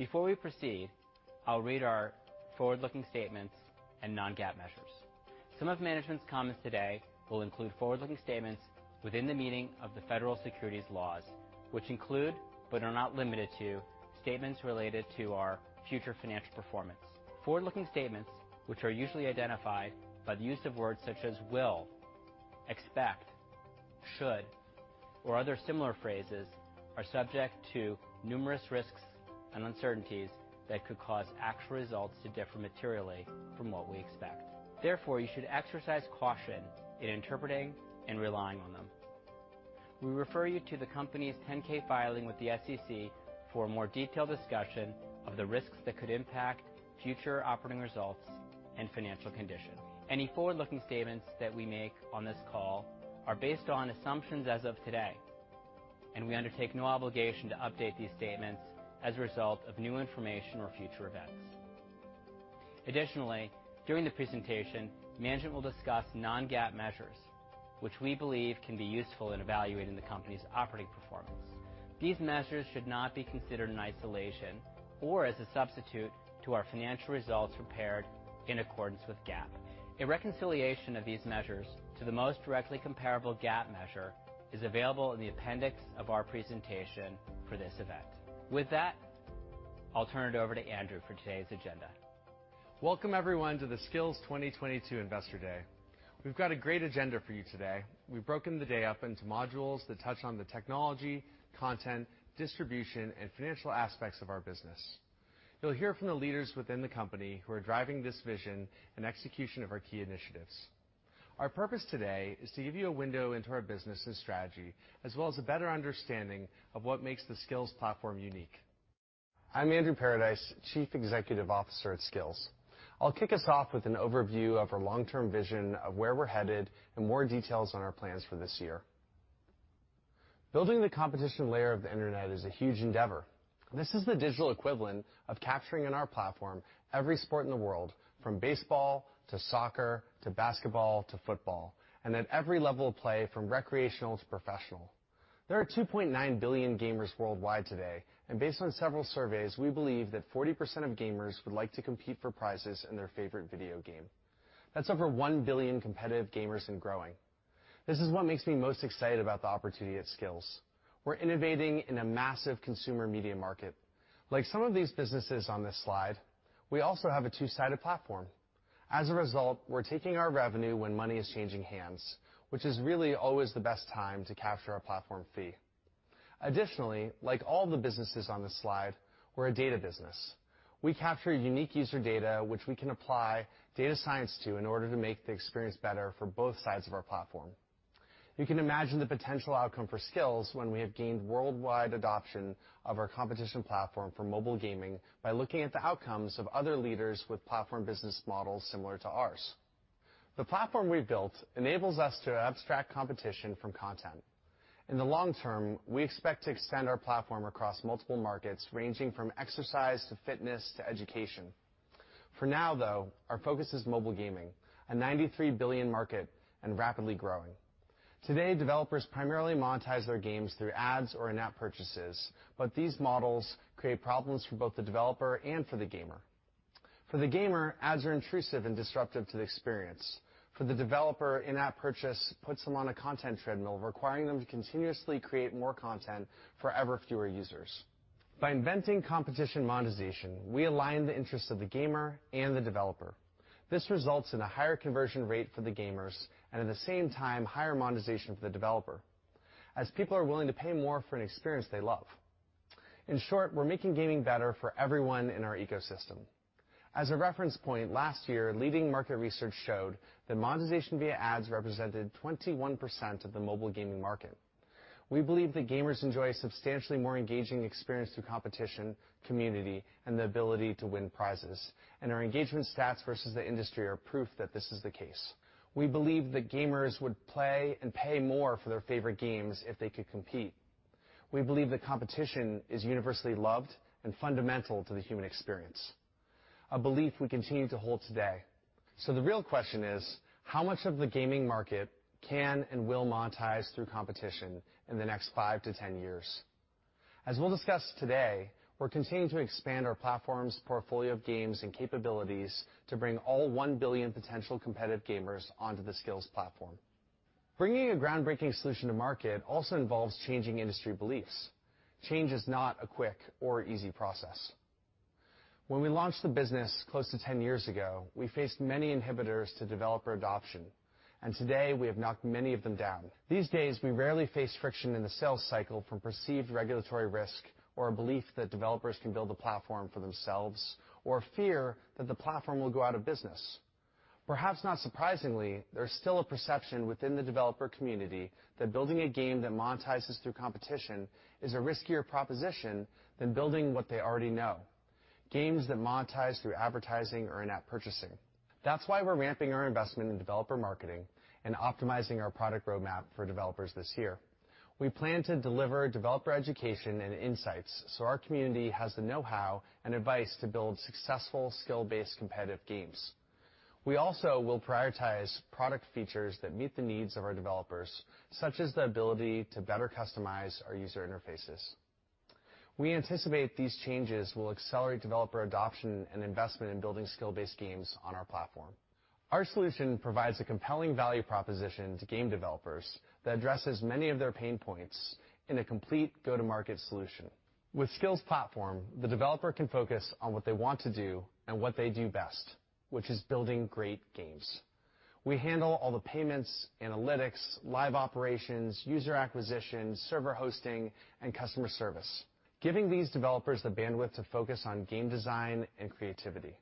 Before we proceed, I'll read our forward-looking statements and non-GAAP measures. Some of management's comments today will include forward-looking statements within the meaning of the federal securities laws, which include, but are not limited to, statements related to our future financial performance. Forward-looking statements, which are usually identified by the use of words such as will, expect, should, or other similar phrases, are subject to numerous risks and uncertainties that could cause actual results to differ materially from what we expect. Therefore, you should exercise caution in interpreting and relying on them. We refer you to the company's 10-K filing with the SEC for a more detailed discussion of the risks that could impact future operating results and financial condition. Any forward-looking statements that we make on this call are based on assumptions as of today, and we undertake no obligation to update these statements as a result of new information or future events. Additionally, during the presentation, management will discuss non-GAAP measures which we believe can be useful in evaluating the company's operating performance. These measures should not be considered in isolation or as a substitute to our financial results prepared in accordance with GAAP. A reconciliation of these measures to the most directly comparable GAAP measure is available in the appendix of our presentation for this event. With that, I'll turn it over to Andrew for today's agenda. Welcome, everyone, to the Skillz 2022 Investor Day. We've got a great agenda for you today. We've broken the day up into modules that touch on the technology, content, distribution, and financial aspects of our business. You'll hear from the leaders within the company who are driving this vision and execution of our key initiatives. Our purpose today is to give you a window into our business and strategy, as well as a better understanding of what makes the Skillz platform unique. I'm Andrew Paradise, Chief Executive Officer at Skillz. I'll kick us off with an overview of our long-term vision of where we're headed and more details on our plans for this year. Building the competition layer of the Internet is a huge endeavor. This is the digital equivalent of capturing in our platform every sport in the world, from baseball to soccer to basketball to football, and at every level of play, from recreational to professional. There are 2.9 billion gamers worldwide today, and based on several surveys, we believe that 40% of gamers would like to compete for prizes in their favorite video game. That's over 1 billion competitive gamers and growing. This is what makes me most excited about the opportunity at Skillz. We're innovating in a massive consumer media market. Like some of these businesses on this slide, we also have a two-sided platform. As a result, we're taking our revenue when money is changing hands, which is really always the best time to capture our platform fee. Additionally, like all the businesses on this slide, we're a data business. We capture unique user data which we can apply data science to in order to make the experience better for both sides of our platform. You can imagine the potential outcome for Skillz when we have gained worldwide adoption of our competition platform for mobile gaming by looking at the outcomes of other leaders with platform business models similar to ours. The platform we've built enables us to abstract competition from content. In the long term, we expect to extend our platform across multiple markets, ranging from exercise to fitness to education. For now, though, our focus is mobile gaming, a $93 billion market and rapidly growing. Today, developers primarily monetize their games through ads or in-app purchases, but these models create problems for both the developer and for the gamer. For the gamer, ads are intrusive and disruptive to the experience. For the developer, in-app purchase puts them on a content treadmill, requiring them to continuously create more content for ever fewer users. By inventing competition monetization, we align the interests of the gamer and the developer. This results in a higher conversion rate for the gamers and at the same time, higher monetization for the developer, as people are willing to pay more for an experience they love. In short, we're making gaming better for everyone in our ecosystem. As a reference point, last year, leading market research showed that monetization via ads represented 21% of the mobile gaming market. We believe that gamers enjoy a substantially more engaging experience through competition, community, and the ability to win prizes, and our engagement stats versus the industry are proof that this is the case. We believe that gamers would play and pay more for their favorite games if they could compete. We believe that competition is universally loved and fundamental to the human experience, a belief we continue to hold today. The real question is: how much of the gaming market can and will monetize through competition in the next five-10 years? As we'll discuss today, we're continuing to expand our platform's portfolio of games and capabilities to bring all 1 billion potential competitive gamers onto the Skillz platform. Bringing a groundbreaking solution to market also involves changing industry beliefs. Change is not a quick or easy process. When we launched the business close to 10 years ago, we faced many inhibitors to developer adoption, and today we have knocked many of them down. These days, we rarely face friction in the sales cycle from perceived regulatory risk or a belief that developers can build a platform for themselves or fear that the platform will go out of business. Perhaps not surprisingly, there's still a perception within the developer community that building a game that monetizes through competition is a riskier proposition than building what they already know, games that monetize through advertising or in-app purchasing. That's why we're ramping our investment in developer marketing and optimizing our product roadmap for developers this year. We plan to deliver developer education and insights so our community has the know-how and advice to build successful skill-based competitive games. We also will prioritize product features that meet the needs of our developers, such as the ability to better customize our user interfaces. We anticipate these changes will accelerate developer adoption and investment in building skill-based games on our platform. Our solution provides a compelling value proposition to game developers that addresses many of their pain points in a complete go-to-market solution. With Skillz platform, the developer can focus on what they want to do and what they do best, which is building great games. We handle all the payments, analytics, live operations, user acquisition, server hosting, and customer service, giving these developers the bandwidth to focus on game design and creativity.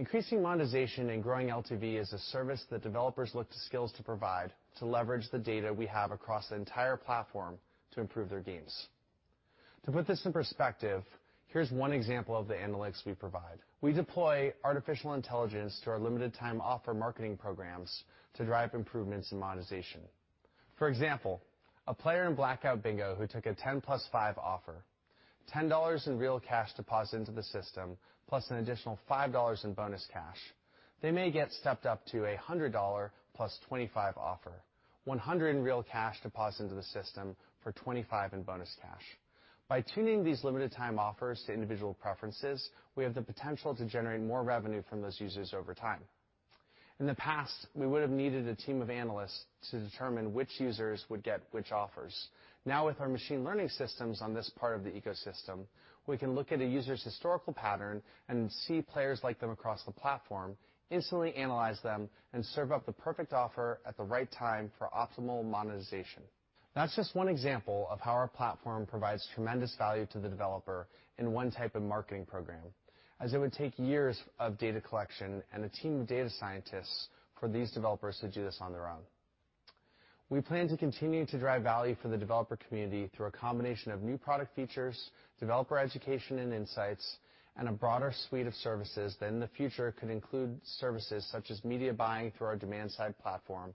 Increasing monetization and growing LTV is a service that developers look to Skillz to provide to leverage the data we have across the entire platform to improve their games. To put this in perspective, here's one example of the analytics we provide. We deploy artificial intelligence to our limited time offer marketing programs to drive improvements in monetization. For example, a player in Blackout Bingo who took a $10 + $5 offer, $10 in real cash deposit into the system, plus an additional $5 in bonus cash. They may get stepped up to a $100 +$ 25 offer, $100 in real cash deposit into the system for $25 in bonus cash. By tuning these limited time offers to individual preferences, we have the potential to generate more revenue from those users over time. In the past, we would have needed a team of analysts to determine which users would get which offers. Now, with our machine learning systems on this part of the ecosystem, we can look at a user's historical pattern and see players like them across the platform, instantly analyze them, and serve up the perfect offer at the right time for optimal monetization. That's just one example of how our platform provides tremendous value to the developer in one type of marketing program, as it would take years of data collection and a team of data scientists for these developers to do this on their own. We plan to continue to drive value for the developer community through a combination of new product features, developer education and insights, and a broader suite of services that in the future could include services such as media buying through our demand-side platform,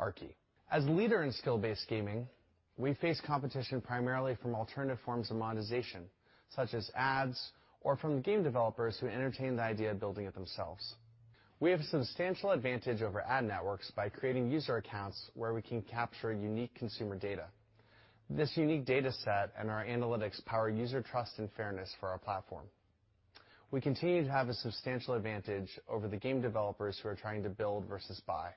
Aarki. As a leader in skill-based gaming, we face competition primarily from alternative forms of monetization, such as ads or from game developers who entertain the idea of building it themselves. We have a substantial advantage over ad networks by creating user accounts where we can capture unique consumer data. This unique data set and our analytics power user trust and fairness for our platform. We continue to have a substantial advantage over the game developers who are trying to build versus buy.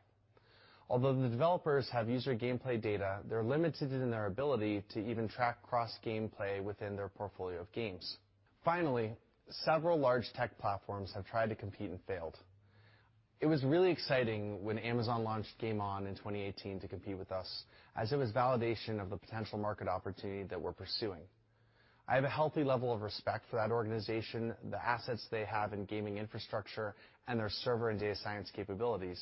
Although the developers have user gameplay data, they're limited in their ability to even track cross gameplay within their portfolio of games. Finally, several large tech platforms have tried to compete and failed. It was really exciting when Amazon launched GameOn in 2018 to compete with us as it was validation of the potential market opportunity that we're pursuing. I have a healthy level of respect for that organization, the assets they have in gaming infrastructure and their server and data science capabilities.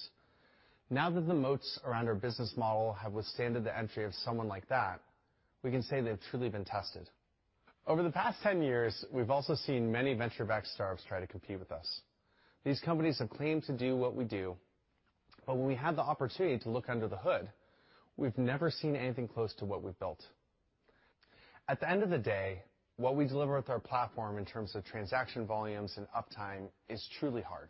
Now that the moats around our business model have withstanded the entry of someone like that, we can say they've truly been tested. Over the past 10 years, we've also seen many venture-backed startups try to compete with us. These companies have claimed to do what we do, but when we have the opportunity to look under the hood, we've never seen anything close to what we've built. At the end of the day, what we deliver with our platform in terms of transaction volumes and uptime is truly hard.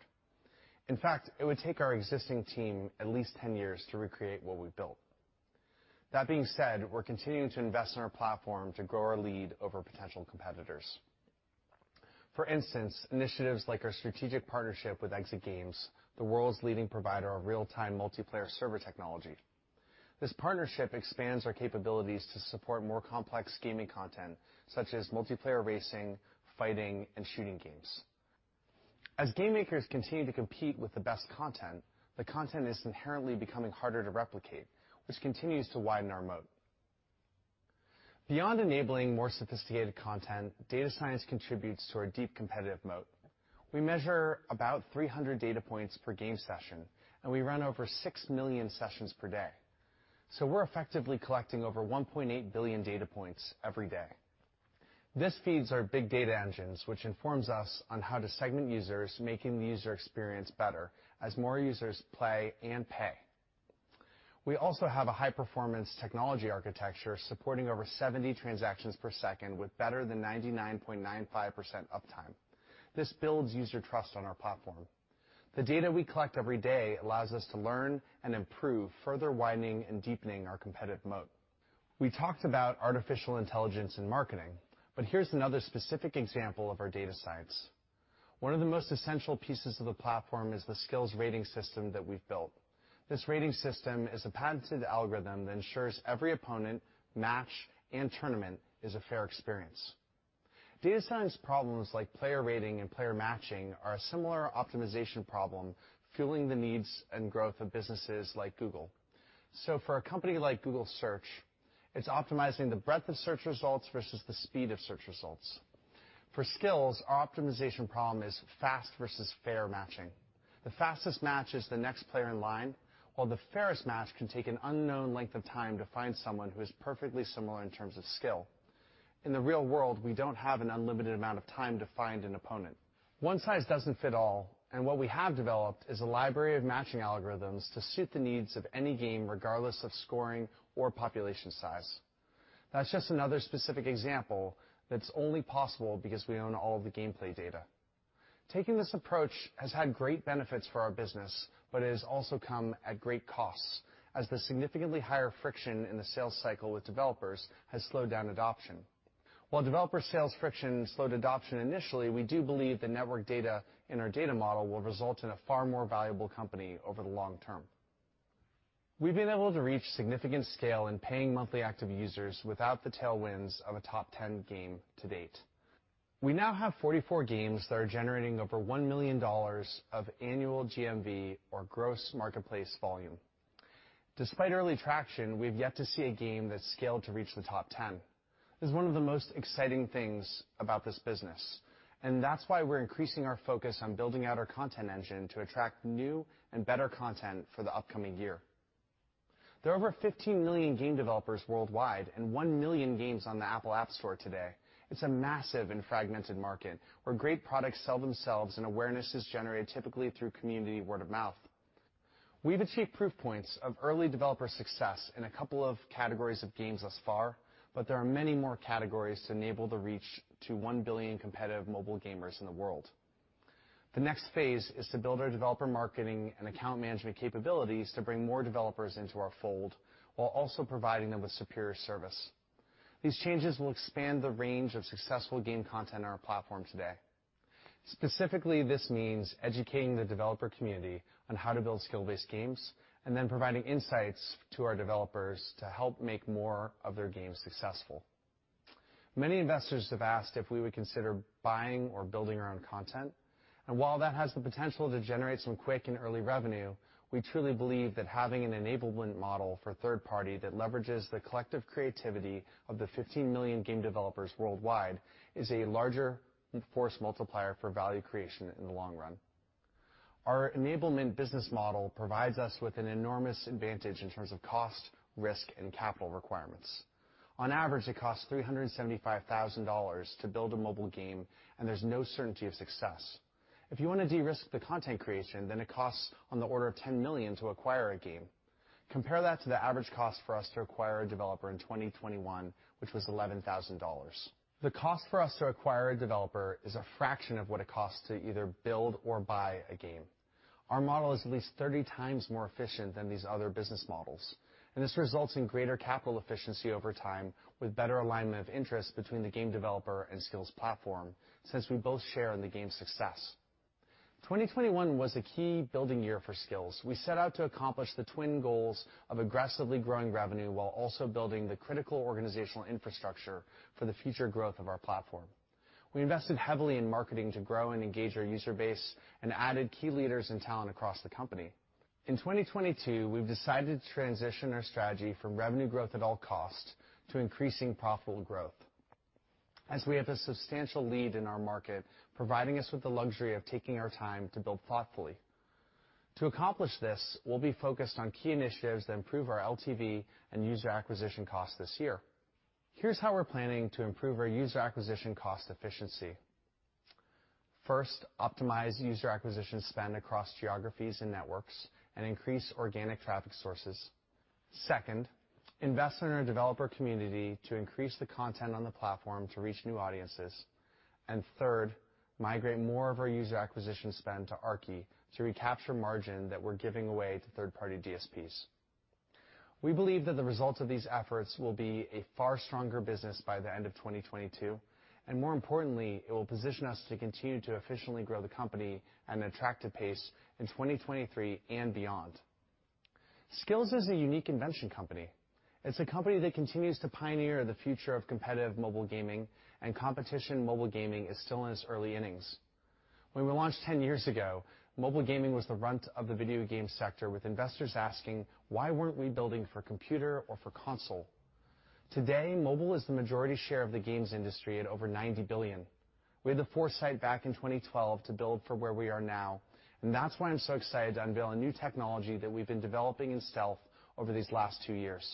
In fact, it would take our existing team at least 10 years to recreate what we've built. That being said, we're continuing to invest in our platform to grow our lead over potential competitors. For instance, initiatives like our strategic partnership with Exit Games, the world's leading provider of real-time multiplayer server technology. This partnership expands our capabilities to support more complex gaming content such as multiplayer racing, fighting, and shooting games. As game makers continue to compete with the best content, the content is inherently becoming harder to replicate, which continues to widen our moat. Beyond enabling more sophisticated content, data science contributes to our deep competitive moat. We measure about 300 data points per game session, and we run over 6 million sessions per day. We're effectively collecting over 1.8 billion data points every day. This feeds our big data engines, which informs us on how to segment users, making the user experience better as more users play and pay. We also have a high-performance technology architecture supporting over 70 transactions per second with better than 99.95% uptime. This builds user trust on our platform. The data we collect every day allows us to learn and improve, further widening and deepening our competitive moat. We talked about artificial intelligence in marketing, but here's another specific example of our data science. One of the most essential pieces of the platform is the Skillz rating system that we've built. This rating system is a patented algorithm that ensures every opponent, match, and tournament is a fair experience. Data science problems like player rating and player matching are a similar optimization problem fueling the needs and growth of businesses like Google. For a company like Google Search, it's optimizing the breadth of search results versus the speed of search results. For Skillz, our optimization problem is fast versus fair matching. The fastest match is the next player in line, while the fairest match can take an unknown length of time to find someone who is perfectly similar in terms of skill. In the real world, we don't have an unlimited amount of time to find an opponent. One size doesn't fit all, and what we have developed is a library of matching algorithms to suit the needs of any game, regardless of scoring or population size. That's just another specific example that's only possible because we own all the gameplay data. Taking this approach has had great benefits for our business, but it has also come at great costs, as the significantly higher friction in the sales cycle with developers has slowed down adoption. While developer sales friction slowed adoption initially, we do believe the network data in our data model will result in a far more valuable company over the long term. We've been able to reach significant scale in paying monthly active users without the tailwinds of a top ten game to date. We now have 44 games that are generating over $1 million of annual GMV or Gross Marketplace Volume. Despite early traction, we've yet to see a game that's scaled to reach the top ten. It's one of the most exciting things about this business, and that's why we're increasing our focus on building out our content engine to attract new and better content for the upcoming year. There are over 15 million game developers worldwide and 1 million games on the App Store today. It's a massive and fragmented market where great products sell themselves and awareness is generated typically through community word-of-mouth. We've achieved proof points of early developer success in a couple of categories of games thus far, but there are many more categories to enable the reach to 1 billion competitive mobile gamers in the world. The next phase is to build our developer marketing and account management capabilities to bring more developers into our fold while also providing them with superior service. These changes will expand the range of successful game content on our platform today. Specifically, this means educating the developer community on how to build skill-based games and then providing insights to our developers to help make more of their games successful. Many investors have asked if we would consider buying or building our own content, and while that has the potential to generate some quick and early revenue, we truly believe that having an enablement model for third-party that leverages the collective creativity of the 15 million game developers worldwide is a larger force multiplier for value creation in the long run. Our enablement business model provides us with an enormous advantage in terms of cost, risk, and capital requirements. On average, it costs $375,000 to build a mobile game, and there's no certainty of success. If you wanna de-risk the content creation, then it costs on the order of $10 million to acquire a game. Compare that to the average cost for us to acquire a developer in 2021, which was $11,000. The cost for us to acquire a developer is a fraction of what it costs to either build or buy a game. Our model is at least 30 times more efficient than these other business models, and this results in greater capital efficiency over time with better alignment of interest between the game developer and Skillz platform since we both share in the game's success. 2021 was a key building year for Skillz. We set out to accomplish the twin goals of aggressively growing revenue while also building the critical organizational infrastructure for the future growth of our platform. We invested heavily in marketing to grow and engage our user base and added key leaders and talent across the company. In 2022, we've decided to transition our strategy from revenue growth at all costs to increasing profitable growth. As we have a substantial lead in our market, providing us with the luxury of taking our time to build thoughtfully. To accomplish this, we'll be focused on key initiatives that improve our LTV and user acquisition cost this year. Here's how we're planning to improve our user acquisition cost efficiency. First, optimize user acquisition spend across geographies and networks and increase organic traffic sources. Second, invest in our developer community to increase the content on the platform to reach new audiences. Third, migrate more of our user acquisition spend to Aarki to recapture margin that we're giving away to third-party DSPs. We believe that the results of these efforts will be a far stronger business by the end of 2022, and more importantly, it will position us to continue to efficiently grow the company at an attractive pace in 2023 and beyond. Skillz is a unique invention company. It's a company that continues to pioneer the future of competitive mobile gaming and competition mobile gaming is still in its early innings. When we launched 10 years ago, mobile gaming was the runt of the video game sector, with investors asking, "Why weren't we building for computer or for console?" Today, mobile is the majority share of the games industry at over $90 billion. We had the foresight back in 2012 to build for where we are now, and that's why I'm so excited to unveil a new technology that we've been developing in stealth over these last two years.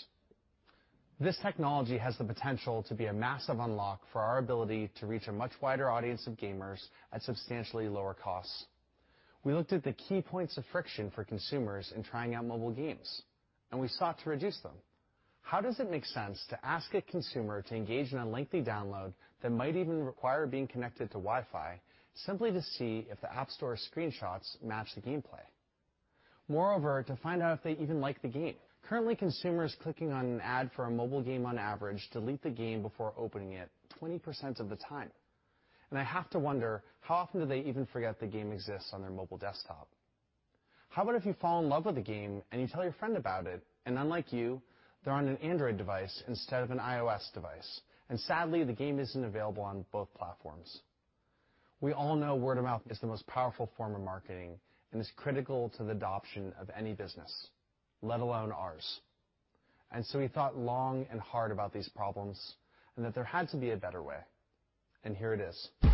This technology has the potential to be a massive unlock for our ability to reach a much wider audience of gamers at substantially lower costs. We looked at the key points of friction for consumers in trying out mobile games, and we sought to reduce them. How does it make sense to ask a consumer to engage in a lengthy download that might even require being connected to Wi-Fi simply to see if the App Store screenshots match the gameplay? Moreover, to find out if they even like the game. Currently, consumers clicking on an ad for a mobile game on average delete the game before opening it 20% of the time. I have to wonder, how often do they even forget the game exists on their mobile desktop? How about if you fall in love with the game and you tell your friend about it, and unlike you, they're on an Android device instead of an iOS device, and sadly, the game isn't available on both platforms. We all know word of mouth is the most powerful form of marketing and is critical to the adoption of any business, let alone ours. We thought long and hard about these problems and that there had to be a better way. Here it is.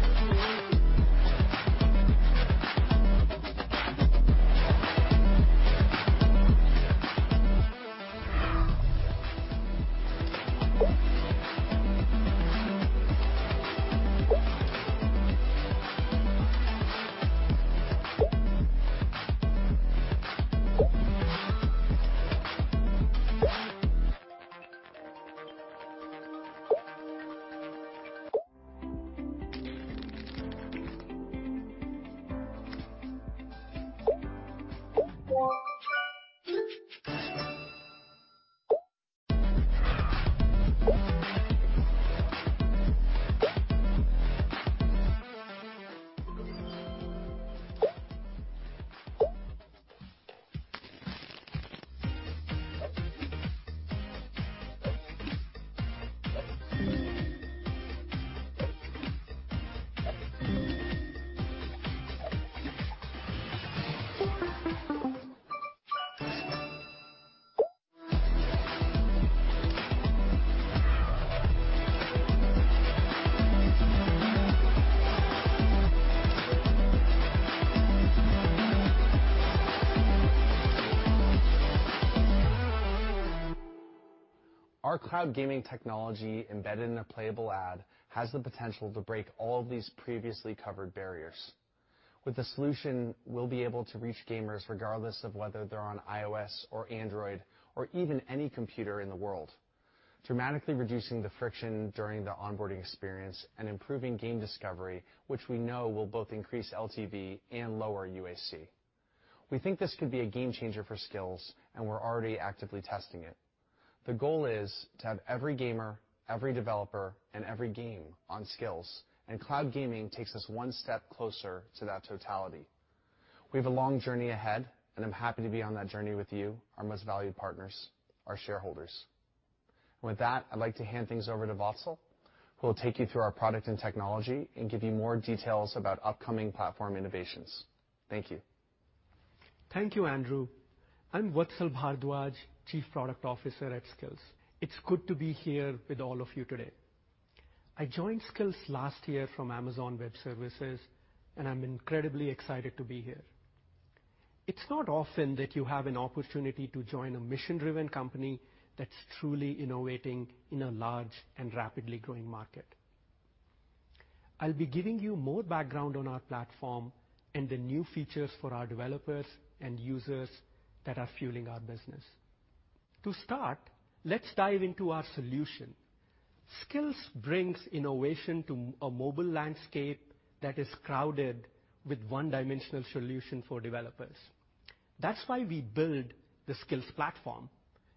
Our cloud gaming technology embedded in a playable ad has the potential to break all of these previously covered barriers. With the solution, we'll be able to reach gamers regardless of whether they're on iOS or Android or even any computer in the world, dramatically reducing the friction during the onboarding experience and improving game discovery, which we know will both increase LTV and lower UAC. We think this could be a game changer for Skillz, and we're already actively testing it. The goal is to have every gamer, every developer, and every game on Skillz, and cloud gaming takes us one step closer to that totality. We have a long journey ahead, and I'm happy to be on that journey with you, our most valued partners, our shareholders. With that, I'd like to hand things over to Vatsal, who will take you through our product and technology and give you more details about upcoming platform innovations. Thank you. Thank you, Andrew. I'm Vatsal Bhardwaj, Chief Product Officer at Skillz. It's good to be here with all of you today. I joined Skillz last year from Amazon Web Services, and I'm incredibly excited to be here. It's not often that you have an opportunity to join a mission-driven company that's truly innovating in a large and rapidly growing market. I'll be giving you more background on our platform and the new features for our developers and users that are fueling our business. To start, let's dive into our solution. Skillz brings innovation to a mobile landscape that is crowded with one-dimensional solution for developers. That's why we build the Skillz platform.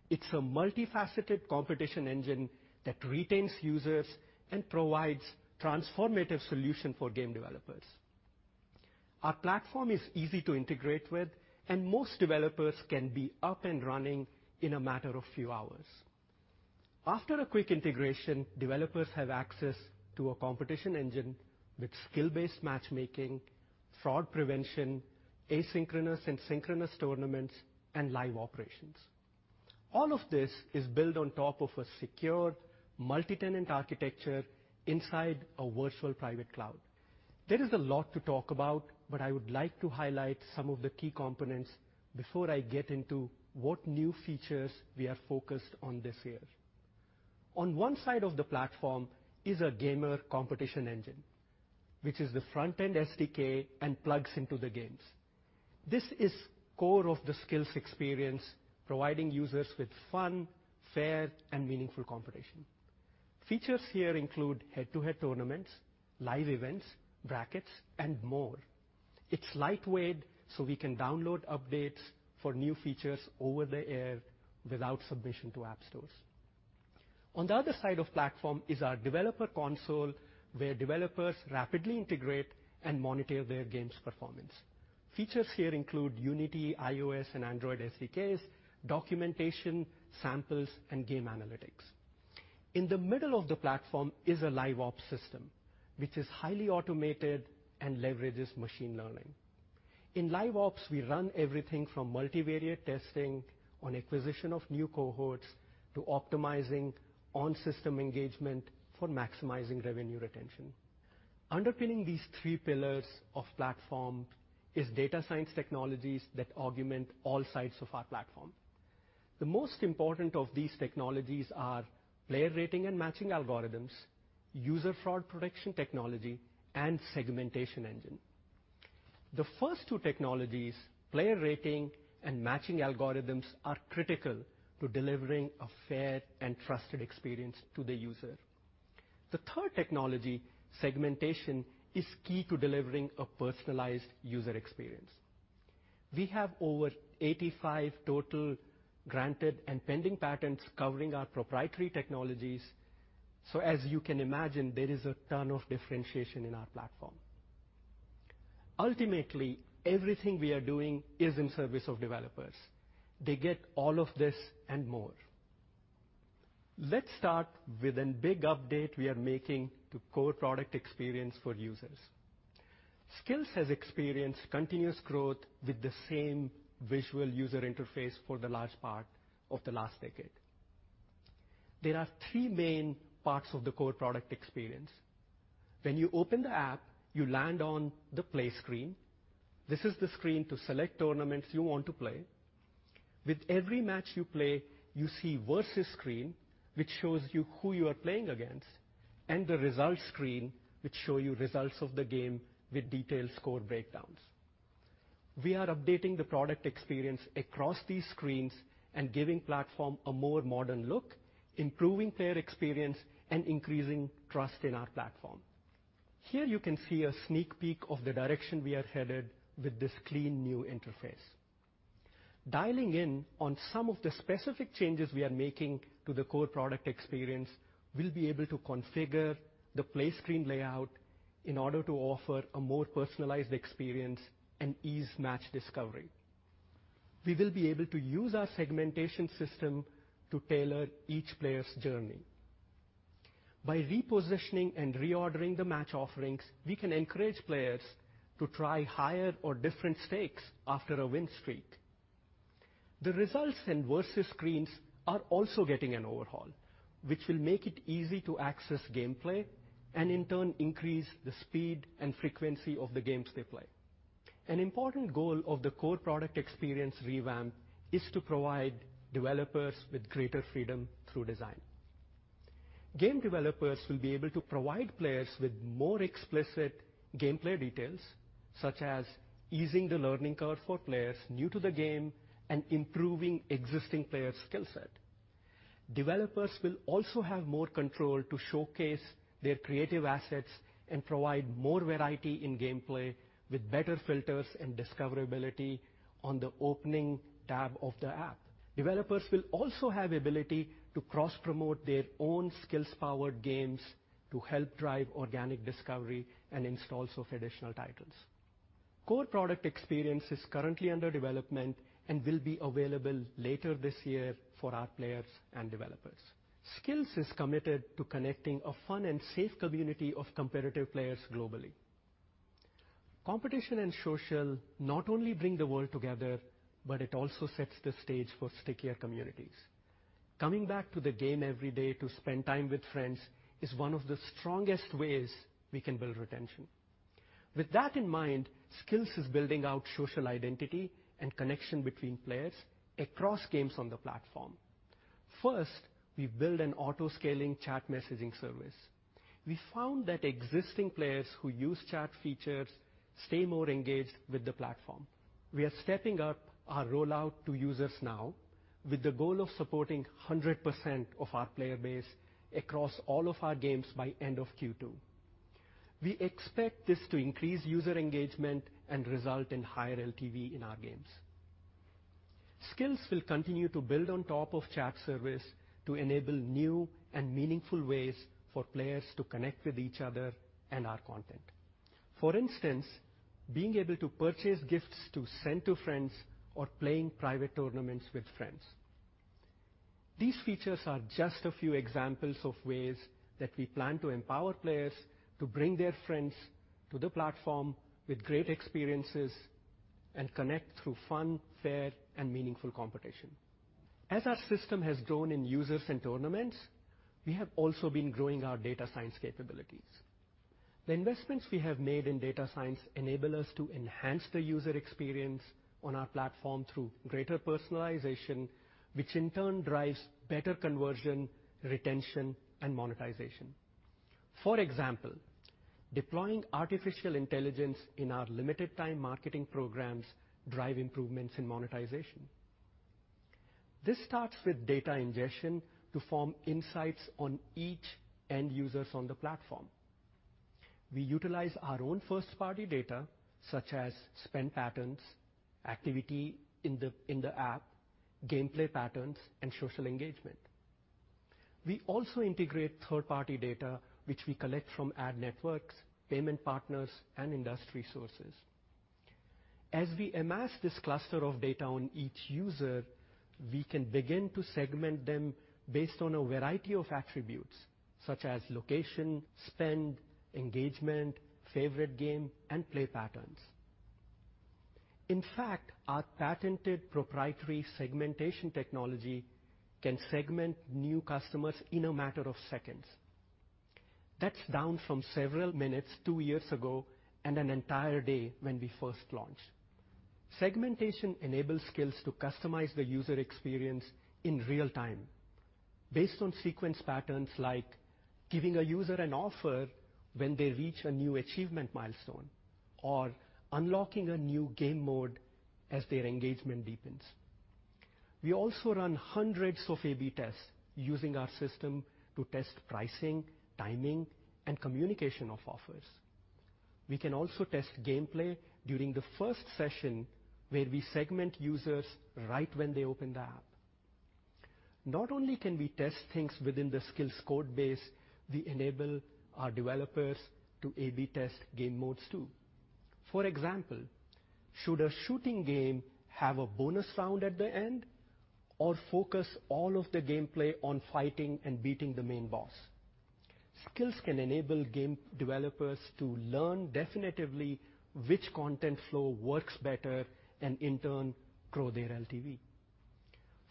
It's a multifaceted competition engine that retains users and provides transformative solution for game developers. Our platform is easy to integrate with, and most developers can be up and running in a matter of few hours. After a quick integration, developers have access to a competition engine with skill-based matchmaking, fraud prevention, asynchronous and synchronous tournaments, and live operations. All of this is built on top of a secure multi-tenant architecture inside a virtual private cloud. There is a lot to talk about, but I would like to highlight some of the key components before I get into what new features we are focused on this year. On one side of the platform is a gamer competition engine, which is the front-end SDK and plugs into the games. This is core of the Skillz experience, providing users with fun, fair, and meaningful competition. Features here include head-to-head tournaments, live events, brackets, and more. It's lightweight, so we can download updates for new features over the air without submission to app stores. On the other side of the platform is our developer console, where developers rapidly integrate and monitor their games' performance. Features here include Unity, iOS, and Android SDKs, documentation, samples, and game analytics. In the middle of the platform is a LiveOps system, which is highly automated and leverages machine learning. In LiveOps, we run everything from multivariate testing on acquisition of new cohorts to optimizing on system engagement for maximizing revenue retention. Underpinning these three pillars of the platform is data science technologies that augment all sides of our platform. The most important of these technologies are player rating and matching algorithms, user fraud protection technology, and segmentation engine. The first two technologies, player rating and matching algorithms, are critical to delivering a fair and trusted experience to the user. The third technology, segmentation, is key to delivering a personalized user experience. We have over 85 total granted and pending patents covering our proprietary technologies. As you can imagine, there is a ton of differentiation in our platform. Ultimately, everything we are doing is in service of developers. They get all of this and more. Let's start with a big update we are making to core product experience for users. Skillz has experienced continuous growth with the same visual user interface for the most part of the last decade. There are three main parts of the core product experience. When you open the app, you land on the play screen. This is the screen to select tournaments you want to play. With every match you play, you see versus screen, which shows you who you are playing against. The results screen shows you the results of the game with detailed score breakdowns. We are updating the product experience across these screens and giving platform a more modern look, improving player experience, and increasing trust in our platform. Here, you can see a sneak peek of the direction we are headed with this clean, new interface. Dialing in on some of the specific changes we are making to the core product experience, we'll be able to configure the play screen layout in order to offer a more personalized experience and ease match discovery. We will be able to use our segmentation system to tailor each player's journey. By repositioning and reordering the match offerings, we can encourage players to try higher or different stakes after a win streak. The results in versus screens are also getting an overhaul, which will make it easy to access gameplay, and in turn, increase the speed and frequency of the games they play. An important goal of the core product experience revamp is to provide developers with greater freedom through design. Game developers will be able to provide players with more explicit gameplay details, such as easing the learning curve for players new to the game and improving existing players' skill set. Developers will also have more control to showcase their creative assets and provide more variety in gameplay with better filters and discoverability on the opening tab of the app. Developers will also have ability to cross-promote their own Skillz-powered games to help drive organic discovery and installs of additional titles. Core product experience is currently under development and will be available later this year for our players and developers. Skillz is committed to connecting a fun and safe community of competitive players globally. Competition and social not only bring the world together, but it also sets the stage for stickier communities. Coming back to the game every day to spend time with friends is one of the strongest ways we can build retention. With that in mind, Skillz is building out social identity and connection between players across games on the platform. First, we build an auto-scaling chat messaging service. We found that existing players who use chat features stay more engaged with the platform. We are stepping up our rollout to users now with the goal of supporting 100% of our player base across all of our games by end of Q2. We expect this to increase user engagement and result in higher LTV in our games. Skillz will continue to build on top of chat service to enable new and meaningful ways for players to connect with each other and our content. For instance, being able to purchase gifts to send to friends or playing private tournaments with friends. These features are just a few examples of ways that we plan to empower players to bring their friends to the platform with great experiences and connect through fun, fair, and meaningful competition. As our system has grown in users and tournaments, we have also been growing our data science capabilities. The investments we have made in data science enable us to enhance the user experience on our platform through greater personalization, which in turn drives better conversion, retention, and monetization. For example, deploying artificial intelligence in our limited time marketing programs drive improvements in monetization. This starts with data ingestion to form insights on each end users on the platform. We utilize our own first-party data, such as spend patterns, activity in the app, gameplay patterns, and social engagement. We also integrate third-party data, which we collect from ad networks, payment partners, and industry sources. As we amass this cluster of data on each user, we can begin to segment them based on a variety of attributes, such as location, spend, engagement, favorite game, and play patterns. In fact, our patented proprietary segmentation technology can segment new customers in a matter of seconds. That's down from several minutes two years ago and an entire day when we first launched. Segmentation enables Skillz to customize the user experience in real time based on sequence patterns, like giving a user an offer when they reach a new achievement milestone or unlocking a new game mode as their engagement deepens. We also run hundreds of A/B tests using our system to test pricing, timing, and communication of offers. We can also test gameplay during the first session where we segment users right when they open the app. Not only can we test things within the Skillz code base, we enable our developers to A/B test game modes too. For example, should a shooting game have a bonus round at the end or focus all of the gameplay on fighting and beating the main boss? Skillz can enable game developers to learn definitively which content flow works better and in turn, grow their LTV.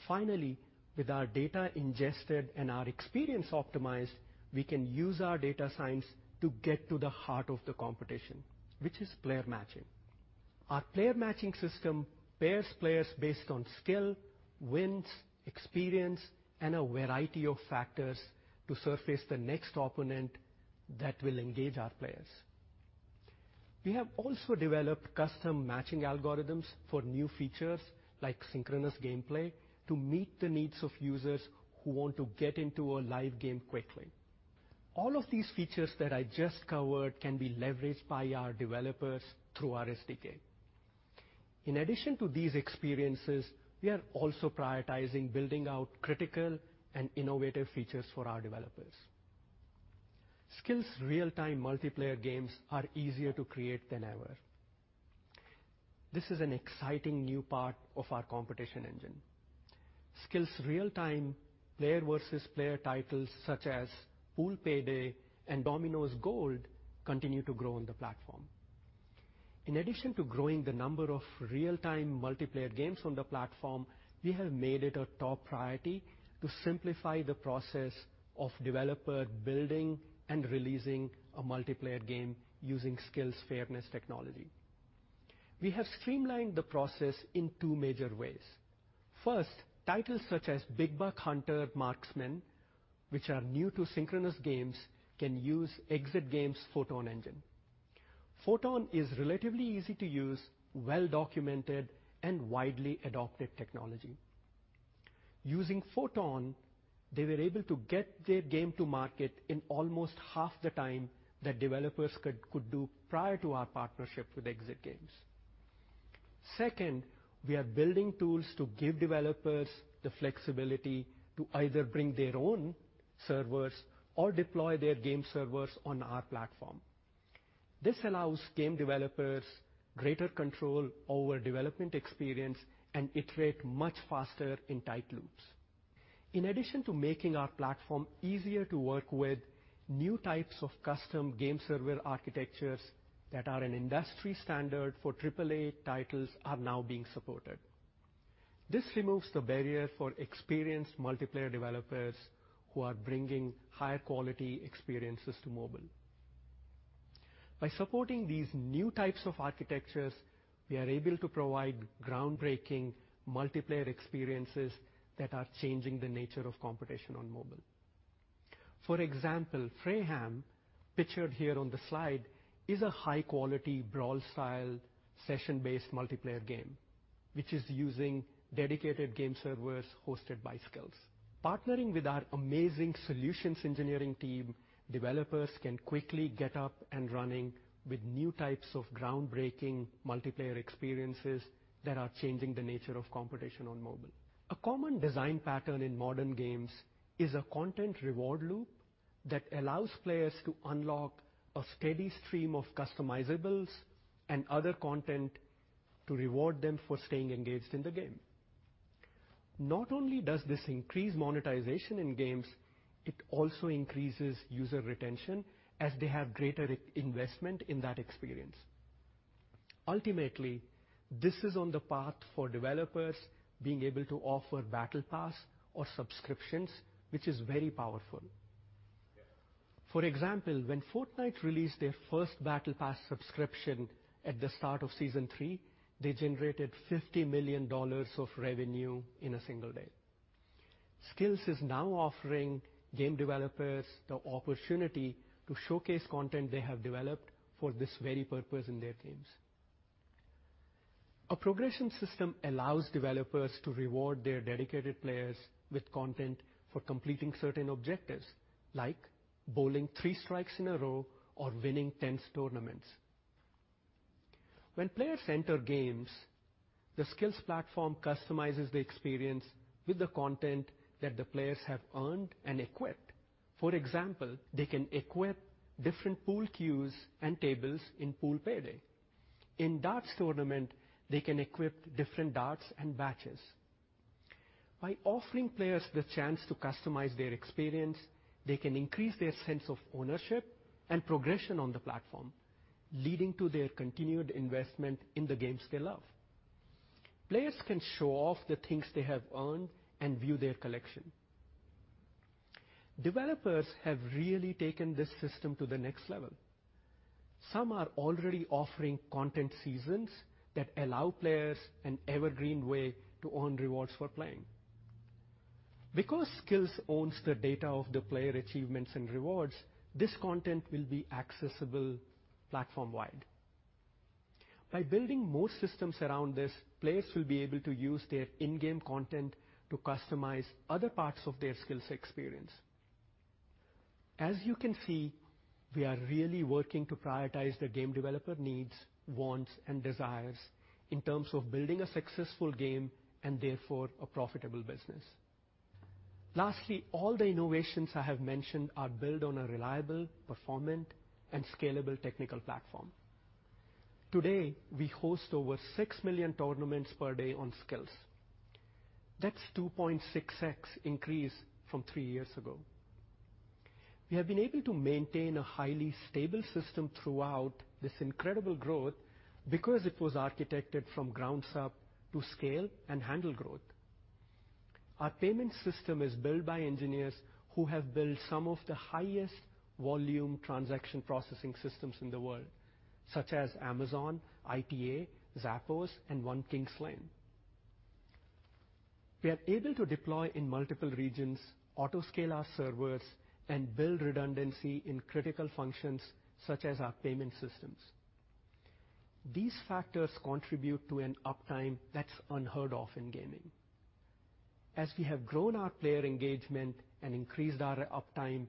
Finally, with our data ingested and our experience optimized, we can use our data science to get to the heart of the competition, which is player matching. Our player matching system pairs players based on skill, wins, experience, and a variety of factors to surface the next opponent that will engage our players. We have also developed custom matching algorithms for new features like synchronous gameplay to meet the needs of users who want to get into a live game quickly. All of these features that I just covered can be leveraged by our developers through our SDK. In addition to these experiences, we are also prioritizing building out critical and innovative features for our developers. Skillz real-time multiplayer games are easier to create than ever. This is an exciting new part of our competition engine. Skillz real-time player versus player titles such as Pool Payday and Dominoes Gold continue to grow on the platform. In addition to growing the numbers of real-time multiplayer games on the platform, we have made it a top priority to simplify the process of developer building and releasing a multiplayer game using Skillz Fairness technology. We have streamlined the process in two major ways. First, titles such as Big Buck Hunter: Marksman, which are new to synchronous games, can use Exit Games Photon Engine. Photon is relatively easy to use, well-documented, and widely adopted technology. Using Photon, they were able to get their game to market in almost half the time that developers could do prior to our partnership with Exit Games. Second, we are building tools to give developers the flexibility to either bring their own servers or deploy their game servers on our platform. This allows game developers greater control over development experience and iterate much faster in tight loops. In addition to making our platform easier to work with, new types of custom game server architectures that are an industry standard for AAA titles are now being supported. This removes the barrier for experienced multiplayer developers who are bringing higher quality experiences to mobile. By supporting these new types of architectures, we are able to provide groundbreaking multiplayer experiences that are changing the nature of competition on mobile. For example, Frayhem, pictured here on the slide, is a high-quality brawler-style, session-based multiplayer game, which is using dedicated game servers hosted by Skillz. Partnering with our amazing solutions engineering team, developers can quickly get up and running with new types of groundbreaking multiplayer experiences that are changing the nature of competition on mobile. A common design pattern in modern games is a content reward loop that allows players to unlock a steady stream of customizable and other content to reward them for staying engaged in the game. Not only does this increase monetization in games, it also increases user retention as they have greater investment in that experience. Ultimately, this is on the path for developers being able to offer battle pass or subscriptions, which is very powerful. For example, when Fortnite released their first battle pass subscription at the start of season three, they generated $50 million of revenue in a single day. Skillz is now offering game developers the opportunity to showcase content they have developed for this very purpose in their games. A progression system allows developers to reward their dedicated players with content for completing certain objectives, like bowling three strikes in a row or winning 10 tournaments. When players enter games, the Skillz platform customizes the experience with the content that the players have earned and equipped. For example, they can equip different pool cues and tables in Pool Payday. In a darts tournament, they can equip different darts and badges. By offering players the chance to customize their experience, they can increase their sense of ownership and progression on the platform, leading to their continued investment in the games they love. Players can show off the things they have earned and view their collection. Developers have really taken this system to the next level. Some are already offering content seasons that allow players an evergreen way to earn rewards for playing. Because Skillz owns the data of the player achievements and rewards, this content will be accessible platform-wide. By building more systems around this, players will be able to use their in-game content to customize other parts of their Skillz experience. As you can see, we are really working to prioritize the game developer needs, wants and desires in terms of building a successful game and therefore a profitable business. Lastly, all the innovations I have mentioned are built on a reliable, performant, and scalable technical platform. Today, we host over six million tournaments per day on Skillz. That's 2.6x increase from three years ago. We have been able to maintain a highly stable system throughout this incredible growth because it was architected from ground up to scale and handle growth. Our payment system is built by engineers who have built some of the highest volume transaction processing systems in the world, such as Amazon, ITA, Zappos, and One Kings Lane. We are able to deploy in multiple regions, auto-scale our servers, and build redundancy in critical functions such as our payment systems. These factors contribute to an uptime that's unheard of in gaming. As we have grown our player engagement and increased our uptime,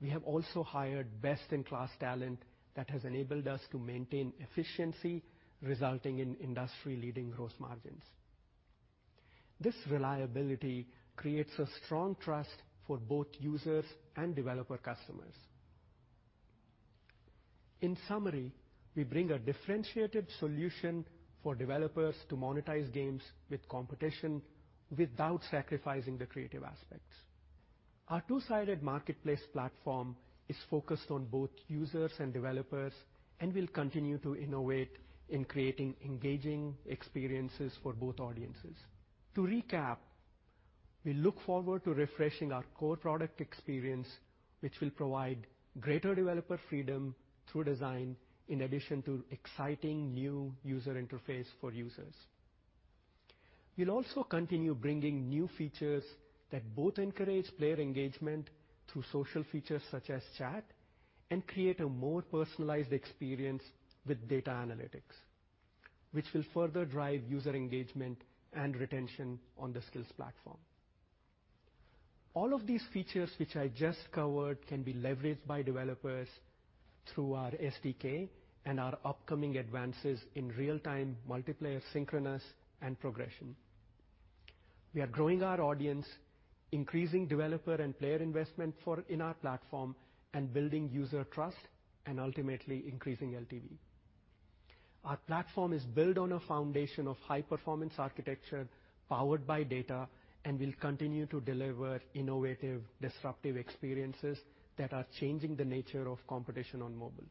we have also hired best-in-class talent that has enabled us to maintain efficiency, resulting in industry-leading gross margins. This reliability creates a strong trust for both users and developer customers. In summary, we bring a differentiated solution for developers to monetize games with competition without sacrificing the creative aspects. Our two-sided marketplace platform is focused on both users and developers, and we'll continue to innovate in creating engaging experiences for both audiences. To recap, we look forward to refreshing our core product experience, which will provide greater developer freedom through design in addition to exciting new user interface for users. We'll also continue bringing new features that both encourage player engagement through social features such as chat and create a more personalized experience with data analytics, which will further drive user engagement and retention on the Skillz platform. All of these features which I just covered can be leveraged by developers through our SDK and our upcoming advances in real-time multiplayer synchronous and progression. We are growing our audience, increasing developer and player investment in our platform, and building user trust, and ultimately increasing LTV. Our platform is built on a foundation of high-performance architecture powered by data and will continue to deliver innovative, disruptive experiences that are changing the nature of competition on mobile.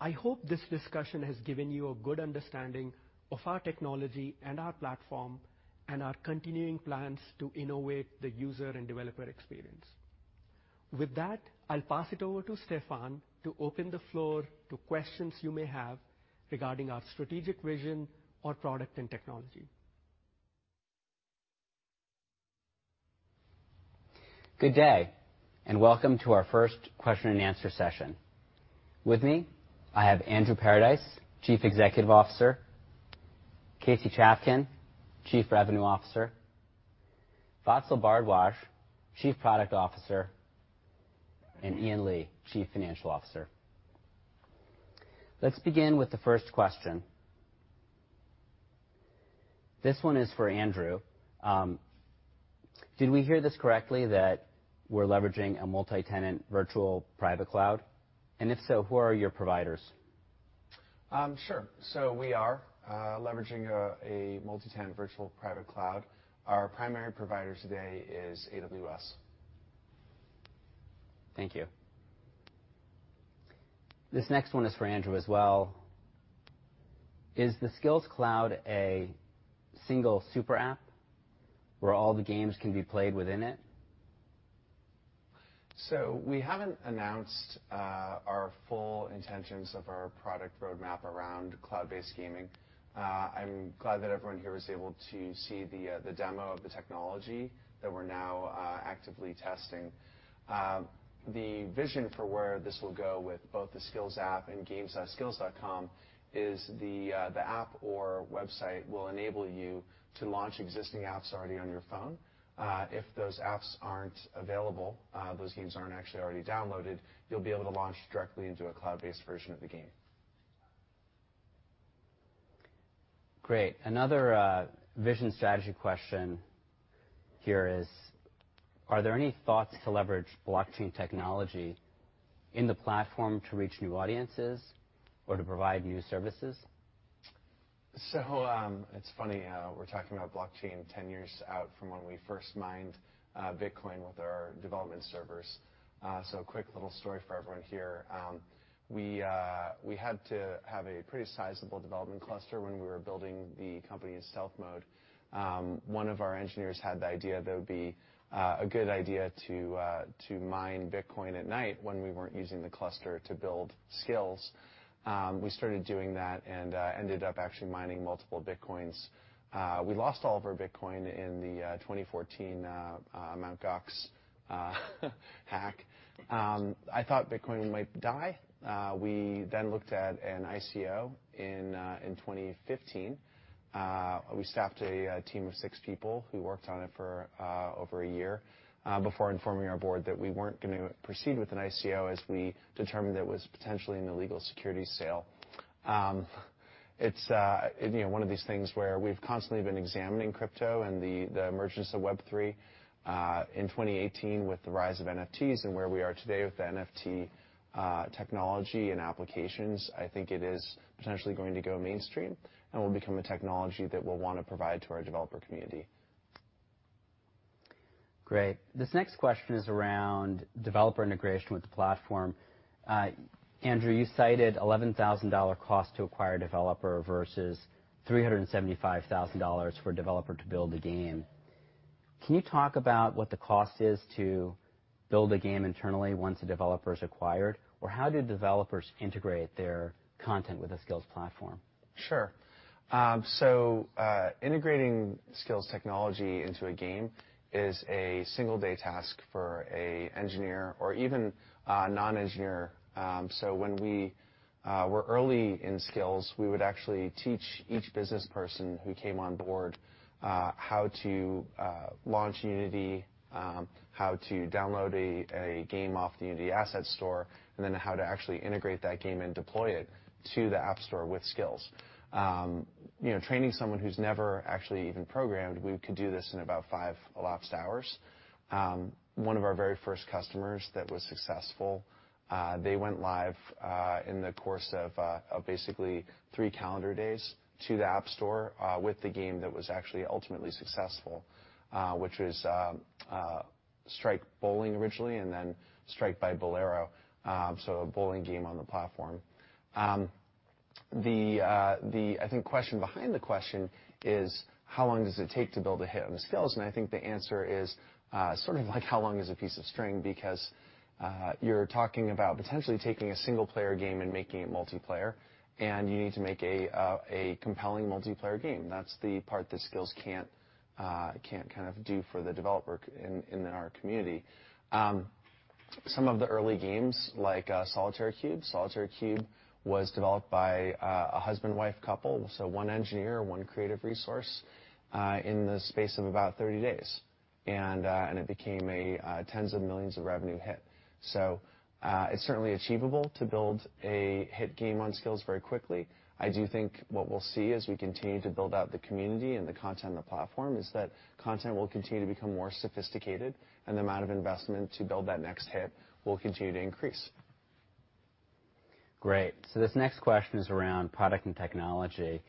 I hope this discussion has given you a good understanding of our technology and our platform and our continuing plans to innovate the user and developer experience. With that, I'll pass it over to Stefan to open the floor to questions you may have regarding our strategic vision or product and technology. Good day, and welcome to our first question and answer session. With me, I have Andrew Paradise, Chief Executive Officer; Casey Chafkin, Chief Revenue Officer; Vatsal Bhardwaj, Chief Product Officer; and Ian Lee, Chief Financial Officer. Let's begin with the first question. This one is for Andrew. Did we hear this correctly that we're leveraging a multi-tenant virtual private cloud? And if so, who are your providers? We are leveraging a multi-tenant virtual private cloud. Our primary provider today is AWS. Thank you. This next one is for Andrew as well. Is the Skillz Cloud a single super app where all the games can be played within it? We haven't announced our full intentions of our product roadmap around cloud-based gaming. I'm glad that everyone here was able to see the demo of the technology that we're now actively testing. The vision for where this will go with both the Skillz app and games.skillz.com is the app or website will enable you to launch existing apps already on your phone. If those apps aren't available, those games aren't actually already downloaded, you'll be able to launch directly into a cloud-based version of the game. Great. Another vision strategy question here is: Are there any thoughts to leverage blockchain technology in the platform to reach new audiences or to provide new services? It's funny. We're talking about blockchain 10 years out from when we first mined Bitcoin with our development servers. A quick little story for everyone here. We had to have a pretty sizable development cluster when we were building the company in stealth mode. One of our engineers had the idea that it would be a good idea to mine Bitcoin at night when we weren't using the cluster to build Skillz. We started doing that and ended up actually mining multiple Bitcoins. We lost all of our Bitcoin in the 2014 Mt. Gox hack. I thought Bitcoin might die. We then looked at an ICO in 2015. We staffed a team of six people who worked on it for over a year before informing our board that we weren't gonna proceed with an ICO as we determined it was potentially an illegal securities sale. You know, it's one of these things where we've constantly been examining crypto and the emergence of Web3 in 2018 with the rise of NFTs and where we are today with the NFT technology and applications. I think it is potentially going to go mainstream and will become a technology that we'll wanna provide to our developer community. Great. This next question is around developer integration with the platform. Andrew, you cited $11,000 cost to acquire developer versus $375,000 for a developer to build a game. Can you talk about what the cost is to build a game internally once a developer's acquired? Or how do developers integrate their content with the Skillz platform? Sure. Integrating Skillz technology into a game is a single day task for an engineer or even a non-engineer. When we were early in Skillz, we would actually teach each businessperson who came on board how to launch Unity, how to download a game off the Unity Asset Store, and then how to actually integrate that game and deploy it to the App Store with Skillz. You know, training someone who's never actually even programmed, we could do this in about five elapsed hours. One of our very first customers that was successful, they went live in the course of basically three calendar days to the App Store with the game that was actually ultimately successful, which was Strike! Bowling originally, and then Strike! by Bowlero. A bowling game on the platform. I think the question behind the question is how long does it take to build a hit on Skillz? I think the answer is sort of like how long is a piece of string? Because you're talking about potentially taking a single player game and making it multiplayer, and you need to make a compelling multiplayer game. That's the part that Skillz can't kind of do for the developer in our community. Some of the early games like Solitaire Cube. Solitaire Cube was developed by a husband-wife couple, so one engineer, one creative resource in the space of about 30 days. And it became a tens of millions of revenue hit. It's certainly achievable to build a hit game on Skillz very quickly. I do think what we'll see as we continue to build out the community and the content on the platform is that content will continue to become more sophisticated, and the amount of investment to build that next hit will continue to increase. Great. This next question is around product and technology.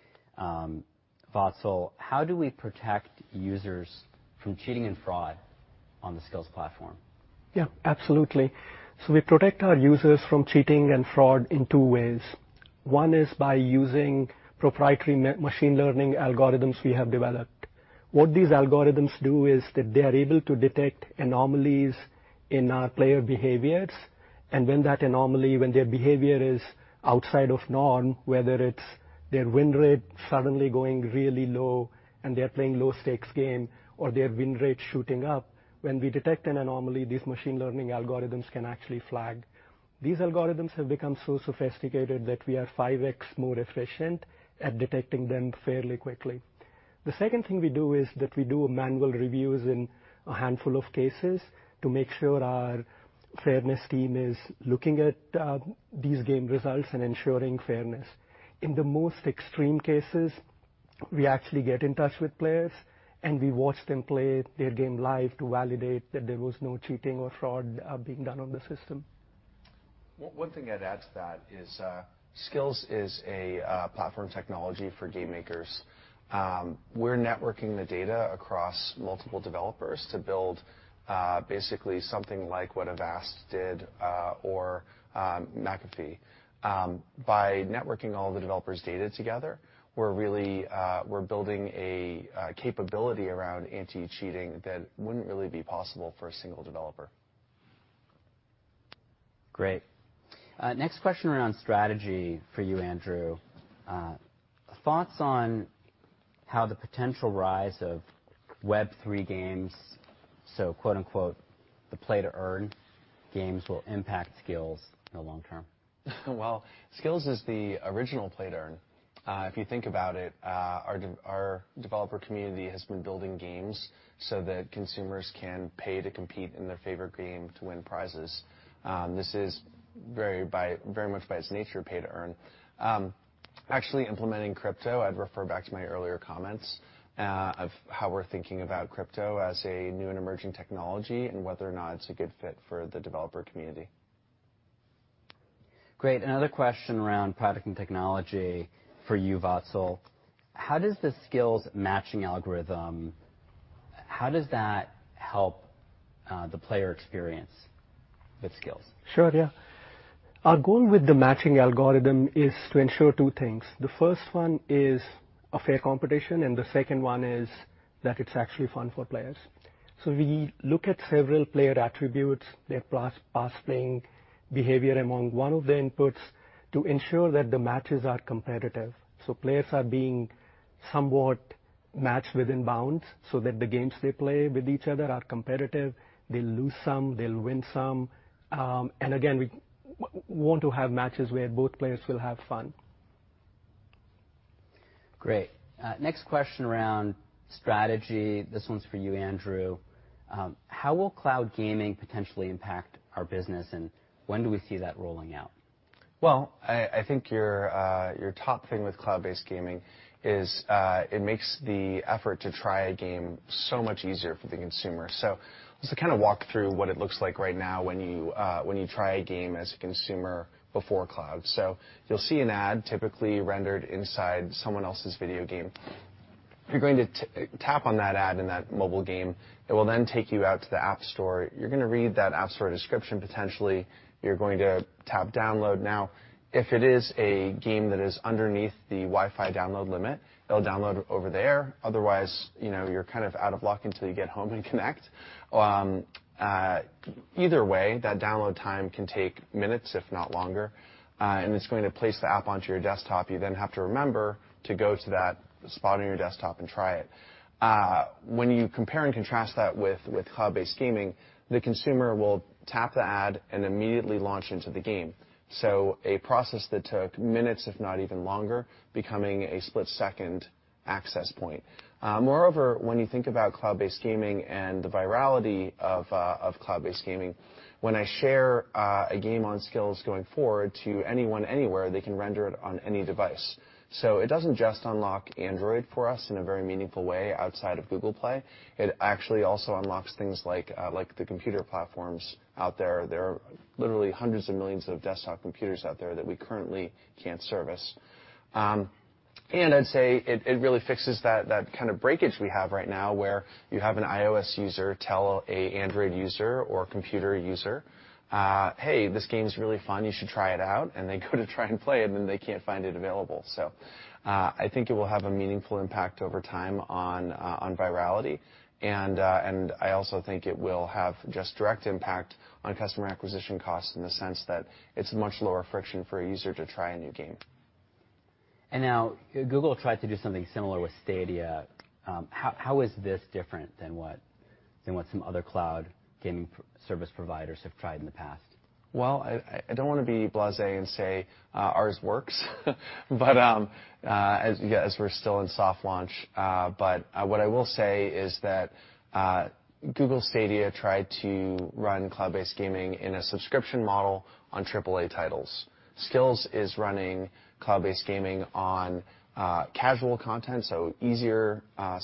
Vatsal, how do we protect users from cheating and fraud on the Skillz platform? Yeah, absolutely. We protect our users from cheating and fraud in two ways. One is by using proprietary machine learning algorithms we have developed. What these algorithms do is that they are able to detect anomalies in our player behaviors, and when that anomaly, when their behavior is outside of norm, whether it's their win rate suddenly going really low and they're playing low stakes game or their win rate shooting up, when we detect an anomaly, these machine learning algorithms can actually flag. These algorithms have become so sophisticated that we are 5x more efficient at detecting them fairly quickly. The second thing we do is that we do manual reviews in a handful of cases to make sure our fairness team is looking at these game results and ensuring fairness. In the most extreme cases, we actually get in touch with players, and we watch them play their game live to validate that there was no cheating or fraud, being done on the system. One thing I'd add to that is, Skillz is a platform technology for game makers. We're networking the data across multiple developers to build basically something like what Avast did or McAfee. By networking all the developers' data together, we're really building a capability around anti-cheating that wouldn't really be possible for a single developer. Great. Next question around strategy for you, Andrew. Thoughts on how the potential rise of Web3 games, so quote unquote, "the play-to-earn" games will impact Skillz in the long term? Well, Skillz is the original play-to-earn. If you think about it, our developer community has been building games so that consumers can pay to compete in their favorite game to win prizes. This is very much by its nature, pay-to-earn. Actually implementing crypto, I'd refer back to my earlier comments of how we're thinking about crypto as a new and emerging technology and whether or not it's a good fit for the developer community. Great. Another question around product and technology for you, Vatsal. How does the Skillz matching algorithm help the player experience with Skillz? Sure, yeah. Our goal with the matching algorithm is to ensure two things. The first one is a fair competition, and the second one is that it's actually fun for players. We look at several player attributes, their past playing behavior among one of the inputs to ensure that the matches are competitive. Players are being somewhat matched within bounds so that the games they play with each other are competitive. They'll lose some, they'll win some. And again, we want to have matches where both players will have fun. Great. Next question around strategy. This one's for you, Andrew. How will cloud gaming potentially impact our business, and when do we see that rolling out? Well, I think your top thing with cloud-based gaming is it makes the effort to try a game so much easier for the consumer. Just to kind of walk through what it looks like right now when you try a game as a consumer before cloud. You'll see an ad typically rendered inside someone else's video game. You're going to tap on that ad in that mobile game. It will then take you out to the App Store. You're gonna read that App Store description, potentially. You're going to tap Download. Now, if it is a game that is underneath the Wi-Fi download limit, it'll download over there. Otherwise, you know, you're kind of out of luck until you get home and connect. Either way, that download time can take minutes, if not longer. It's going to place the app onto your desktop. You then have to remember to go to that spot on your desktop and try it. When you compare and contrast that with cloud-based gaming, the consumer will tap the ad and immediately launch into the game. A process that took minutes, if not even longer, becoming a split-second access point. Moreover, when you think about cloud-based gaming and the virality of cloud-based gaming, when I share a game on Skillz going forward to anyone, anywhere, they can render it on any device. It doesn't just unlock Android for us in a very meaningful way outside of Google Play. It actually also unlocks things like the computer platforms out there. There are literally hundreds of millions of desktop computers out there that we currently can't service. I'd say it really fixes that kind of breakage we have right now, where you have an iOS user tell an Android user or a computer user, "Hey, this game's really fun, you should try it out." They go to try and play it, and then they can't find it available. I think it will have a meaningful impact over time on virality, and I also think it will have just direct impact on customer acquisition costs in the sense that it's much lower friction for a user to try a new game. Now, Google tried to do something similar with Stadia. How is this different than what some other cloud gaming service providers have tried in the past? I don't wanna be blasé and say ours works, but as we're still in soft launch. What I will say is that Google Stadia tried to run cloud-based gaming in a subscription model on Triple-A titles. Skillz is running cloud-based gaming on casual content, so easier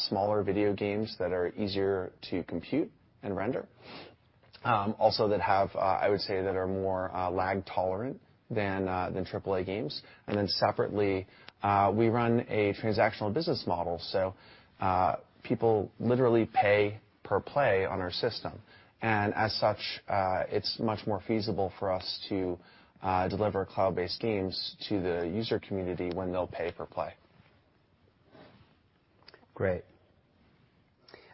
smaller video games that are easier to compute and render, also that have, I would say, that are more lag tolerant than Triple-A games. Separately, we run a transactional business model. People literally pay per play on our system. As such, it's much more feasible for us to deliver cloud-based games to the user community when they'll pay per play. Great.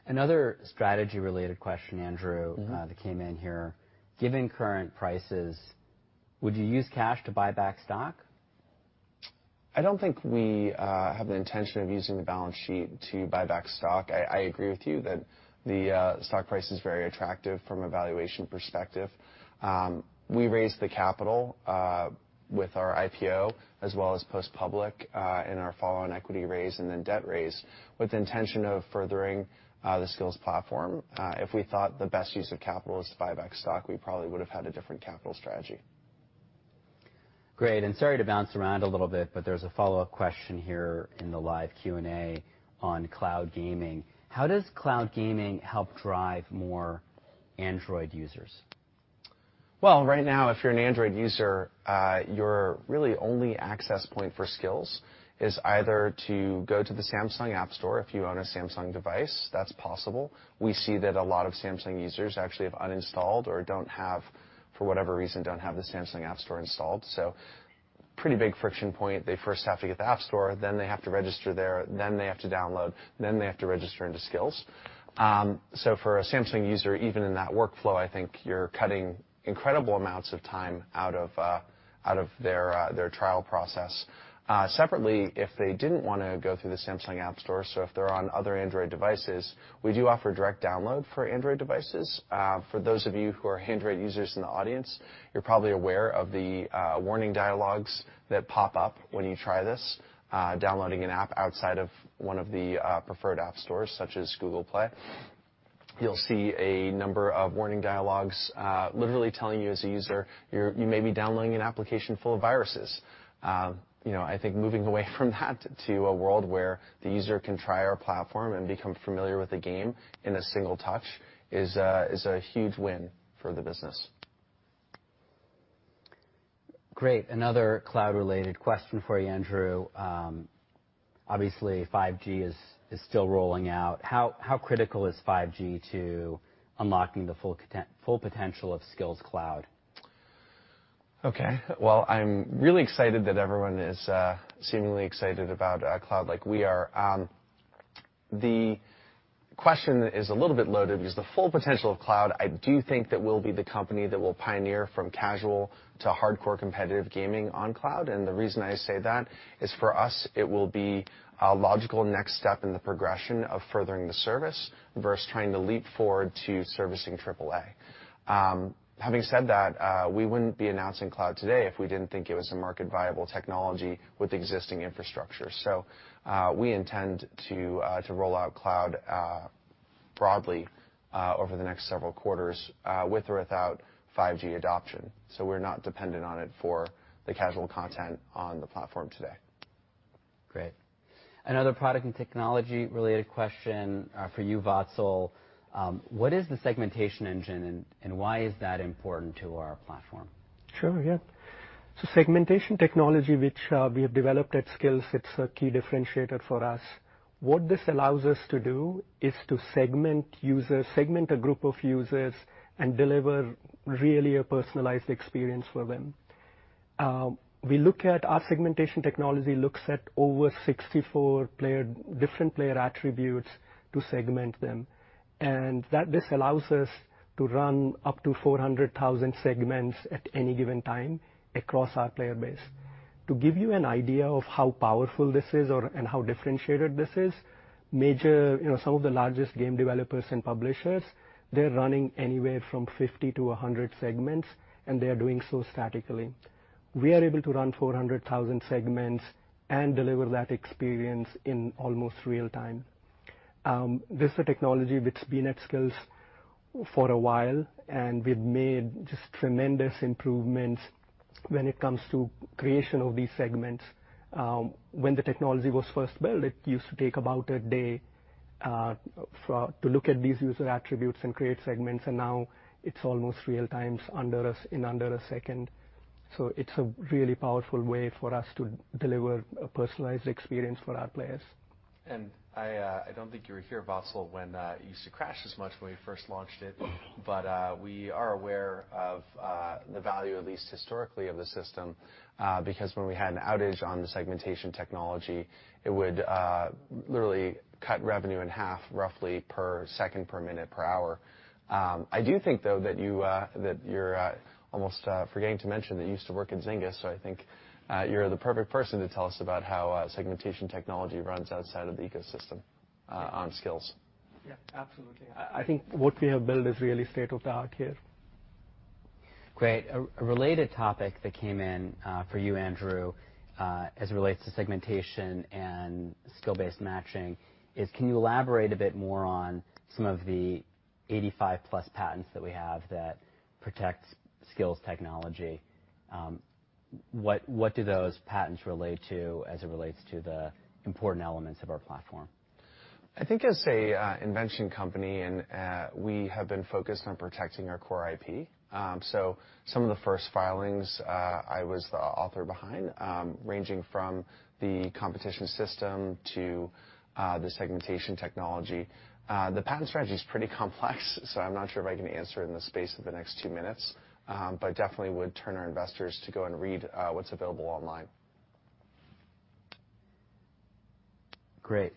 Another strategy related question, Andrew. Mm-hmm. That came in here. Given current prices, would you use cash to buy back stock? I don't think we have the intention of using the balance sheet to buy back stock. I agree with you that the stock price is very attractive from a valuation perspective. We raised the capital with our IPO, as well as post-public, in our follow-on equity raise and then debt raise, with the intention of furthering the Skillz platform. If we thought the best use of capital was to buy back stock, we probably would've had a different capital strategy. Great. Sorry to bounce around a little bit, but there's a follow-up question here in the live Q&A on cloud gaming. How does cloud gaming help drive more Android users? Well, right now, if you're an Android user, you're really only access point for Skillz is either to go to the Samsung App Store, if you own a Samsung device, that's possible. We see that a lot of Samsung users actually have uninstalled or don't have, for whatever reason, the Samsung App Store installed. Pretty big friction point. They first have to get to the App Store, then they have to register there, then they have to download, then they have to register into Skillz. For a Samsung user, even in that workflow, I think you're cutting incredible amounts of time out of their trial process. Separately, if they didn't wanna go through the Samsung App Store, if they're on other Android devices, we do offer direct download for Android devices. For those of you who are Android users in the audience, you're probably aware of the warning dialogues that pop up when you try this. Downloading an app outside of one of the preferred app stores, such as Google Play, you'll see a number of warning dialogues, literally telling you as a user, you may be downloading an application full of viruses. You know, I think moving away from that to a world where the user can try our platform and become familiar with the game in a single touch is a huge win for the business. Great. Another cloud related question for you, Andrew. Obviously 5G is still rolling out. How critical is 5G to unlocking the full potential of Skillz Cloud? Okay. Well, I'm really excited that everyone is seemingly excited about cloud like we are. The question is a little bit loaded because the full potential of Cloud, I do think that we'll be the company that will pioneer from casual to hardcore competitive gaming on Cloud. The reason I say that is for us, it will be a logical next step in the progression of furthering the service, versus trying to leap forward to servicing AAA. Having said that, we wouldn't be announcing cloud today if we didn't think it was a market viable technology with existing infrastructure. We intend to roll out cloud broadly over the next several quarters with or without 5G adoption, so we're not dependent on it for the casual content on the platform today. Great. Another product and technology related question for you, Vatsal. What is the segmentation engine, and why is that important to our platform? Sure, yeah. Segmentation technology, which we have developed at Skillz, it's a key differentiator for us. What this allows us to do is to segment users, segment a group of users and deliver really a personalized experience for them. Our segmentation technology looks at over 64 different player attributes to segment them, and this allows us to run up to 400,000 segments at any given time across our player base. To give you an idea of how powerful this is and how differentiated this is, major, you know, some of the largest game developers and publishers, they're running anywhere from 50-100 segments, and they are doing so statically. We are able to run 400,000 segments and deliver that experience in almost real time. This is a technology which has been at Skillz for a while, and we've made just tremendous improvements when it comes to creation of these segments. When the technology was first built, it used to take about a day to look at these user attributes and create segments, and now it's almost real-time in under a second. It's a really powerful way for us to deliver a personalized experience for our players. I don't think you were here, Vatsal, when it used to crash this much when we first launched it. We are aware of the value, at least historically, of the system, because when we had an outage on the segmentation technology, it would literally cut revenue in half roughly per second, per minute, per hour. I do think, though, that you're almost forgetting to mention that you used to work in Zynga. I think you're the perfect person to tell us about how segmentation technology runs outside of the ecosystem on Skillz. Yeah, absolutely. I think what we have built is really state-of-the-art here. Great. A related topic that came in for you, Andrew, as it relates to segmentation and skill-based matching is, can you elaborate a bit more on some of the 85+ patents that we have that protect Skillz technology? What do those patents relate to as it relates to the important elements of our platform? I think as an innovation company, we have been focused on protecting our core IP. Some of the first filings I was the author behind, ranging from the competition system to the segmentation technology. The patent strategy is pretty complex, so I'm not sure if I can answer it in the space of the next two minutes, but definitely would direct our investors to go and read what's available online. Great.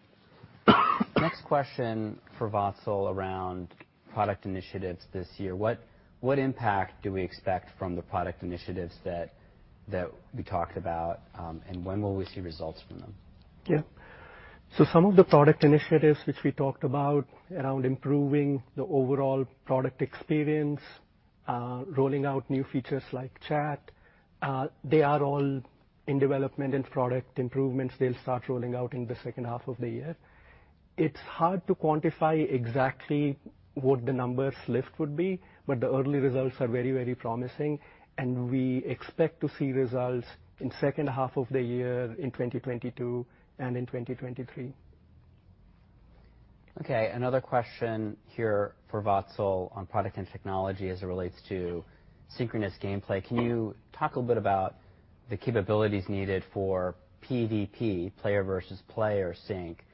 Next question for Vatsal around product initiatives this year. What impact do we expect from the product initiatives that we talked about, and when will we see results from them? Yeah. Some of the product initiatives which we talked about around improving the overall product experience, rolling out new features like chat, they are all in development and product improvements. They'll start rolling out in the second half of the year. It's hard to quantify exactly what the numbers lift would be, but the early results are very, very promising, and we expect to see results in second half of the year in 2022 and in 2023. Okay. Another question here for Vatsal on product and technology as it relates to synchronous gameplay. Can you talk a bit about the capabilities needed for PVP, Player versus Player sync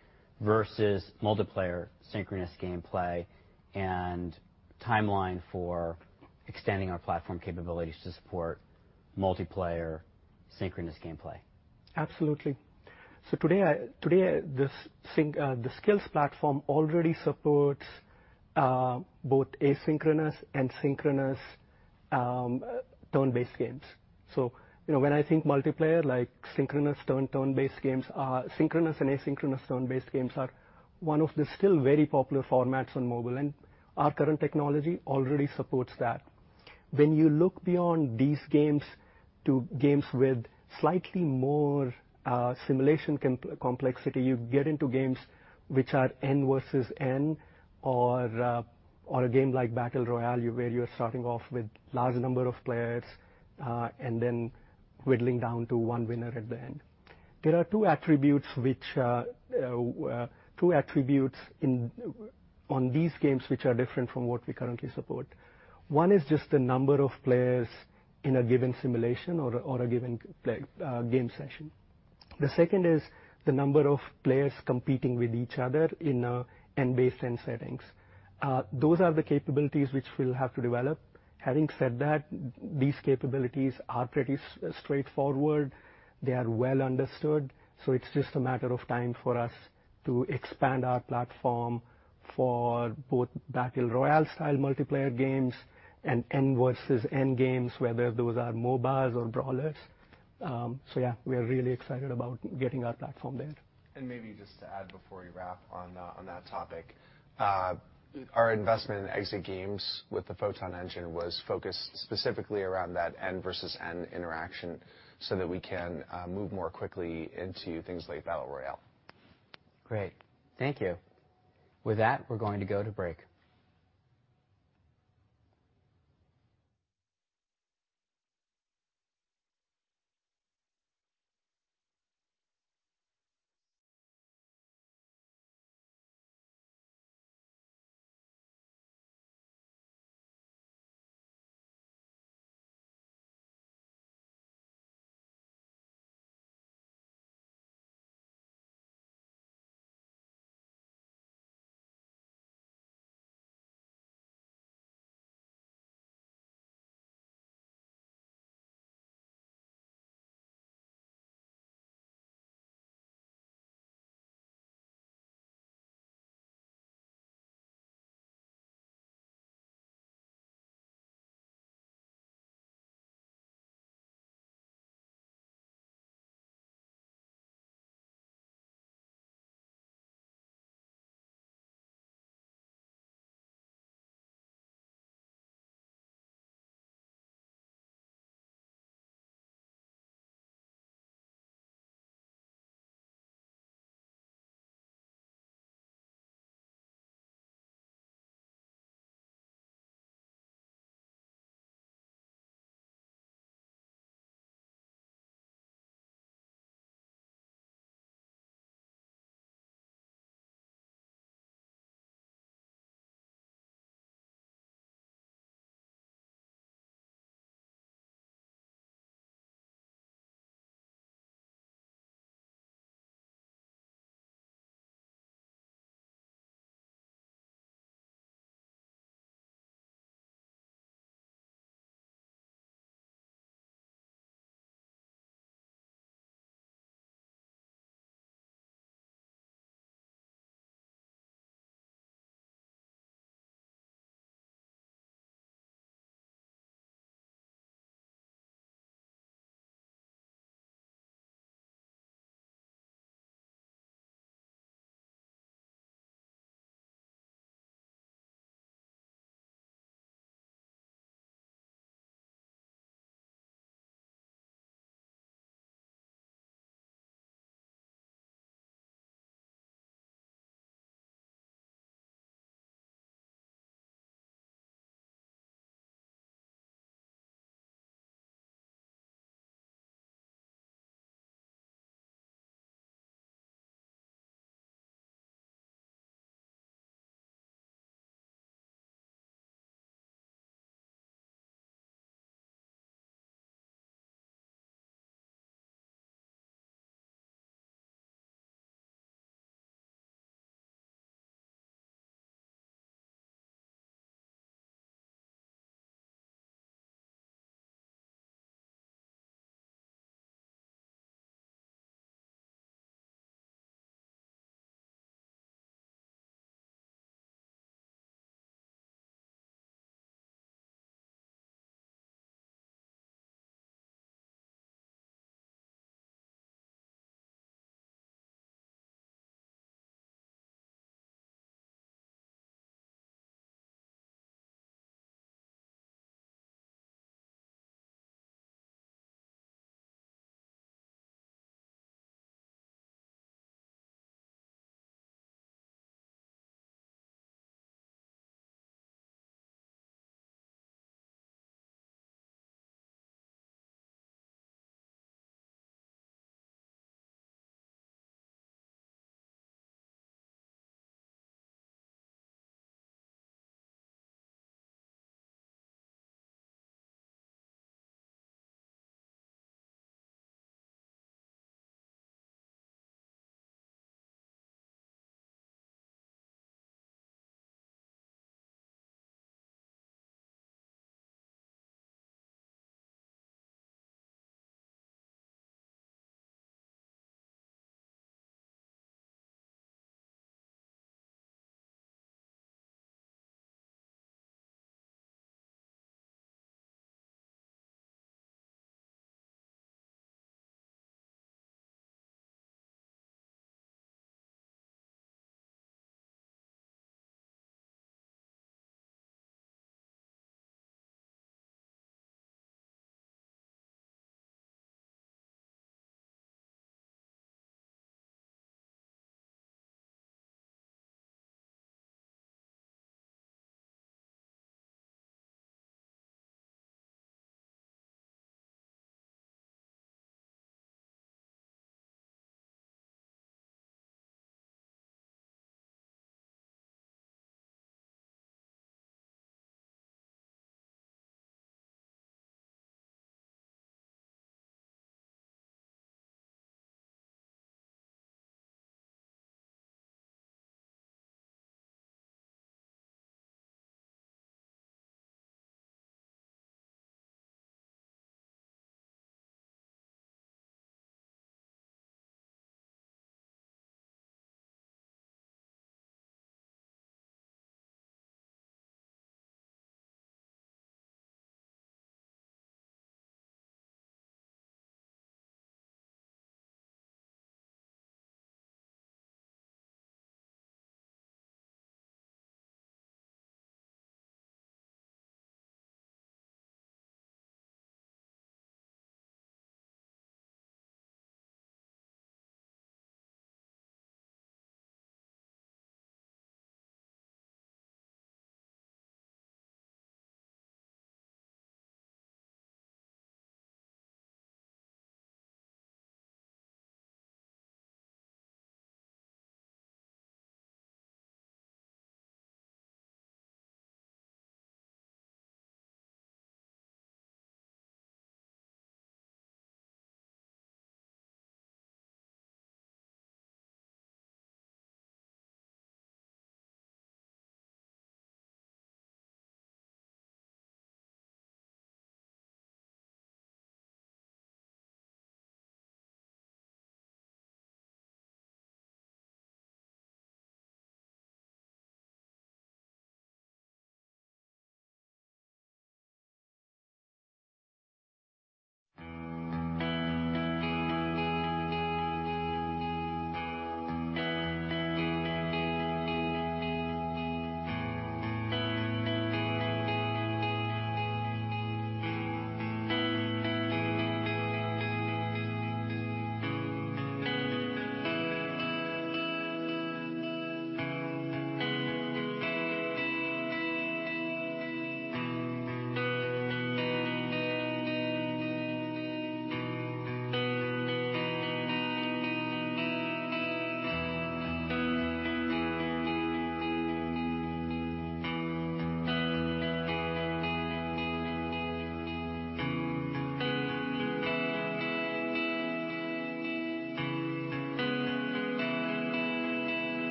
versus multiplayer synchronous gameplay and timeline for extending our platform capabilities to support multiplayer synchronous gameplay? Absolutely. Today the Skillz platform already supports both asynchronous and synchronous turn-based games. You know, when I think multiplayer, like synchronous and asynchronous turn-based games are one of the still very popular formats on mobile, and our current technology already supports that. When you look beyond these games to games with slightly more simulation complexity, you get into games which are N versus N or a game like Battle Royale, where you're starting off with large number of players and then whittling down to one winner at the end. There are two attributes on these games which are different from what we currently support. One is just the number of players in a given simulation or a given play game session. The second is the number of players competing with each other in a N versus N settings. Those are the capabilities which we'll have to develop. Having said that, these capabilities are pretty straightforward. They are well understood, so it's just a matter of time for us to expand our platform for both Battle Royale style multiplayer games and N versus N games, whether those are MOBA or Brawlers. Yeah, we are really excited about getting our platform there. Maybe just to add before we wrap on that topic. Our investment in Exit Games with the Photon Engine was focused specifically around that N versus N interaction so that we can move more quickly into things like Battle Royale. Great. Thank you. With that, we're going to go to break.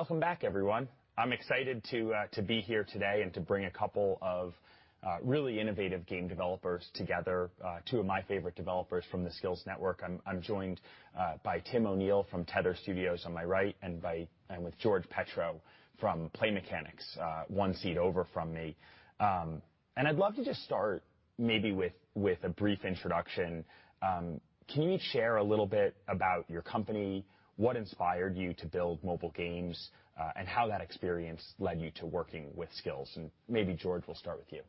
Welcome back, everyone. I'm excited to be here today and to bring a couple of really innovative game developers together, two of my favorite developers from the Skillz Network. I'm joined by Tim O'Neil from Tether Studios on my right and George Petro from Play Mechanix, one seat over from me. I'd love to just start maybe with a brief introduction. Can you each share a little bit about your company, what inspired you to build mobile games, and how that experience led you to working with Skillz? Maybe, George, we'll start with you.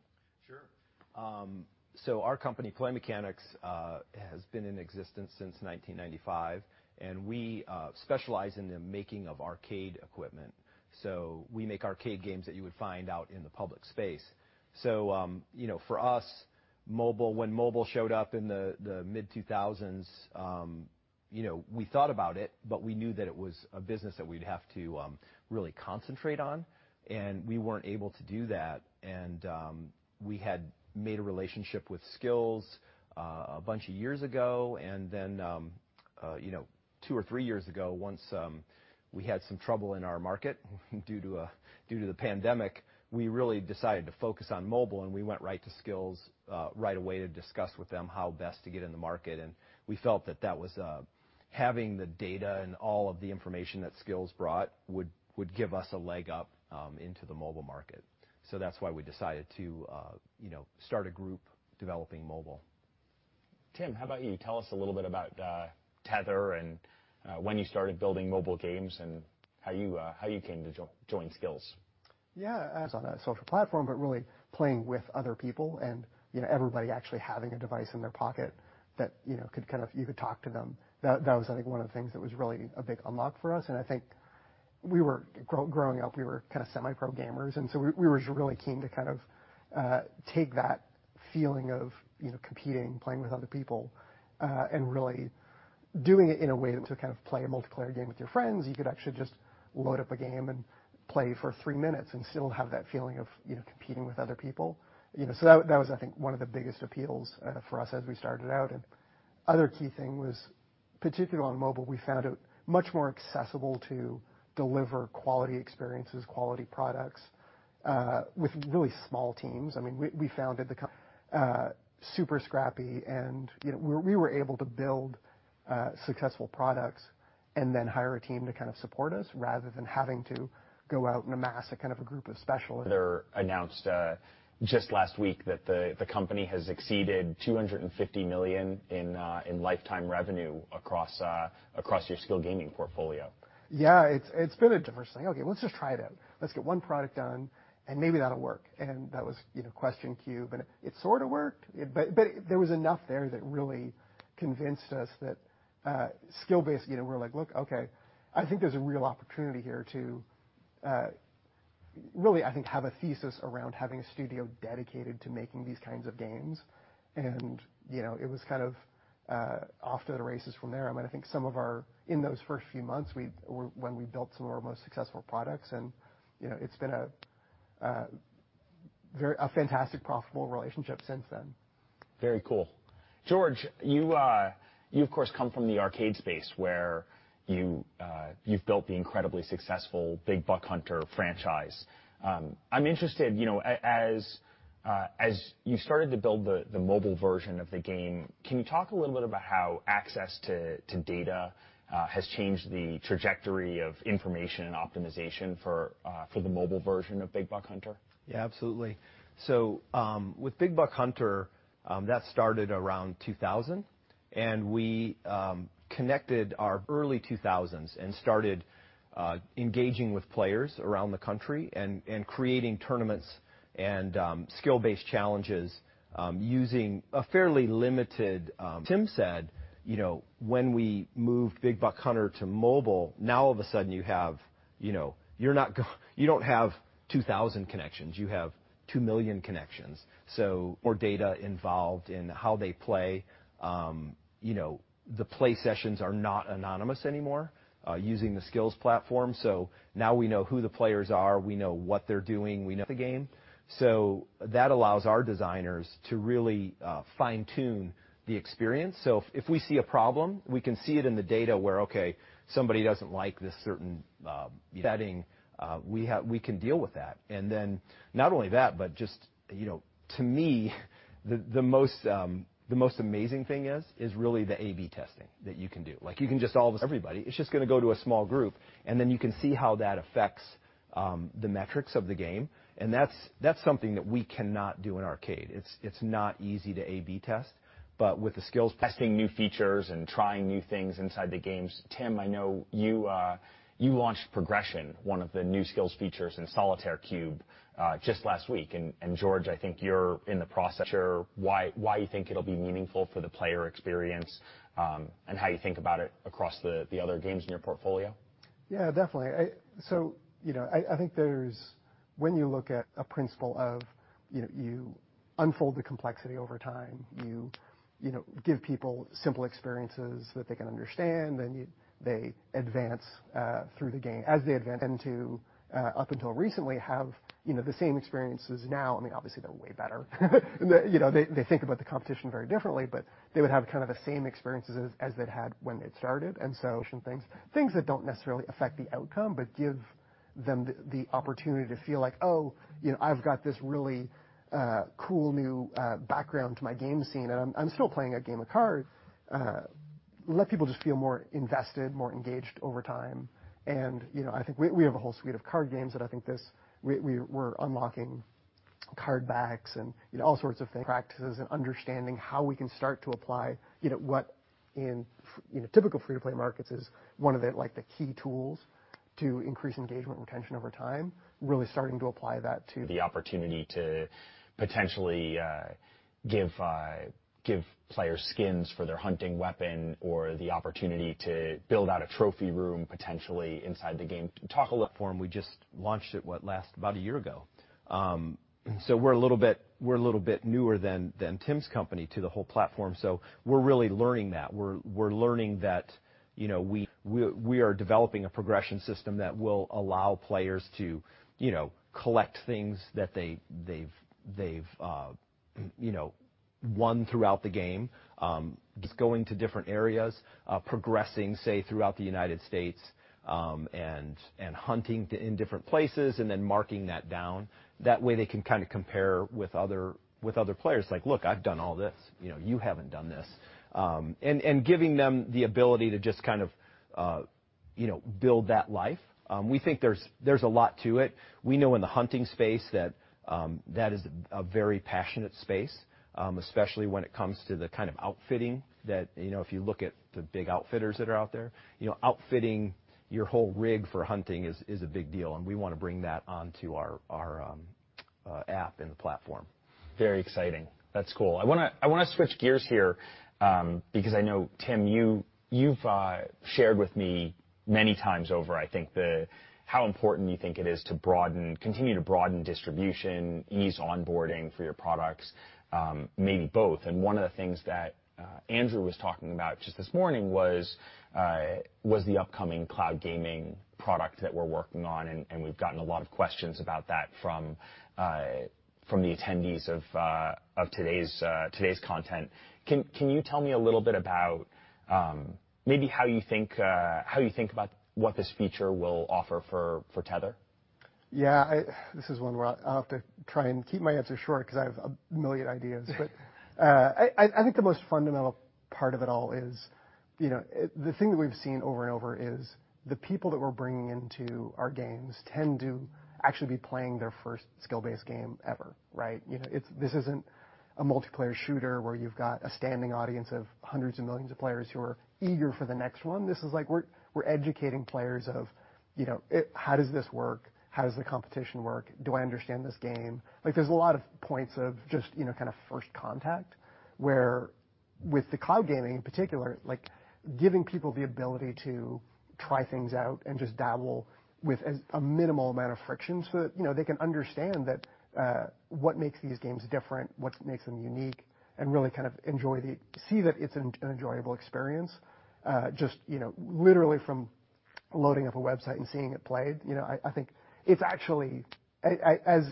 Sure. Our company, Play Mechanix, has been in existence since 1995, and we specialize in the making of arcade equipment. We make arcade games that you would find out in the public space. You know, for us, mobile, when mobile showed up in the mid-2000s, you know, we thought about it, but we knew that it was a business that we'd have to really concentrate on, and we weren't able to do that. We had made a relationship with Skillz a bunch of years ago. You know, two or three years ago, once we had some trouble in our market due to the pandemic, we really decided to focus on mobile, and we went right to Skillz right away to discuss with them how best to get in the market. We felt that having the data and all of the information that Skillz brought would give us a leg up into the mobile market. That's why we decided to, you know, start a group developing mobile. Tim, how about you? Tell us a little bit about Tether and when you started building mobile games and how you came to join Skillz. Yeah. As in on a social platform, but really playing with other people and, you know, everybody actually having a device in their pocket that, you know, could kind of, you could talk to them. That was, I think, one of the things that was really a big unlock for us. I think we were growing up, we were kind of semi-pro gamers, and so we were just really keen to kind of take that feeling of, you know, competing, playing with other people, and really doing it in a way to kind of play a multiplayer game with your friends. You could actually just load up a game and play for three minutes and still have that feeling of, you know, competing with other people. You know, so that was, I think, one of the biggest appeals for us as we started out. Other key thing was, particularly on mobile, we found it much more accessible to deliver quality experiences, quality products, with really small teams. I mean, we founded super scrappy and, you know, we were able to build successful products and then hire a team to kind of support us rather than having to go out and amass a kind of a group of specialists. Announced just last week that the company has exceeded $250 million in lifetime revenue across your Skillz Gaming portfolio. Yeah. It's been a different thing. Okay, let's just try it out. Let's get one product done, and maybe that'll work. That was, you know, Cube Cube, and it sort of worked, but there was enough there that really convinced us that skill-based, you know, we're like, "Look, okay, I think there's a real opportunity here to really, I think, have a thesis around having a studio dedicated to making these kinds of games." You know, it was kind of off to the races from there. I mean, I think in those first few months, when we built some of our most successful products and, you know, it's been a fantastic, profitable relationship since then. Very cool. George, you, of course, come from the arcade space where you've built the incredibly successful Big Buck Hunter franchise. I'm interested, you know, as you started to build the mobile version of the game, can you talk a little bit about how access to data has changed the trajectory of information and optimization for the mobile version of Big Buck Hunter? Yeah, absolutely. With Big Buck Hunter, that started around 2000. We connected our early 2000s and started engaging with players around the country and creating tournaments and skill-based challenges using a fairly limited. Tim said, you know, when we moved Big Buck Hunter to mobile, now all of a sudden, you know, you don't have 2,000 connections, you have two million connections. More data involved in how they play. You know, the play sessions are not anonymous anymore using the Skillz platform. Now we know who the players are, we know what they're doing, we know the game. That allows our designers to really fine-tune the experience. If we see a problem, we can see it in the data where, okay, somebody doesn't like this certain setting, we can deal with that. Not only that, but just, you know, to me, the most amazing thing is really the A/B testing that you can do. Like, you can just all of a sudden target everybody. It's just gonna go to a small group, and then you can see how that affects the metrics of the game, and that's something that we cannot do in arcade. It's not easy to A/B test, but with Skillz testing new features and trying new things inside the games. Tim, I know you launched Progression, one of the new Skillz features in Solitaire Cube, just last week. George, I think you're in the process. Why do you think it'll be meaningful for the player experience, and how you think about it across the other games in your portfolio? Yeah, definitely. I think there's, when you look at a principle of, you know, you unfold the complexity over time, you know, give people simple experiences that they can understand, then they advance through the game. As they advance, up until recently, they have the same experiences now. I mean, obviously, they're way better. You know, they think about the competition very differently, but they would have kind of the same experiences as they'd had when they'd started. Things that don't necessarily affect the outcome, but give them the opportunity to feel like, "Oh, you know, I've got this really cool new background to my game scene, and I'm still playing a game of cards." Let people just feel more invested, more engaged over time. You know, I think we have a whole suite of card games that I think this, we're unlocking card backs and, you know, all sorts of things. Practices and understanding how we can start to apply, you know, what in, you know, typical free-to-play markets is one of the, like, the key tools to increase engagement and retention over time, really starting to apply that to. The opportunity to potentially give players skins for their hunting weapon or the opportunity to build out a trophy room potentially inside the game. Talk a little platform. We just launched it about a year ago. We're a little bit newer than Tim's company to the whole platform. We're really learning that, you know, we are developing a progression system that will allow players to, you know, collect things that they've won throughout the game. Just going to different areas, progressing, say, throughout the United States, and hunting in different places and then marking that down. That way they can kind of compare with other players. Like, "Look, I've done all this. You know, you haven't done this." And giving them the ability to just kind of, you know, build that life. We think there's a lot to it. We know in the hunting space that that is a very passionate space, especially when it comes to the kind of outfitting that, you know, if you look at the big outfitters that are out there, you know, outfitting your whole rig for hunting is a big deal, and we wanna bring that onto our app and the platform. Very exciting. That's cool. I wanna switch gears here, because I know, Tim, you've shared with me many times over, I think, how important you think it is to broaden, continue to broaden distribution, ease onboarding for your products, maybe both. One of the things that Andrew was talking about just this morning was the upcoming cloud gaming product that we're working on, and we've gotten a lot of questions about that from the attendees of today's content. Can you tell me a little bit about, maybe how you think about what this feature will offer for Tether? This is one where I'll have to try and keep my answer short 'cause I have a million ideas. I think the most fundamental part of it all is, you know, the thing that we've seen over and over is the people that we're bringing into our games tend to actually be playing their first skill-based game ever, right? You know, this isn't a multiplayer shooter where you've got a standing audience of hundreds of millions of players who are eager for the next one. This is like we're educating players of, you know, how does this work? How does the competition work? Do I understand this game? Like, there's a lot of points of just, you know, kind of first contact, where with the cloud gaming in particular, like giving people the ability to try things out and just dabble with a minimal amount of friction so that, you know, they can understand that what makes these games different, what makes them unique, and really kind of see that it's an enjoyable experience, just, you know, literally from loading up a website and seeing it played. You know, I think it's actually. As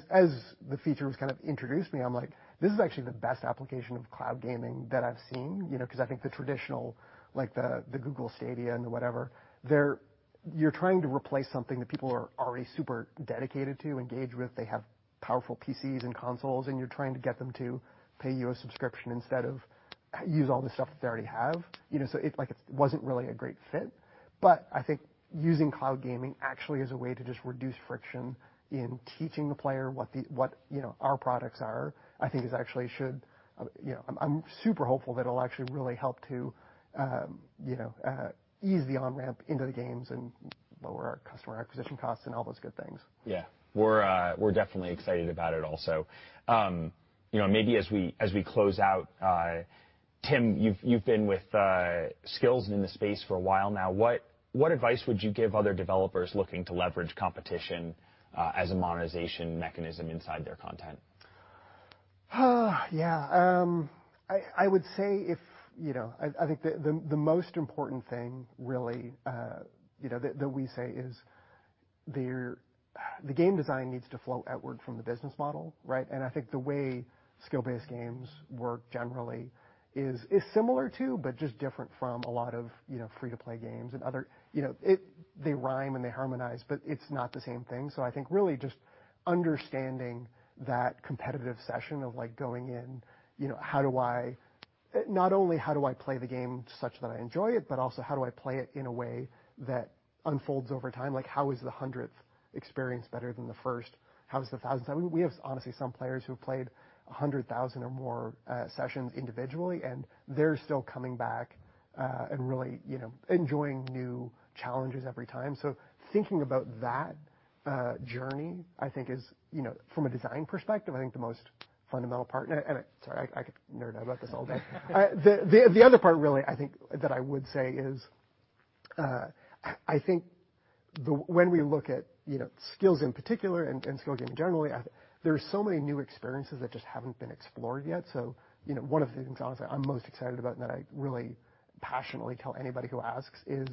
the feature was kind of introduced to me, I'm like, "This is actually the best application of cloud gaming that I've seen," you know? 'Cause I think the traditional, like the Google Stadia and the whatever, they're. You're trying to replace something that people are already super dedicated to, engaged with. They have powerful PCs and consoles, and you're trying to get them to pay you a subscription instead of use all the stuff that they already have. You know, it, like, it wasn't really a great fit. I think using cloud gaming actually as a way to just reduce friction in teaching the player what, you know, our products are, I think, is actually should, you know. I'm super hopeful that it'll actually really help to, you know, ease the on-ramp into the games and lower our customer acquisition costs and all those good things. Yeah. We're definitely excited about it also. You know, maybe as we close out, Tim, you've been with Skillz in the space for a while now. What advice would you give other developers looking to leverage competition as a monetization mechanism inside their content? Yeah. I would say, you know, I think the most important thing really, you know, that we say is that the game design needs to flow outward from the business model, right? I think the way skill-based games work generally is similar to but just different from a lot of, you know, free-to-play games and other. You know, they rhyme and they harmonize, but it's not the same thing. I think really just understanding that competitive session of, like, going in, you know, not only how do I play the game such that I enjoy it, but also how do I play it in a way that unfolds over time. Like, how is the hundredth experience better than the first? How is the thousandth? We have, honestly, some players who have played 100,000 or more sessions individually, and they're still coming back and really, you know, enjoying new challenges every time. Thinking about that journey, I think is, you know, from a design perspective, I think the most fundamental part. Sorry, I could nerd out about this all day. The other part really, I think, that I would say is, when we look at, you know, Skillz in particular and skill gaming generally, there are so many new experiences that just haven't been explored yet. You know, one of the things, honestly, I'm most excited about and that I really passionately tell anybody who asks is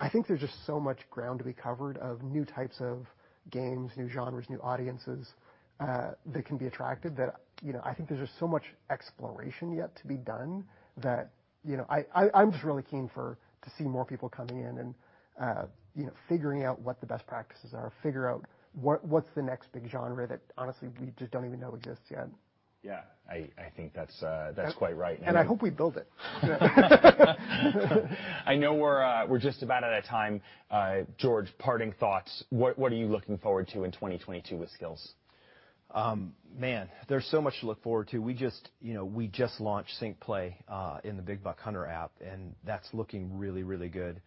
I think there's just so much ground to be covered of new types of games, new genres, new audiences that can be attracted that, you know, I think there's just so much exploration yet to be done that, you know, I'm just really keen to see more people coming in and, you know, figuring out what the best practices are, figure out what the next big genre that honestly we just don't even know exists yet. Yeah. I think that's quite right and- I hope we build it. I know we're just about out of time. George, parting thoughts. What are you looking forward to in 2022 with Skillz? Man, there's so much to look forward to. We just, you know, we just launched Sync Play in the Big Buck Hunter app, and that's looking really, really good.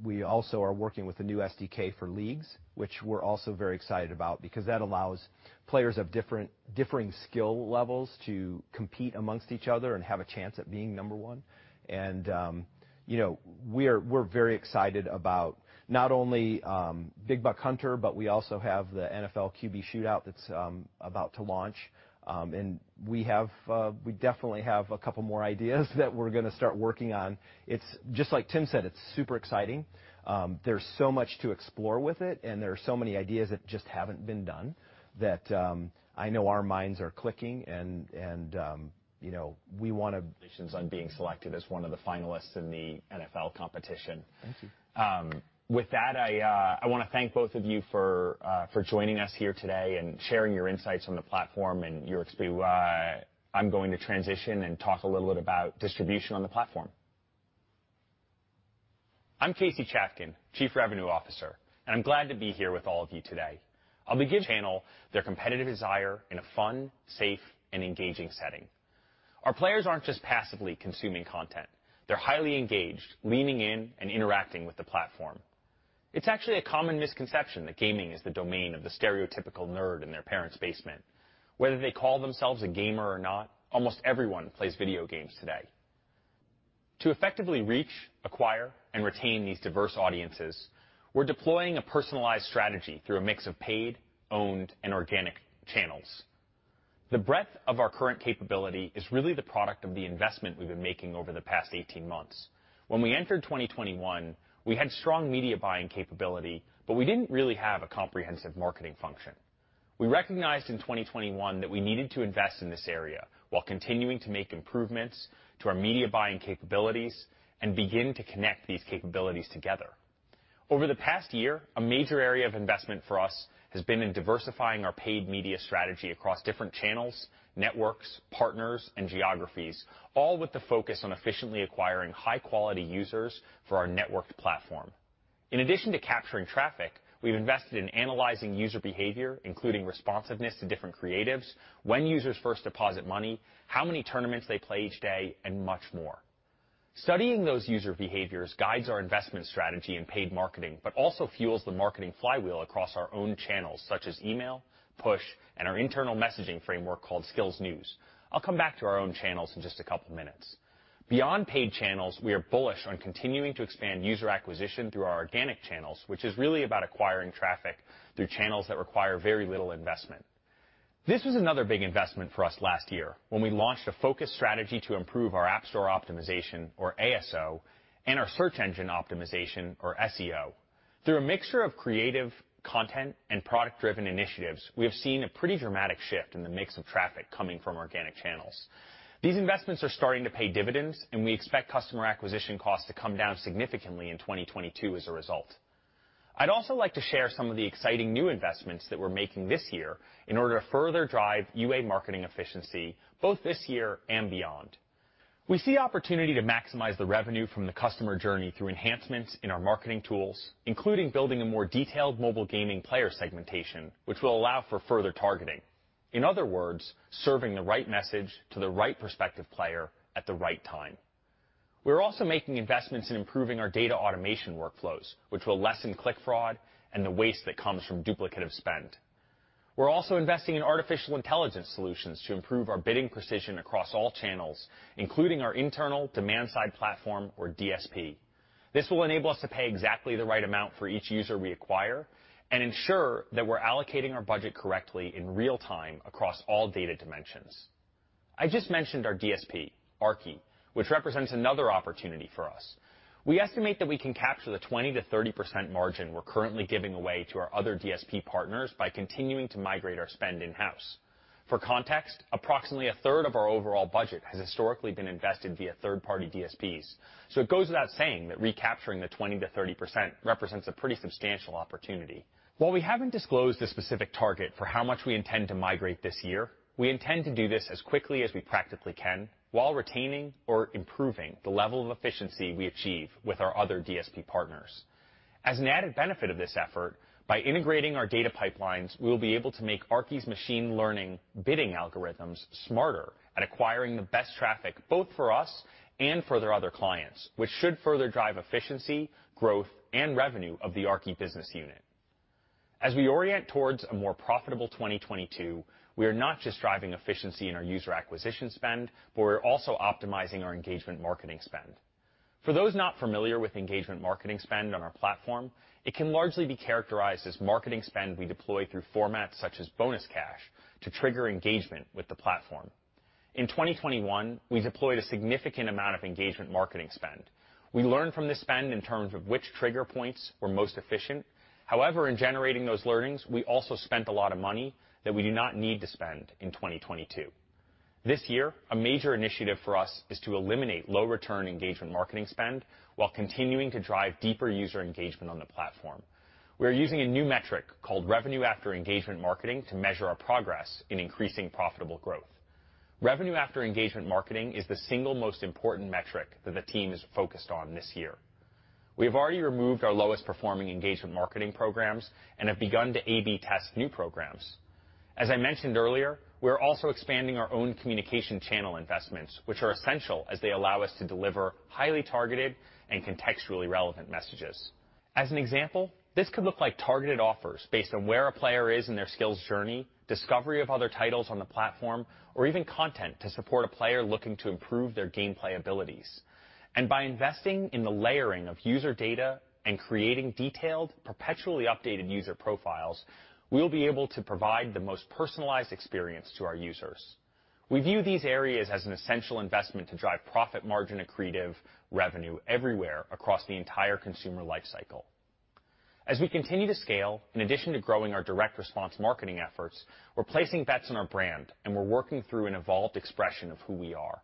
We also are working with the new SDK for leagues, which we're also very excited about because that allows players of differing skill levels to compete amongst each other and have a chance at being number one. You know, we're very excited about not only Big Buck Hunter, but we also have the NFL QB Shootout that's about to launch. We definitely have a couple more ideas that we're gonna start working on. It's just like Tim said, it's super exciting. There's so much to explore with it, and there are so many ideas that just haven't been done that I know our minds are clicking and you know, we wanna. On being selected as one of the finalists in the NFL competition. Thank you. With that, I wanna thank both of you for joining us here today and sharing your insights on the platform. I'm going to transition and talk a little bit about distribution on the platform. I'm Casey Chafkin, Chief Revenue Officer, and I'm glad to be here with all of you today. We channel their competitive desire in a fun, safe, and engaging setting. Our players aren't just passively consuming content. They're highly engaged, leaning in and interacting with the platform. It's actually a common misconception that gaming is the domain of the stereotypical nerd in their parent's basement. Whether they call themselves a gamer or not, almost everyone plays video games today. To effectively reach, acquire, and retain these diverse audiences, we're deploying a personalized strategy through a mix of paid, owned, and organic channels. The breadth of our current capability is really the product of the investment we've been making over the past 18 months. When we entered 2021, we had strong media buying capability, but we didn't really have a comprehensive marketing function. We recognized in 2021 that we needed to invest in this area while continuing to make improvements to our media buying capabilities and begin to connect these capabilities together. Over the past year, a major area of investment for us has been in diversifying our paid media strategy across different channels, networks, partners, and geographies, all with the focus on efficiently acquiring high-quality users for our networked platform. In addition to capturing traffic, we've invested in analyzing user behavior, including responsiveness to different creatives, when users first deposit money, how many tournaments they play each day, and much more. Studying those user behaviors guides our investment strategy in paid marketing, but also fuels the marketing flywheel across our own channels such as email, push, and our internal messaging framework called Skillz News. I'll come back to our own channels in just a couple minutes. Beyond paid channels, we are bullish on continuing to expand user acquisition through our organic channels, which is really about acquiring traffic through channels that require very little investment. This was another big investment for us last year when we launched a focus strategy to improve our App Store Optimization or ASO, and our Search Engine Optimization or SEO. Through a mixture of creative content and product-driven initiatives, we have seen a pretty dramatic shift in the mix of traffic coming from organic channels. These investments are starting to pay dividends, and we expect customer acquisition costs to come down significantly in 2022 as a result. I'd also like to share some of the exciting new investments that we're making this year in order to further drive UA marketing efficiency both this year and beyond. We see opportunity to maximize the revenue from the customer journey through enhancements in our marketing tools, including building a more detailed mobile gaming player segmentation, which will allow for further targeting. In other words, serving the right message to the right prospective player at the right time. We're also making investments in improving our data automation workflows, which will lessen click fraud and the waste that comes from duplicative spend. We're also investing in artificial intelligence solutions to improve our bidding precision across all channels, including our internal Demand-Side Platform or DSP. This will enable us to pay exactly the right amount for each user we acquire and ensure that we're allocating our budget correctly in real time across all data dimensions. I just mentioned our DSP, Aarki, which represents another opportunity for us. We estimate that we can capture the 20%-30% margin we're currently giving away to our other DSP partners by continuing to migrate our spend in-house. For context, approximately 1/3 of our overall budget has historically been invested via third-party DSPs. It goes without saying that recapturing the 20%-30% represents a pretty substantial opportunity. While we haven't disclosed a specific target for how much we intend to migrate this year, we intend to do this as quickly as we practically can while retaining or improving the level of efficiency we achieve with our other DSP partners. As an added benefit of this effort, by integrating our data pipelines, we'll be able to make Aarki's machine learning bidding algorithms smarter at acquiring the best traffic, both for us and for their other clients, which should further drive efficiency, growth, and revenue of the Aarki business unit. As we orient towards a more profitable 2022, we are not just driving efficiency in our user acquisition spend, but we're also optimizing our engagement marketing spend. For those not familiar with engagement marketing spend on our platform, it can largely be characterized as marketing spend we deploy through formats such as bonus cash to trigger engagement with the platform. In 2021, we deployed a significant amount of engagement marketing spend. We learned from this spend in terms of which trigger points were most efficient. However, in generating those learnings, we also spent a lot of money that we do not need to spend in 2022. This year, a major initiative for us is to eliminate low-return engagement marketing spend while continuing to drive deeper user engagement on the platform. We're using a new metric called revenue after engagement marketing to measure our progress in increasing profitable growth. Revenue after engagement marketing is the single most important metric that the team is focused on this year. We have already removed our lowest performing engagement marketing programs and have begun to A/B test new programs. As I mentioned earlier, we're also expanding our own communication channel investments, which are essential as they allow us to deliver highly targeted and contextually relevant messages. As an example, this could look like targeted offers based on where a player is in their Skillz journey, discovery of other titles on the platform, or even content to support a player looking to improve their gameplay abilities. By investing in the layering of user data and creating detailed, perpetually updated user profiles, we'll be able to provide the most personalized experience to our users. We view these areas as an essential investment to drive profit margin accretive revenue everywhere across the entire consumer life cycle. As we continue to scale, in addition to growing our direct response marketing efforts, we're placing bets on our brand, and we're working through an evolved expression of who we are.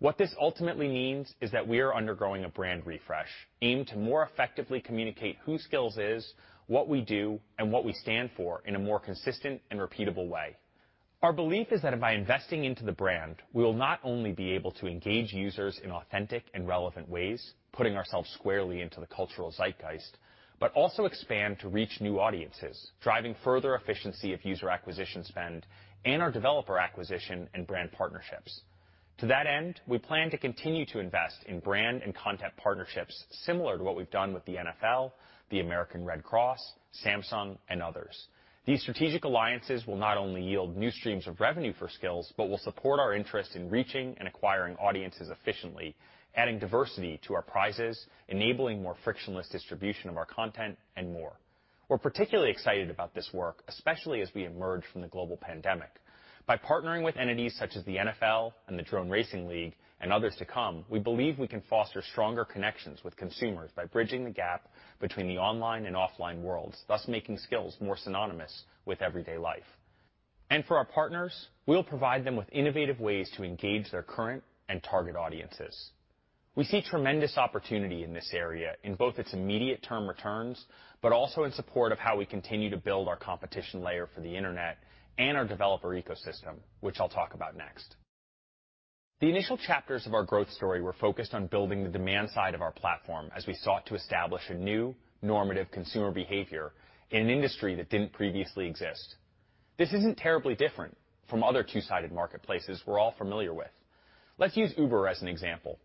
What this ultimately means is that we are undergoing a brand refresh aimed to more effectively communicate who Skillz is, what we do, and what we stand for in a more consistent and repeatable way. Our belief is that by investing into the brand, we will not only be able to engage users in authentic and relevant ways, putting ourselves squarely into the cultural zeitgeist, but also expand to reach new audiences, driving further efficiency of user acquisition spend and our developer acquisition and brand partnerships. To that end, we plan to continue to invest in brand and content partnerships similar to what we've done with the NFL, the American Red Cross, Samsung, and others. These strategic alliances will not only yield new streams of revenue for Skillz, but will support our interest in reaching and acquiring audiences efficiently, adding diversity to our prizes, enabling more frictionless distribution of our content, and more. We're particularly excited about this work, especially as we emerge from the global pandemic. By partnering with entities such as the NFL and the Drone Racing League and others to come, we believe we can foster stronger connections with consumers by bridging the gap between the online and offline worlds, thus making Skillz more synonymous with everyday life. For our partners, we'll provide them with innovative ways to engage their current and target audiences. We see tremendous opportunity in this area in both its immediate term returns, but also in support of how we continue to build our competition layer for the Internet and our developer ecosystem, which I'll talk about next. The initial chapters of our growth story were focused on building the demand side of our platform as we sought to establish a new normative consumer behavior in an industry that didn't previously exist. This isn't terribly different from other two-sided marketplaces we're all familiar with. Let's use Uber as an example.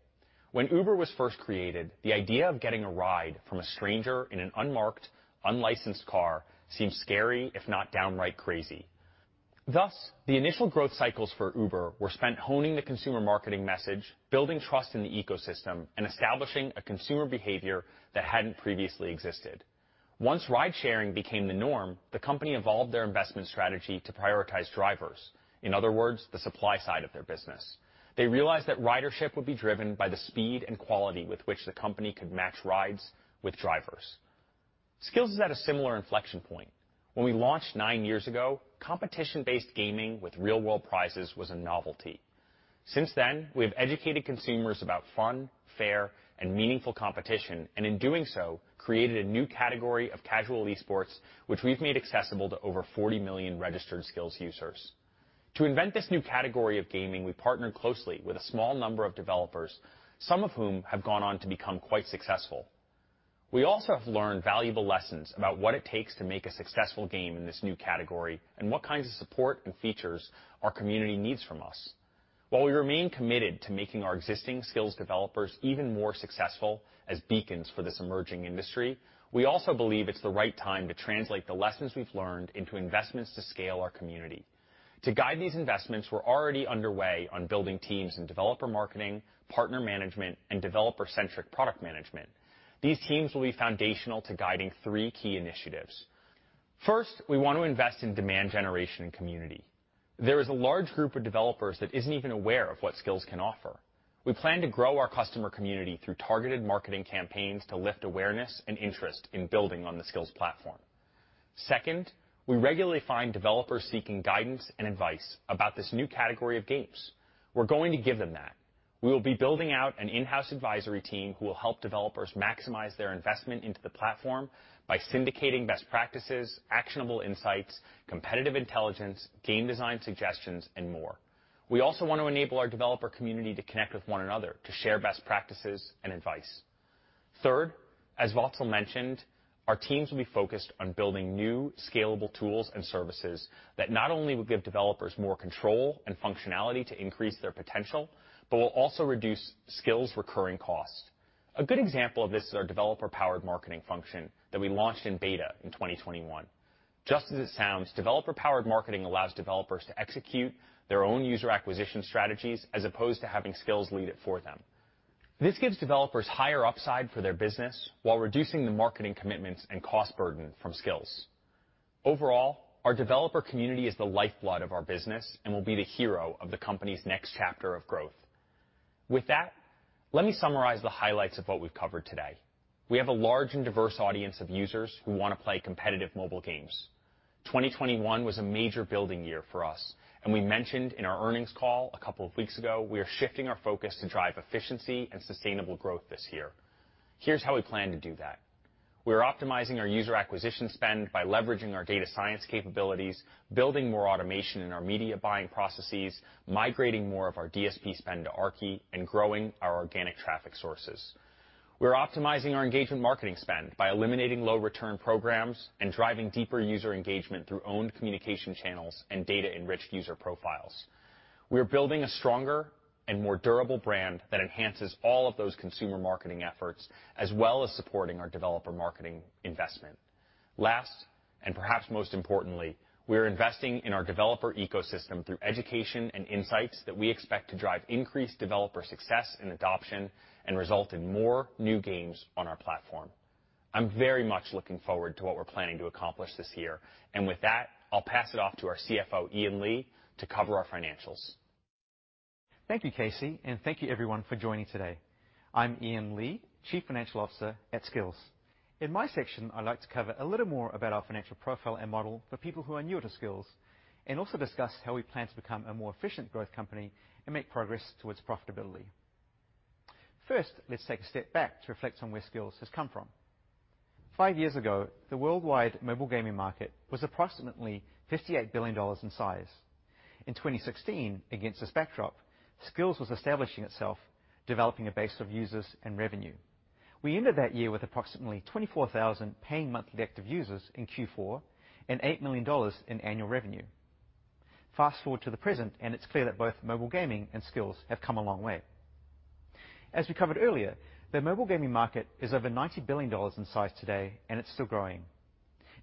When Uber was first created, the idea of getting a ride from a stranger in an unmarked, unlicensed car seemed scary, if not downright crazy. Thus, the initial growth cycles for Uber were spent honing the consumer marketing message, building trust in the ecosystem, and establishing a consumer behavior that hadn't previously existed. Once ride-sharing became the norm, the company evolved their investment strategy to prioritize drivers. In other words, the supply side of their business. They realized that ridership would be driven by the speed and quality with which the company could match rides with drivers. Skillz is at a similar inflection point. When we launched nine years ago, competition-based gaming with real-world prizes was a novelty. Since then, we have educated consumers about fun, fair, and meaningful competition, and in doing so, created a new category of casual esports, which we've made accessible to over 40 million registered Skillz users. To invent this new category of gaming, we partnered closely with a small number of developers, some of whom have gone on to become quite successful. We also have learned valuable lessons about what it takes to make a successful game in this new category and what kinds of support and features our community needs from us. While we remain committed to making our existing Skillz developers even more successful as beacons for this emerging industry, we also believe it's the right time to translate the lessons we've learned into investments to scale our community. To guide these investments, we're already underway on building teams in developer marketing, partner management, and developer-centric product management. These teams will be foundational to guiding three key initiatives. First, we want to invest in demand generation and community. There is a large group of developers that isn't even aware of what Skillz can offer. We plan to grow our customer community through targeted marketing campaigns to lift awareness and interest in building on the Skillz platform. Second, we regularly find developers seeking guidance and advice about this new category of games. We're going to give them that. We will be building out an in-house advisory team who will help developers maximize their investment into the platform by syndicating best practices, actionable insights, competitive intelligence, game design suggestions, and more. We also want to enable our developer community to connect with one another to share best practices and advice. Third, as Vatsal mentioned, our teams will be focused on building new scalable tools and services that not only will give developers more control and functionality to increase their potential, but will also reduce Skillz' recurring costs. A good example of this is our developer-powered marketing function that we launched in beta in 2021. Just as it sounds, developer-powered marketing allows developers to execute their own user acquisition strategies as opposed to having Skillz lead it for them. This gives developers higher upside for their business while reducing the marketing commitments and cost burden from Skillz. Overall, our developer community is the lifeblood of our business and will be the hero of the company's next chapter of growth. With that, let me summarize the highlights of what we've covered today. We have a large and diverse audience of users who wanna play competitive mobile games. 2021 was a major building year for us, and we mentioned in our earnings call a couple of weeks ago, we are shifting our focus to drive efficiency and sustainable growth this year. Here's how we plan to do that. We're optimizing our user acquisition spend by leveraging our data science capabilities, building more automation in our media buying processes, migrating more of our DSP spend to Aarki and growing our organic traffic sources. We're optimizing our engagement marketing spend by eliminating low return programs and driving deeper user engagement through owned communication channels and data-enriched user profiles. We're building a stronger and more durable brand that enhances all of those consumer marketing efforts, as well as supporting our developer marketing investment. Last, and perhaps most importantly, we're investing in our developer ecosystem through education and insights that we expect to drive increased developer success and adoption and result in more new games on our platform. I'm very much looking forward to what we're planning to accomplish this year. With that, I'll pass it off to our CFO, Ian Lee, to cover our financials. Thank you, Casey, and thank you everyone for joining today. I'm Ian Lee, Chief Financial Officer at Skillz. In my section, I'd like to cover a little more about our financial profile and model for people who are newer to Skillz, and also discuss how we plan to become a more efficient growth company and make progress towards profitability. First, let's take a step back to reflect on where Skillz has come from. Five years ago, the worldwide mobile gaming market was approximately $58 billion in size. In 2016, against this backdrop, Skillz was establishing itself, developing a base of users and revenue. We ended that year with approximately 24,000 paying monthly active users in Q4 and $8 million in annual revenue. Fast-forward to the present, and it's clear that both mobile gaming and Skillz have come a long way. As we covered earlier, the mobile gaming market is over $90 billion in size today, and it's still growing.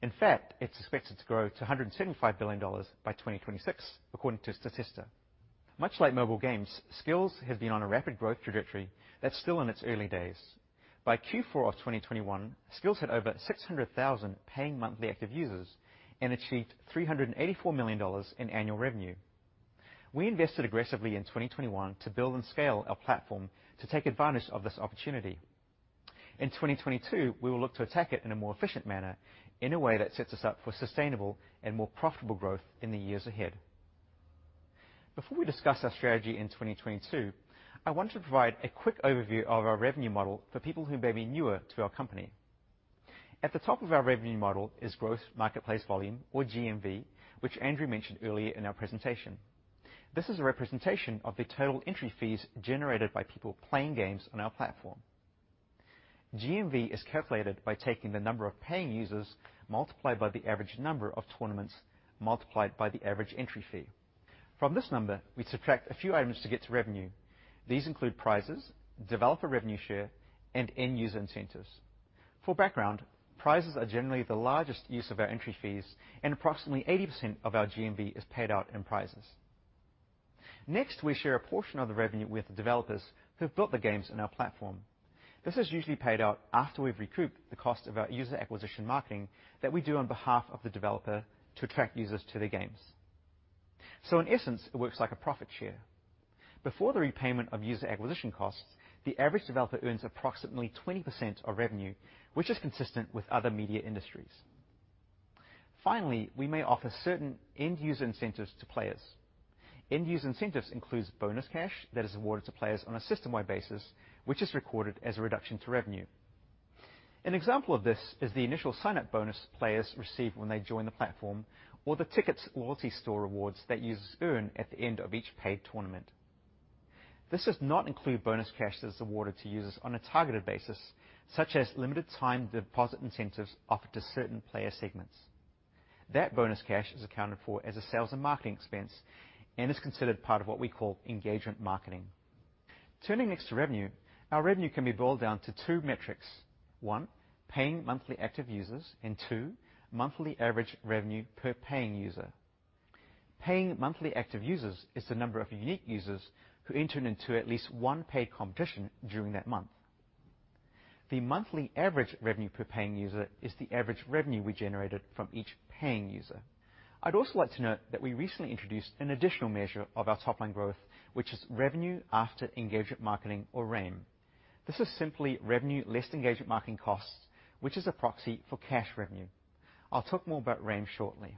In fact, it's expected to grow to $175 billion by 2026, according to Statista. Much like mobile games, Skillz has been on a rapid growth trajectory that's still in its early days. By Q4 of 2021, Skillz had over 600,000 paying monthly active users and achieved $384 million in annual revenue. We invested aggressively in 2021 to build and scale our platform to take advantage of this opportunity. In 2022, we will look to attack it in a more efficient manner in a way that sets us up for sustainable and more profitable growth in the years ahead. Before we discuss our strategy in 2022, I want to provide a quick overview of our revenue model for people who may be newer to our company. At the top of our revenue model is Gross Marketplace Volume or GMV, which Andrew mentioned earlier in our presentation. This is a representation of the total entry fees generated by people playing games on our platform. GMV is calculated by taking the number of paying users multiplied by the average number of tournaments, multiplied by the average entry fee. From this number, we subtract a few items to get to revenue. These include prizes, developer revenue share, and end user incentives. For background, prizes are generally the largest use of our entry fees, and approximately 80% of our GMV is paid out in prizes. Next, we share a portion of the revenue with the developers who've built the games on our platform. This is usually paid out after we've recouped the cost of our user acquisition marketing that we do on behalf of the developer to attract users to their games. In essence, it works like a profit share. Before the repayment of user acquisition costs, the average developer earns approximately 20% of revenue, which is consistent with other media industries. Finally, we may offer certain end user incentives to players. End user incentives includes bonus cash that is awarded to players on a system-wide basis, which is recorded as a reduction to revenue. An example of this is the initial sign-up bonus players receive when they join the platform or the tickets loyalty store rewards that users earn at the end of each paid tournament. This does not include bonus cash that's awarded to users on a targeted basis, such as limited time deposit incentives offered to certain player segments. That bonus cash is accounted for as a sales and marketing expense and is considered part of what we call engagement marketing. Turning next to revenue. Our revenue can be boiled down to two metrics. One, paying monthly active users, and two, monthly average revenue per paying user. Paying monthly active users is the number of unique users who entered into at least one paid competition during that month. The monthly average revenue per paying user is the average revenue we generated from each paying user. I'd also like to note that we recently introduced an additional measure of our top-line growth, which is Revenue After Engagement Marketing or RAEM. This is simply revenue less engagement marketing costs, which is a proxy for cash revenue. I'll talk more about RAEM shortly.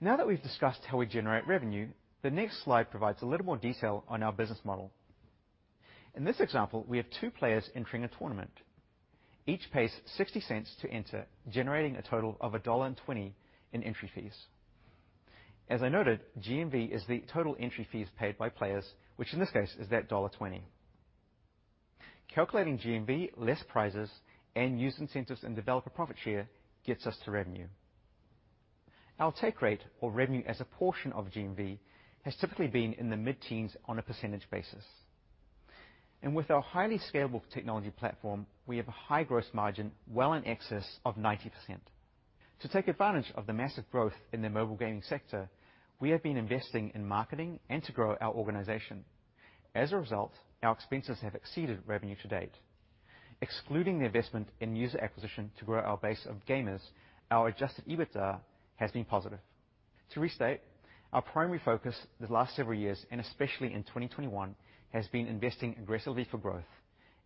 Now that we've discussed how we generate revenue, the next slide provides a little more detail on our business model. In this example, we have two players entering a tournament. Each pays $0.60 to enter, generating a total of $1.20 in entry fees. As I noted, GMV is the total entry fees paid by players, which in this case is that $1.20. Calculating GMV, less prizes, and user incentives and developer profit share gets us to revenue. Our take rate or revenue as a portion of GMV has typically been in the mid-teens% on a percentage basis. With our highly scalable technology platform, we have a high gross margin well in excess of 90%. To take advantage of the massive growth in the mobile gaming sector, we have been investing in marketing and to grow our organization. As a result, our expenses have exceeded revenue to date. Excluding the investment in user acquisition to grow our base of gamers, our Adjusted EBITDA has been positive. To restate, our primary focus the last several years, and especially in 2021, has been investing aggressively for growth,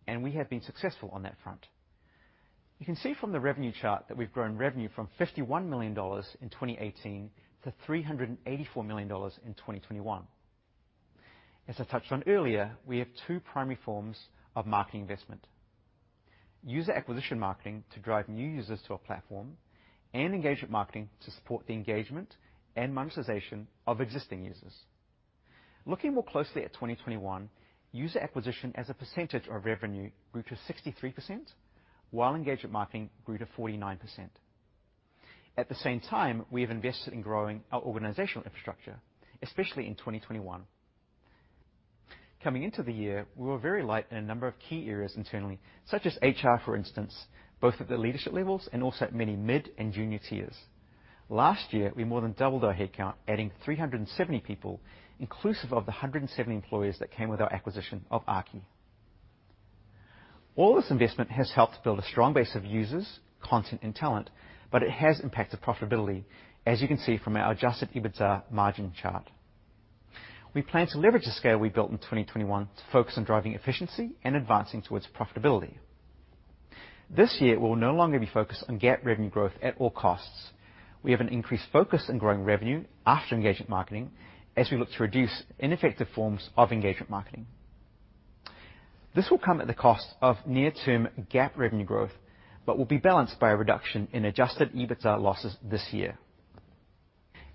and we have been successful on that front. You can see from the revenue chart that we've grown revenue from $51 million in 2018 to $384 million in 2021. As I touched on earlier, we have two primary forms of marketing investment. User acquisition marketing to drive new users to our platform and engagement marketing to support the engagement and monetization of existing users. Looking more closely at 2021, user acquisition as a percentage of revenue grew to 63%, while engagement marketing grew to 49%. At the same time, we have invested in growing our organizational infrastructure, especially in 2021. Coming into the year, we were very light in a number of key areas internally, such as HR, for instance, both at the leadership levels and also at many mid and junior tiers. Last year, we more than doubled our headcount, adding 370 people, inclusive of the 170 employees that came with our acquisition of Aarki. All this investment has helped build a strong base of users, content, and talent, but it has impacted profitability, as you can see from our Adjusted EBITDA margin chart. We plan to leverage the scale we built in 2021 to focus on driving efficiency and advancing towards profitability. This year, we'll no longer be focused on GAAP revenue growth at all costs. We have an increased focus in growing revenue after engagement marketing as we look to reduce ineffective forms of engagement marketing. This will come at the cost of near-term GAAP revenue growth, but will be balanced by a reduction in Adjusted EBITDA losses this year.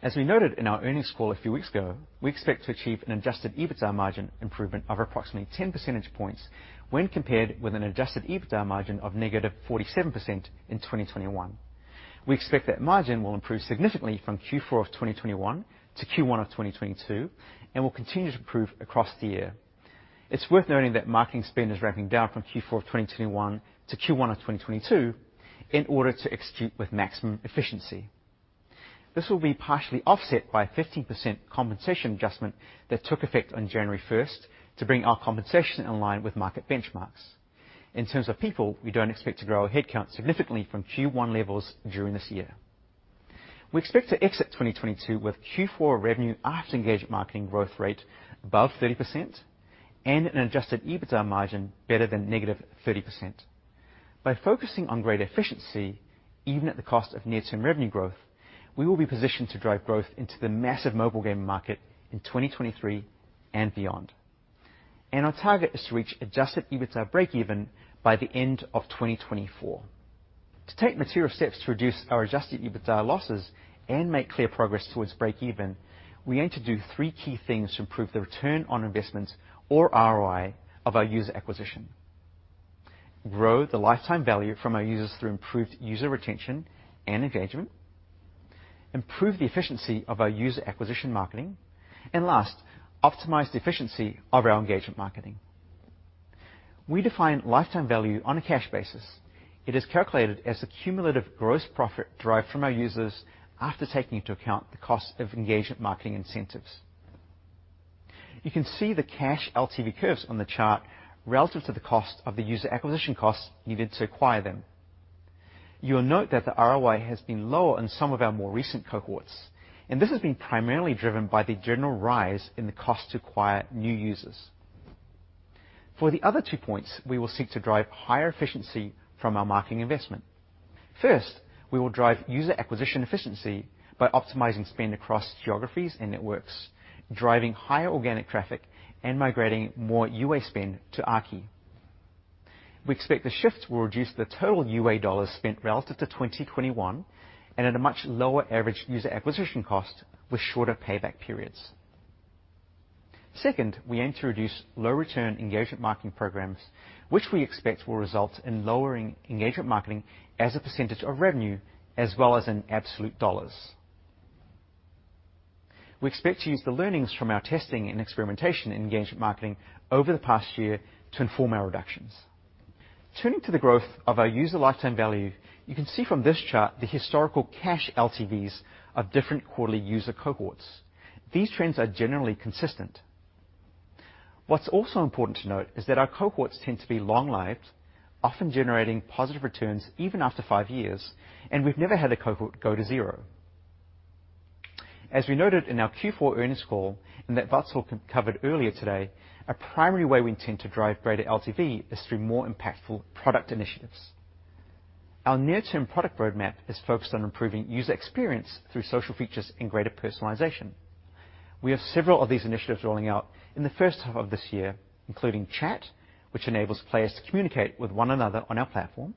As we noted in our earnings call a few weeks ago, we expect to achieve an Adjusted EBITDA margin improvement of approximately 10 percentage points when compared with an Adjusted EBITDA margin of negative 47% in 2021. We expect that margin will improve significantly from Q4 of 2021 to Q1 of 2022, and will continue to improve across the year. It's worth noting that marketing spend is ramping down from Q4 of 2021 to Q1 of 2022 in order to execute with maximum efficiency. This will be partially offset by a 15% compensation adjustment that took effect on January 1st to bring our compensation in line with market benchmarks. In terms of people, we don't expect to grow our headcount significantly from Q1 levels during this year. We expect to exit 2022 with Q4 revenue after engagement marketing growth rate above 30% and an Adjusted EBITDA margin better than -30%. By focusing on greater efficiency, even at the cost of near-term revenue growth, we will be positioned to drive growth into the massive mobile game market in 2023 and beyond. Our target is to reach Adjusted EBITDA breakeven by the end of 2024. To take material steps to reduce our Adjusted EBITDA losses and make clear progress towards breakeven, we aim to do three key things to improve the Return on Investment or ROI of our user acquisition. Grow the lifetime value from our users through improved user retention and engagement. Improve the efficiency of our user acquisition marketing. Last, optimize the efficiency of our engagement marketing. We define lifetime value on a cash basis. It is calculated as a cumulative gross profit derived from our users after taking into account the cost of engagement marketing incentives. You can see the cash LTV curves on the chart relative to the cost of the user acquisition costs needed to acquire them. You will note that the ROI has been lower in some of our more recent cohorts, and this has been primarily driven by the general rise in the cost to acquire new users. For the other two points, we will seek to drive higher efficiency from our marketing investment. First, we will drive user acquisition efficiency by optimizing spend across geographies and networks, driving higher organic traffic and migrating more UA spend to Aarki. We expect the shift will reduce the total UA dollars spent relative to 2021 and at a much lower average user acquisition cost with shorter payback periods. Second, we aim to reduce low return engagement marketing programs, which we expect will result in lowering engagement marketing as a percentage of revenue, as well as in absolute dollars. We expect to use the learnings from our testing and experimentation in engagement marketing over the past year to inform our reductions. Turning to the growth of our user lifetime value, you can see from this chart the historical cash LTVs of different quarterly user cohorts. These trends are generally consistent. What's also important to note is that our cohorts tend to be long-lived, often generating positive returns even after five years, and we've never had a cohort go to zero. As we noted in our Q4 earnings call, and that Vatsal covered earlier today, a primary way we intend to drive greater LTV is through more impactful product initiatives. Our near-term product roadmap is focused on improving user experience through social features and greater personalization. We have several of these initiatives rolling out in the first half of this year, including chat, which enables players to communicate with one another on our platform,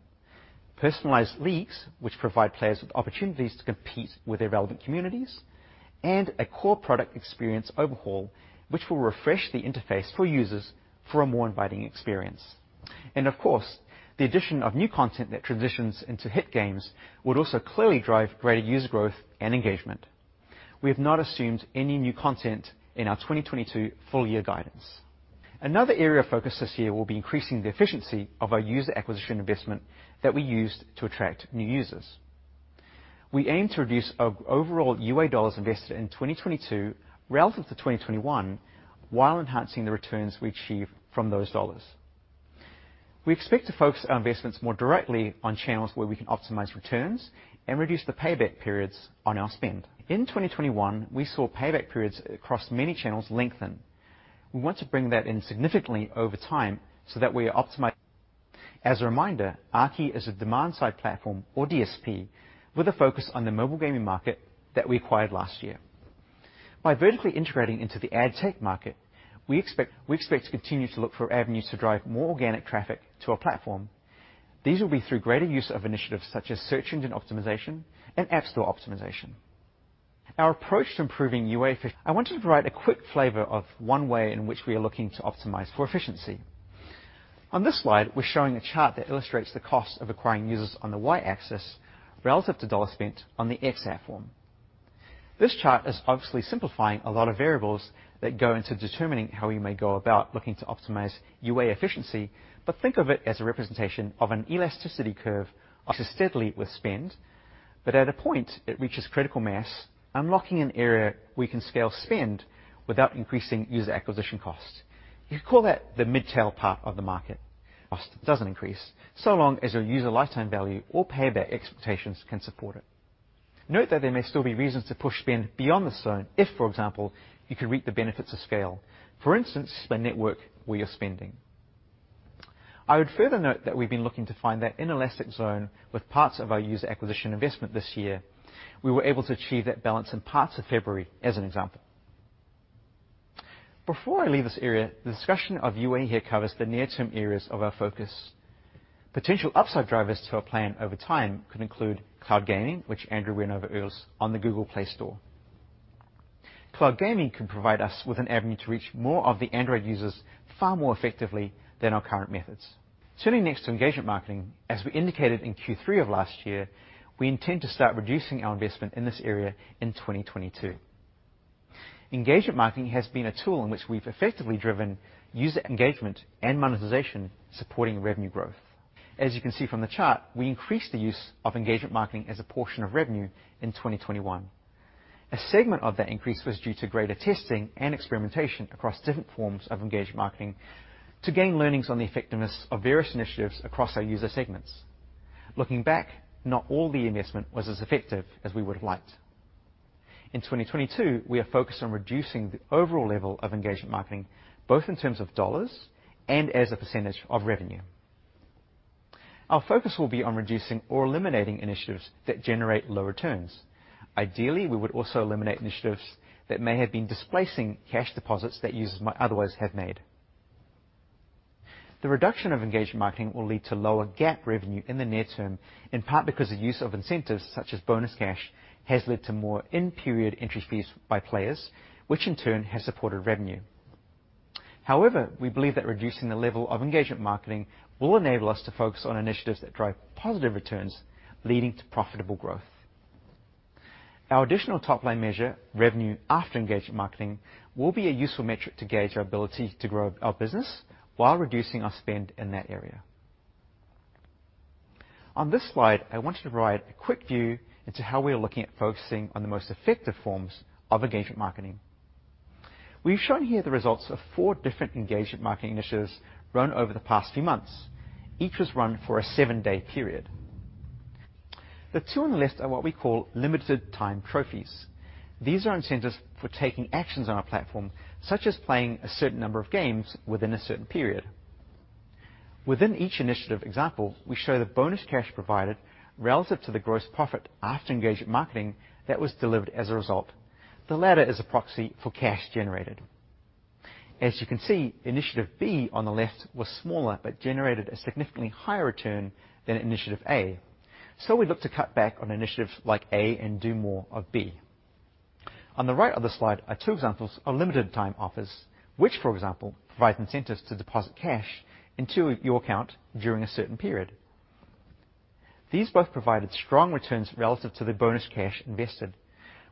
personalized leagues, which provide players with opportunities to compete with their relevant communities, and a core product experience overhaul, which will refresh the interface for users for a more inviting experience. Of course, the addition of new content that transitions into hit games would also clearly drive greater user growth and engagement. We have not assumed any new content in our 2022 full year guidance. Another area of focus this year will be increasing the efficiency of our user acquisition investment that we used to attract new users. We aim to reduce our overall UA dollars invested in 2022 relative to 2021, while enhancing the returns we achieve from those dollars. We expect to focus our investments more directly on channels where we can optimize returns and reduce the payback periods on our spend. In 2021, we saw payback periods across many channels lengthen. We want to bring that in significantly over time so that we are optimizing. As a reminder, Aarki is a Demand-Side Platform or DSP with a focus on the mobile gaming market that we acquired last year. By vertically integrating into the ad tech market, we expect to continue to look for avenues to drive more organic traffic to our platform. These will be through greater use of initiatives such as search engine optimization and App Store optimization. Our approach to improving UA efficiency. I want to provide a quick flavor of one way in which we are looking to optimize for efficiency. On this slide, we're showing a chart that illustrates the cost of acquiring users on the Y-axis relative to dollars spent on the X-axis. This chart is obviously simplifying a lot of variables that go into determining how we may go about looking to optimize UA efficiency. Think of it as a representation of an elasticity curve steady with spend. At a point, it reaches critical mass, unlocking an area we can scale spend without increasing user acquisition costs. You could call that the mid-tail part of the market. Cost doesn't increase, so long as your user lifetime value or payback expectations can support it. Note that there may still be reasons to push spend beyond this zone if, for example, you could reap the benefits of scale. For instance, the network where you're spending. I would further note that we've been looking to find that inelastic zone with parts of our user acquisition investment this year. We were able to achieve that balance in parts of February as an example. Before I leave this area, the discussion of UA here covers the near-term areas of our focus. Potential upside drivers to our plan over time could include cloud gaming, which Andrew went over earlier, on the Google Play Store. Cloud gaming could provide us with an avenue to reach more of the Android users far more effectively than our current methods. Turning to engagement marketing, as we indicated in Q3 of last year, we intend to start reducing our investment in this area in 2022. Engagement marketing has been a tool in which we've effectively driven user engagement and monetization, supporting revenue growth. As you can see from the chart, we increased the use of engagement marketing as a portion of revenue in 2021. A segment of that increase was due to greater testing and experimentation across different forms of engagement marketing to gain learnings on the effectiveness of various initiatives across our user segments. Looking back, not all the investment was as effective as we would have liked. In 2022, we are focused on reducing the overall level of engagement marketing, both in terms of dollars and as a percentage of revenue. Our focus will be on reducing or eliminating initiatives that generate low returns. Ideally, we would also eliminate initiatives that may have been displacing cash deposits that users might otherwise have made. The reduction of engagement marketing will lead to lower GAAP revenue in the near term, in part because the use of incentives such as bonus cash has led to more in-period entry fees by players, which in turn has supported revenue. However, we believe that reducing the level of engagement marketing will enable us to focus on initiatives that drive positive returns, leading to profitable growth. Our additional top-line measure, revenue after engagement marketing, will be a useful metric to gauge our ability to grow our business while reducing our spend in that area. On this slide, I wanted to provide a quick view into how we are looking at focusing on the most effective forms of engagement marketing. We've shown here the results of four different engagement marketing initiatives run over the past few months. Each was run for a seven-day period. The two on the left are what we call limited time trophies. These are incentives for taking actions on our platform, such as playing a certain number of games within a certain period. Within each initiative example, we show the bonus cash provided relative to the gross profit after engagement marketing that was delivered as a result. The latter is a proxy for cash generated. As you can see, Initiative B on the left was smaller, but generated a significantly higher return than Initiative A. We look to cut back on Initiatives like A and do more of B. On the right of the slide are two examples of limited time offers, which, for example, provide incentives to deposit cash into your account during a certain period. These both provided strong returns relative to the bonus cash invested.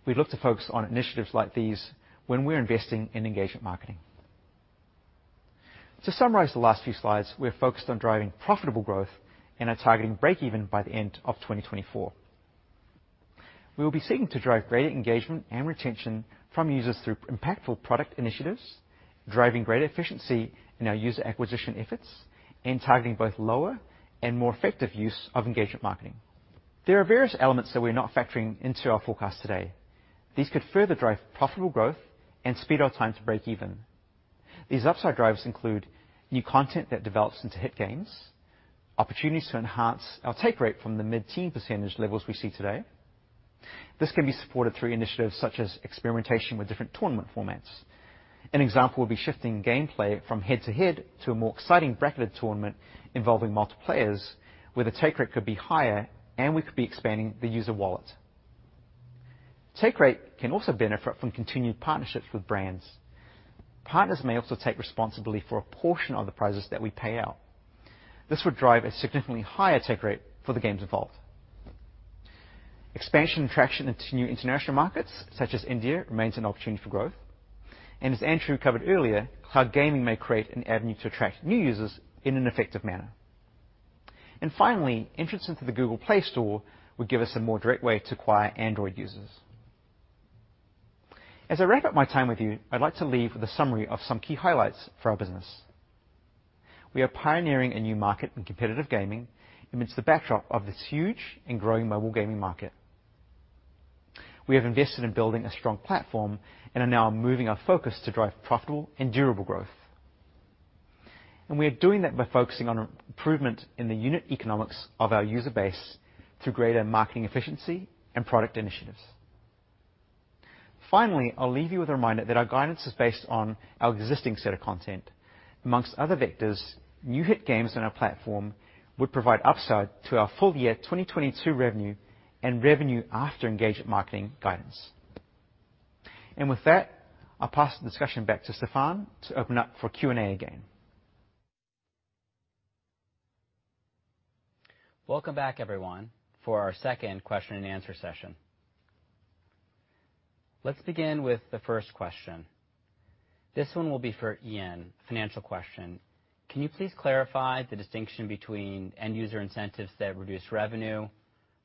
We look to focus on initiatives like these when we're investing in engagement marketing. To summarize the last few slides, we're focused on driving profitable growth and are targeting break even by the end of 2024. We will be seeking to drive greater engagement and retention from users through impactful product initiatives, driving greater efficiency in our user acquisition efforts, and targeting both lower and more effective use of engagement marketing. There are various elements that we're not factoring into our forecast today. These could further drive profitable growth and speed our time to break even. These upside drivers include new content that develops into hit games, opportunities to enhance our take rate from the mid-teen% levels we see today. This can be supported through initiatives such as experimentation with different tournament formats. An example would be shifting gameplay from head to head to a more exciting bracketed tournament involving multiple players, where the take rate could be higher and we could be expanding the user wallet. Take rate can also benefit from continued partnerships with brands. Partners may also take responsibility for a portion of the prizes that we pay out. This would drive a significantly higher take rate for the games involved. Expansion and traction into new international markets such as India remains an opportunity for growth. As Andrew covered earlier, cloud gaming may create an avenue to attract new users in an effective manner. Finally, entrance into the Google Play Store would give us a more direct way to acquire Android users. As I wrap up my time with you, I'd like to leave with a summary of some key highlights for our business. We are pioneering a new market in competitive gaming amidst the backdrop of this huge and growing mobile gaming market. We have invested in building a strong platform and are now moving our focus to drive profitable and durable growth. We are doing that by focusing on improvement in the unit economics of our user base through greater marketing efficiency and product initiatives. Finally, I'll leave you with a reminder that our guidance is based on our existing set of content. Among other vectors, new hit games on our platform would provide upside to our full year 2022 revenue and revenue after engagement marketing guidance. With that, I'll pass the discussion back to Stefan to open up for Q&A again. Welcome back, everyone, for our second question and answer session. Let's begin with the first question. This one will be for Ian, a financial question. Can you please clarify the distinction between end user incentives that reduce revenue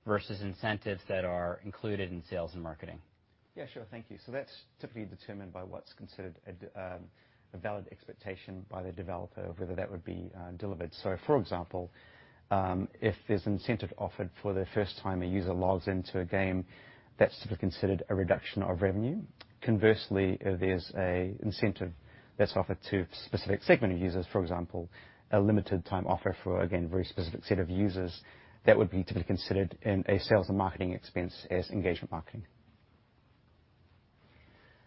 versus incentives that are included in sales and marketing? Yeah, sure. Thank you. That's typically determined by what's considered a valid expectation by the developer, whether that would be delivered. For example, if there's incentive offered for the first time a user logs into a game, that's sort of considered a reduction of revenue. Conversely, if there's a incentive that's offered to a specific segment of users, for example, a limited time offer for, again, very specific set of users, that would be to be considered in a sales and marketing expense as engagement marketing.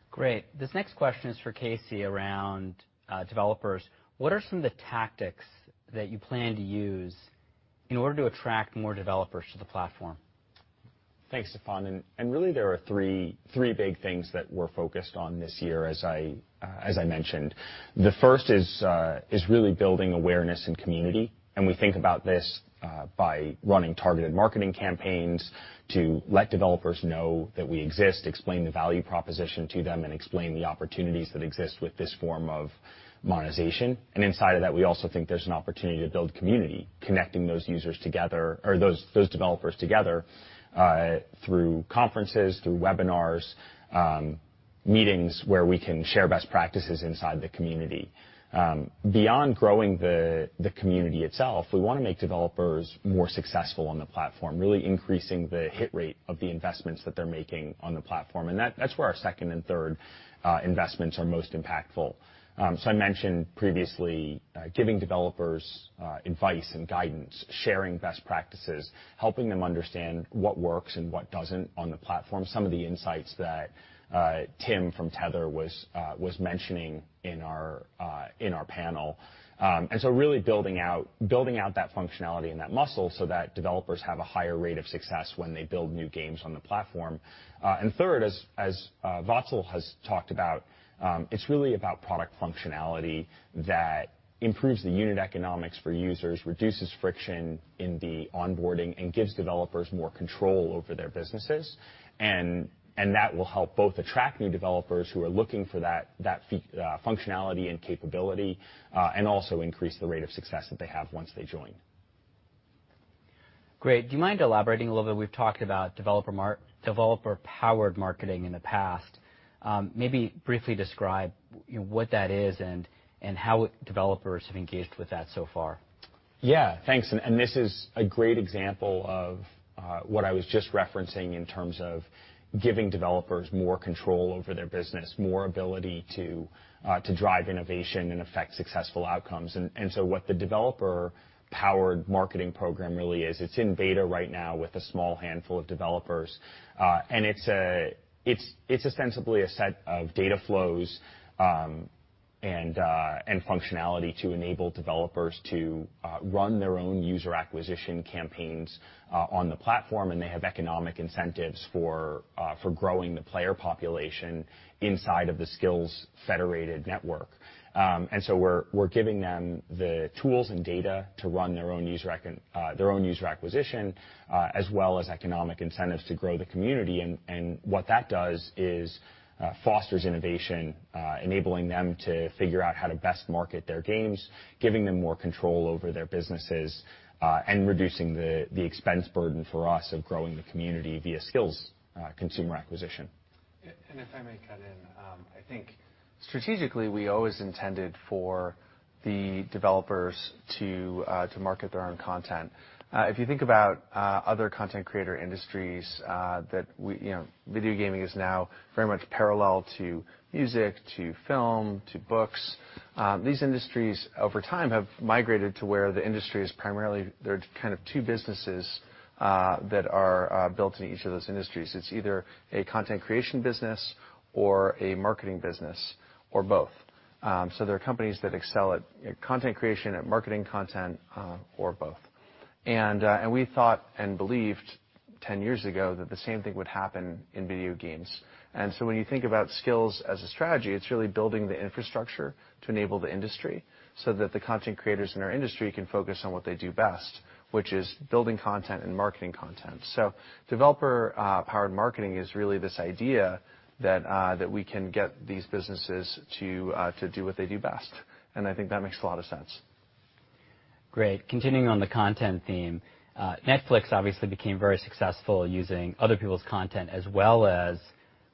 Great. This next question is for Casey around developers. What are some of the tactics that you plan to use in order to attract more developers to the platform? Thanks, Stefan. Really there are three big things that we're focused on this year as I mentioned. The first is really building awareness and community, and we think about this by running targeted marketing campaigns to let developers know that we exist, explain the value proposition to them, and explain the opportunities that exist with this form of monetization. Inside of that, we also think there's an opportunity to build community, connecting those users together or those developers together through conferences, through webinars, meetings where we can share best practices inside the community. Beyond growing the community itself, we wanna make developers more successful on the platform, really increasing the hit rate of the investments that they're making on the platform. That's where our second and third investments are most impactful. I mentioned previously giving developers advice and guidance, sharing best practices, helping them understand what works and what doesn't on the platform, some of the insights that Tim from Tether was mentioning in our panel. Really building out that functionality and that muscle so that developers have a higher rate of success when they build new games on the platform. Third, as Vatsal has talked about, it's really about product functionality that improves the unit economics for users, reduces friction in the onboarding, and gives developers more control over their businesses. That will help both attract new developers who are looking for that functionality and capability, and also increase the rate of success that they have once they join. Great. Do you mind elaborating a little bit? We've talked about developer-powered marketing in the past. Maybe briefly describe, you know, what that is and how developers have engaged with that so far. Yeah. Thanks. This is a great example of what I was just referencing in terms of giving developers more control over their business, more ability to drive innovation and affect successful outcomes. What the developer-powered marketing program really is, it's in beta right now with a small handful of developers. It's a set of data flows and functionality to enable developers to run their own user acquisition campaigns on the platform, and they have economic incentives for growing the player population inside of the Skillz federated network. We're giving them the tools and data to run their own user acquisition as well as economic incentives to grow the community. What that does is fosters innovation, enabling them to figure out how to best market their games, giving them more control over their businesses, and reducing the expense burden for us of growing the community via Skillz consumer acquisition. If I may cut in, I think strategically, we always intended for the developers to market their own content. If you think about other content creator industries that we, you know, video gaming is now very much parallel to music, to film, to books. These industries over time have migrated to where the industry is primarily there are kind of two businesses that are built in each of those industries. It's either a content creation business or a marketing business or both. There are companies that excel at content creation, at marketing content, or both. We thought and believed 10 years ago that the same thing would happen in video games. When you think about Skillz as a strategy, it's really building the infrastructure to enable the industry so that the content creators in our industry can focus on what they do best, which is building content and marketing content. Developer powered marketing is really this idea that we can get these businesses to do what they do best, and I think that makes a lot of sense. Great. Continuing on the content theme, Netflix obviously became very successful using other people's content as well as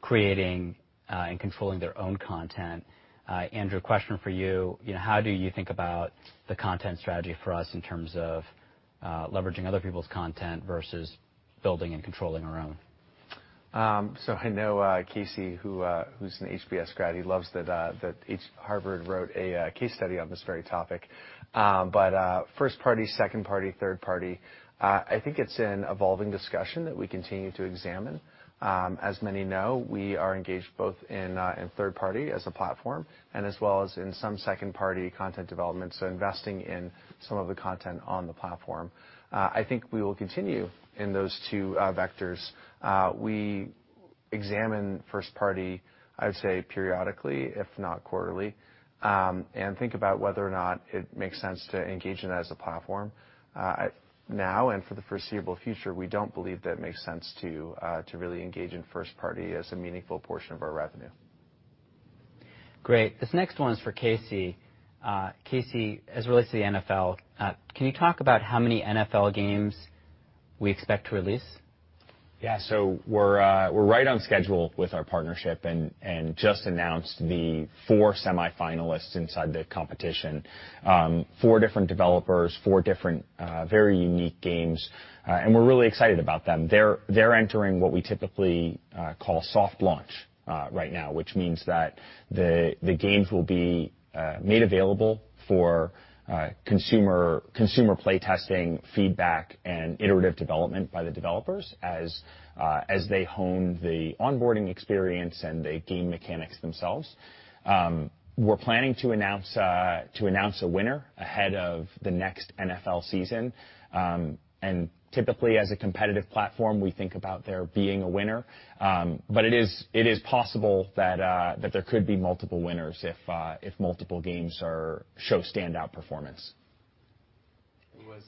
creating and controlling their own content. Andrew, question for you. You know, how do you think about the content strategy for us in terms of leveraging other people's content versus building and controlling our own? I know Casey, who's an HBS grad, he loves that Harvard wrote a case study on this very topic. First party, second party, third party, I think it's an evolving discussion that we continue to examine. As many know, we are engaged both in third party as a platform, and as well as in some second party content development, investing in some of the content on the platform. I think we will continue in those two vectors. We examine first party, I'd say, periodically, if not quarterly, and think about whether or not it makes sense to engage in it as a platform. Now and for the foreseeable future, we don't believe that makes sense to really engage in first party as a meaningful portion of our revenue. Great. This next one's for Casey. Casey, as it relates to the NFL, can you talk about how many NFL games we expect to release? Yeah. We're right on schedule with our partnership and just announced the four semifinalists inside the competition. Four different developers, four different very unique games, and we're really excited about them. They're entering what we typically call soft launch right now, which means that the games will be made available for consumer play testing, feedback, and iterative development by the developers as they hone the onboarding experience and the game mechanics themselves. We're planning to announce a winner ahead of the next NFL season. Typically, as a competitive platform, we think about there being a winner. It is possible that there could be multiple winners if multiple games show standout performance. It was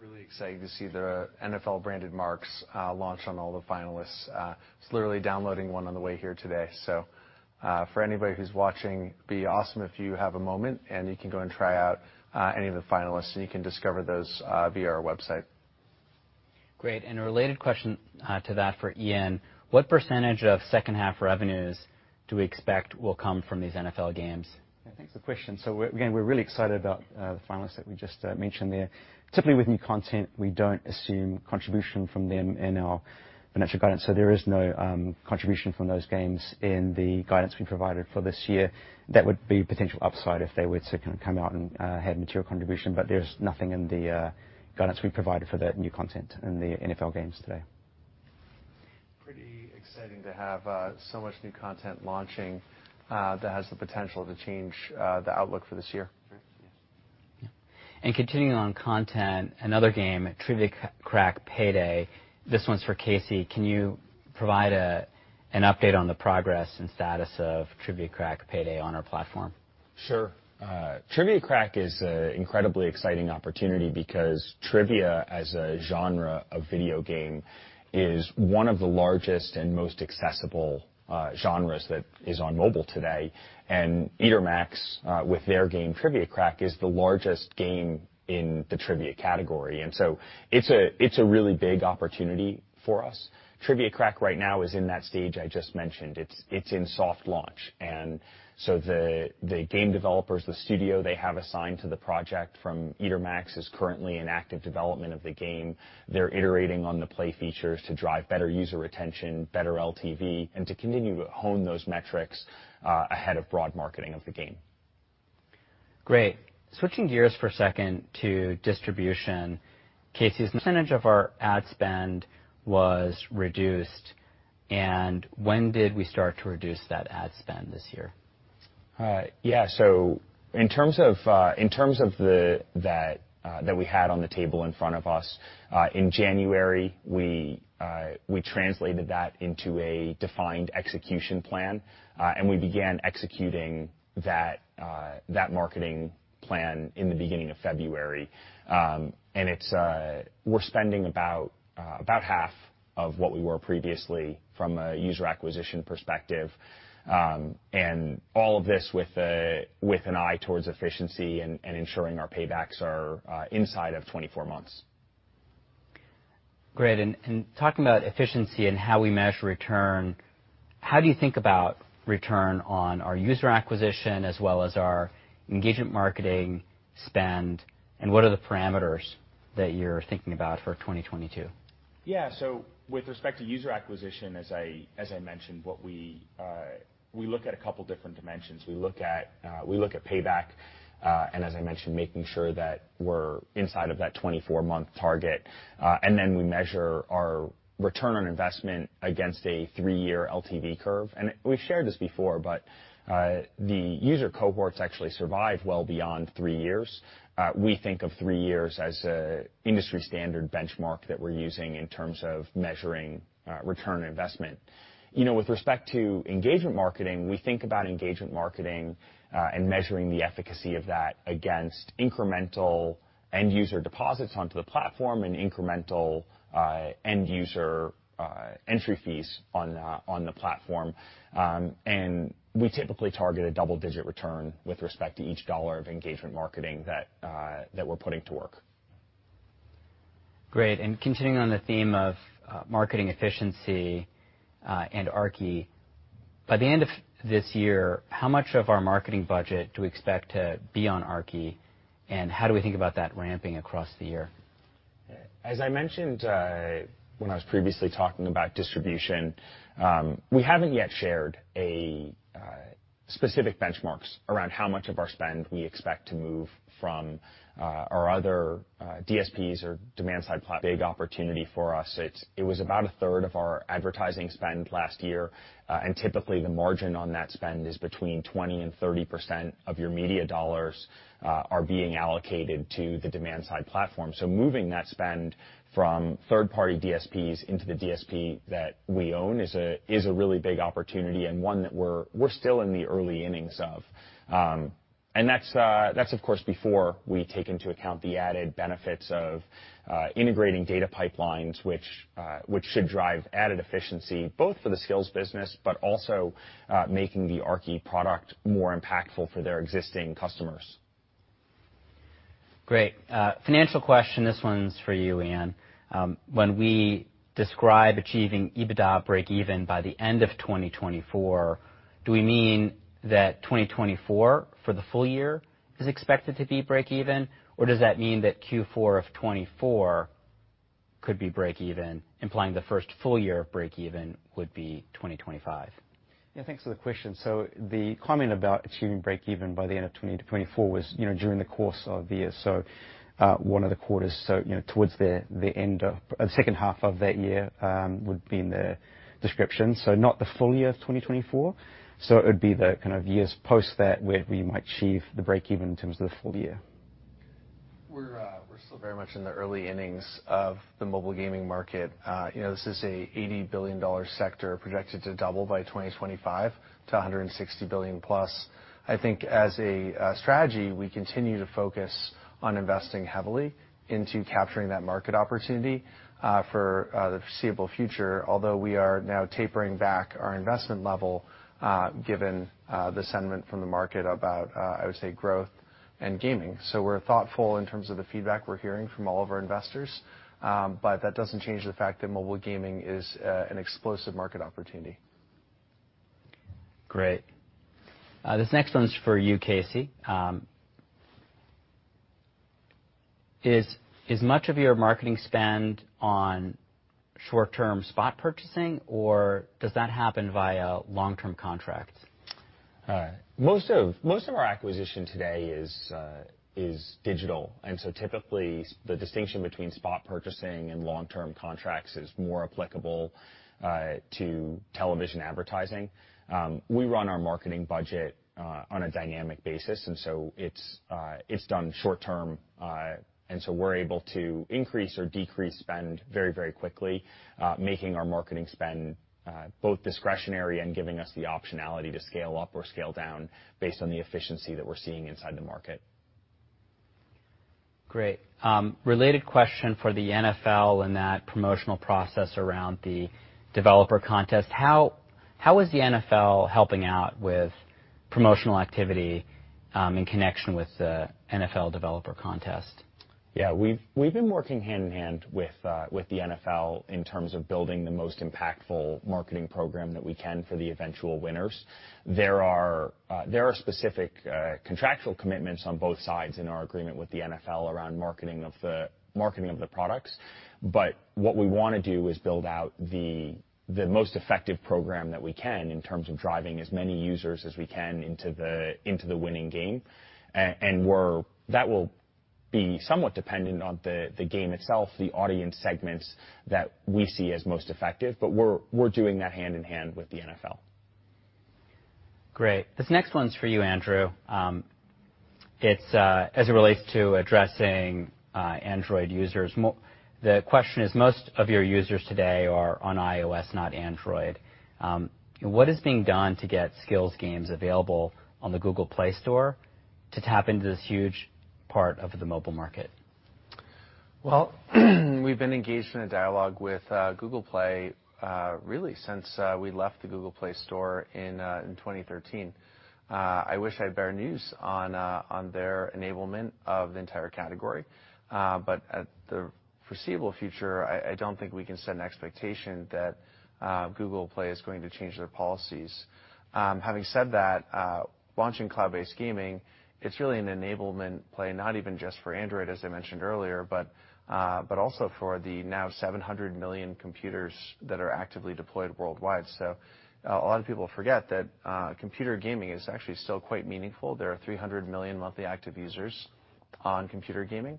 really exciting to see the NFL-branded marks launch on all the finalists. I was literally downloading one on the way here today. For anybody who's watching, it'd be awesome if you have a moment and you can go and try out any of the finalists, and you can discover those via our website. Great. A related question to that for Ian. What % of second half revenues do we expect will come from these NFL games? Yeah, thanks for the question. We're again really excited about the finalists that we just mentioned there. Typically with new content, we don't assume contribution from them in our financial guidance, so there is no contribution from those games in the guidance we provided for this year. That would be potential upside if they were to kind of come out and have material contribution, but there's nothing in the guidance we provided for the new content in the NFL games today. Pretty exciting to have so much new content launching that has the potential to change the outlook for this year. Sure. Yes. Yeah. Continuing on content, another game, Trivia Crack Payday. This one's for Casey. Can you provide an update on the progress and status of Trivia Crack Payday on our platform? Sure. Trivia Crack is a incredibly exciting opportunity because trivia as a genre of video game is one of the largest and most accessible genres that is on mobile today. Etermax with their game Trivia Crack is the largest game in the trivia category, and it's a really big opportunity for us. Trivia Crack right now is in that stage I just mentioned. It's in soft launch. The game developers, the studio they have assigned to the project from Etermax is currently in active development of the game. They're iterating on the play features to drive better user retention, better LTV, and to continue to hone those metrics ahead of broad marketing of the game. Great. Switching gears for a second to distribution. Casey, what percentage of our ad spend was reduced, and when did we start to reduce that ad spend this year? In terms of that we had on the table in front of us in January, we translated that into a defined execution plan and we began executing that marketing plan in the beginning of February. We're spending about half of what we were previously from a user acquisition perspective, and all of this with an eye towards efficiency and ensuring our paybacks are inside of 24 months. Great. Talking about efficiency and how we measure return, how do you think about return on our user acquisition as well as our engagement marketing spend, and what are the parameters that you're thinking about for 2022? Yeah. With respect to user acquisition, as I mentioned, what we look at a couple different dimensions. We look at payback, and as I mentioned, making sure that we're inside of that 24-month target. Then we measure our return on investment against a three-year LTV curve. We've shared this before, but the user cohorts actually survive well beyond three years. We think of three years as an industry standard benchmark that we're using in terms of measuring return on investment. You know, with respect to engagement marketing, we think about engagement marketing and measuring the efficacy of that against incremental end user deposits onto the platform and incremental end user entry fees on the platform. We typically target a double-digit return with respect to each $1 of engagement marketing that we're putting to work. Great. Continuing on the theme of marketing efficiency, and Aarki. By the end of this year, how much of our marketing budget do we expect to be on Aarki, and how do we think about that ramping across the year? As I mentioned, when I was previously talking about distribution, we haven't yet shared a specific benchmarks around how much of our spend we expect to move from our other DSPs—big opportunity for us. It was about a third of our advertising spend last year, and typically the margin on that spend is between 20%-30% of your media dollars are being allocated to the Demand-Side Platform. Moving that spend from third-party DSPs into the DSP that we own is a really big opportunity and one that we're still in the early innings of. That's of course before we take into account the added benefits of integrating data pipelines, which should drive added efficiency, both for the Skillz business, but also making the Aarki product more impactful for their existing customers. Great. Financial question. This one's for you, Ian. When we describe achieving EBITDA breakeven by the end of 2024, do we mean that 2024 for the full year is expected to be breakeven, or does that mean that Q4 of 2024 could be breakeven, implying the first full year of breakeven would be 2025? Yeah, thanks for the question. The comment about achieving breakeven by the end of 2024 was, you know, during the course of the year. One of the quarters, you know, towards the end of the second half of that year would be in the description. Not the full year of 2024. It would be the kind of years post that where we might achieve the breakeven in terms of the full year. We're still very much in the early innings of the mobile gaming market. You know, this is a $80 billion sector projected to double by 2025 to $160 billion plus. I think as a strategy, we continue to focus on investing heavily into capturing that market opportunity for the foreseeable future. Although we are now tapering back our investment level given the sentiment from the market about, I would say, growth and gaming. We're thoughtful in terms of the feedback we're hearing from all of our investors. That doesn't change the fact that mobile gaming is an explosive market opportunity. Great. This next one's for you, Casey. Is much of your marketing spend on short-term spot purchasing, or does that happen via long-term contracts? All right. Most of our acquisition today is digital. Typically the distinction between spot purchasing and long-term contracts is more applicable to television advertising. We run our marketing budget on a dynamic basis. It's done short term. We're able to increase or decrease spend very quickly, making our marketing spend both discretionary and giving us the optionality to scale up or scale down based on the efficiency that we're seeing inside the market. Great. Related question for the NFL and that promotional process around the developer contest. How is the NFL helping out with promotional activity in connection with the NFL developer contest? Yeah. We've been working hand-in-hand with the NFL in terms of building the most impactful marketing program that we can for the eventual winners. There are specific contractual commitments on both sides in our agreement with the NFL around marketing of the products. What we wanna do is build out the most effective program that we can in terms of driving as many users as we can into the winning game. That will be somewhat dependent on the game itself, the audience segments that we see as most effective, but we're doing that hand-in-hand with the NFL. Great. This next one's for you, Andrew. It's as it relates to addressing Android users. The question is, most of your users today are on iOS, not Android. What is being done to get Skillz games available on the Google Play Store to tap into this huge part of the mobile market? Well, we've been engaged in a dialogue with Google Play really since we left the Google Play Store in 2013. I wish I had better news on their enablement of the entire category. At the foreseeable future, I don't think we can set an expectation that Google Play is going to change their policies. Having said that, launching cloud-based gaming, it's really an enablement play, not even just for Android, as I mentioned earlier, but also for the now 700 million computers that are actively deployed worldwide. A lot of people forget that computer gaming is actually still quite meaningful. There are 300 million monthly active users on computer gaming.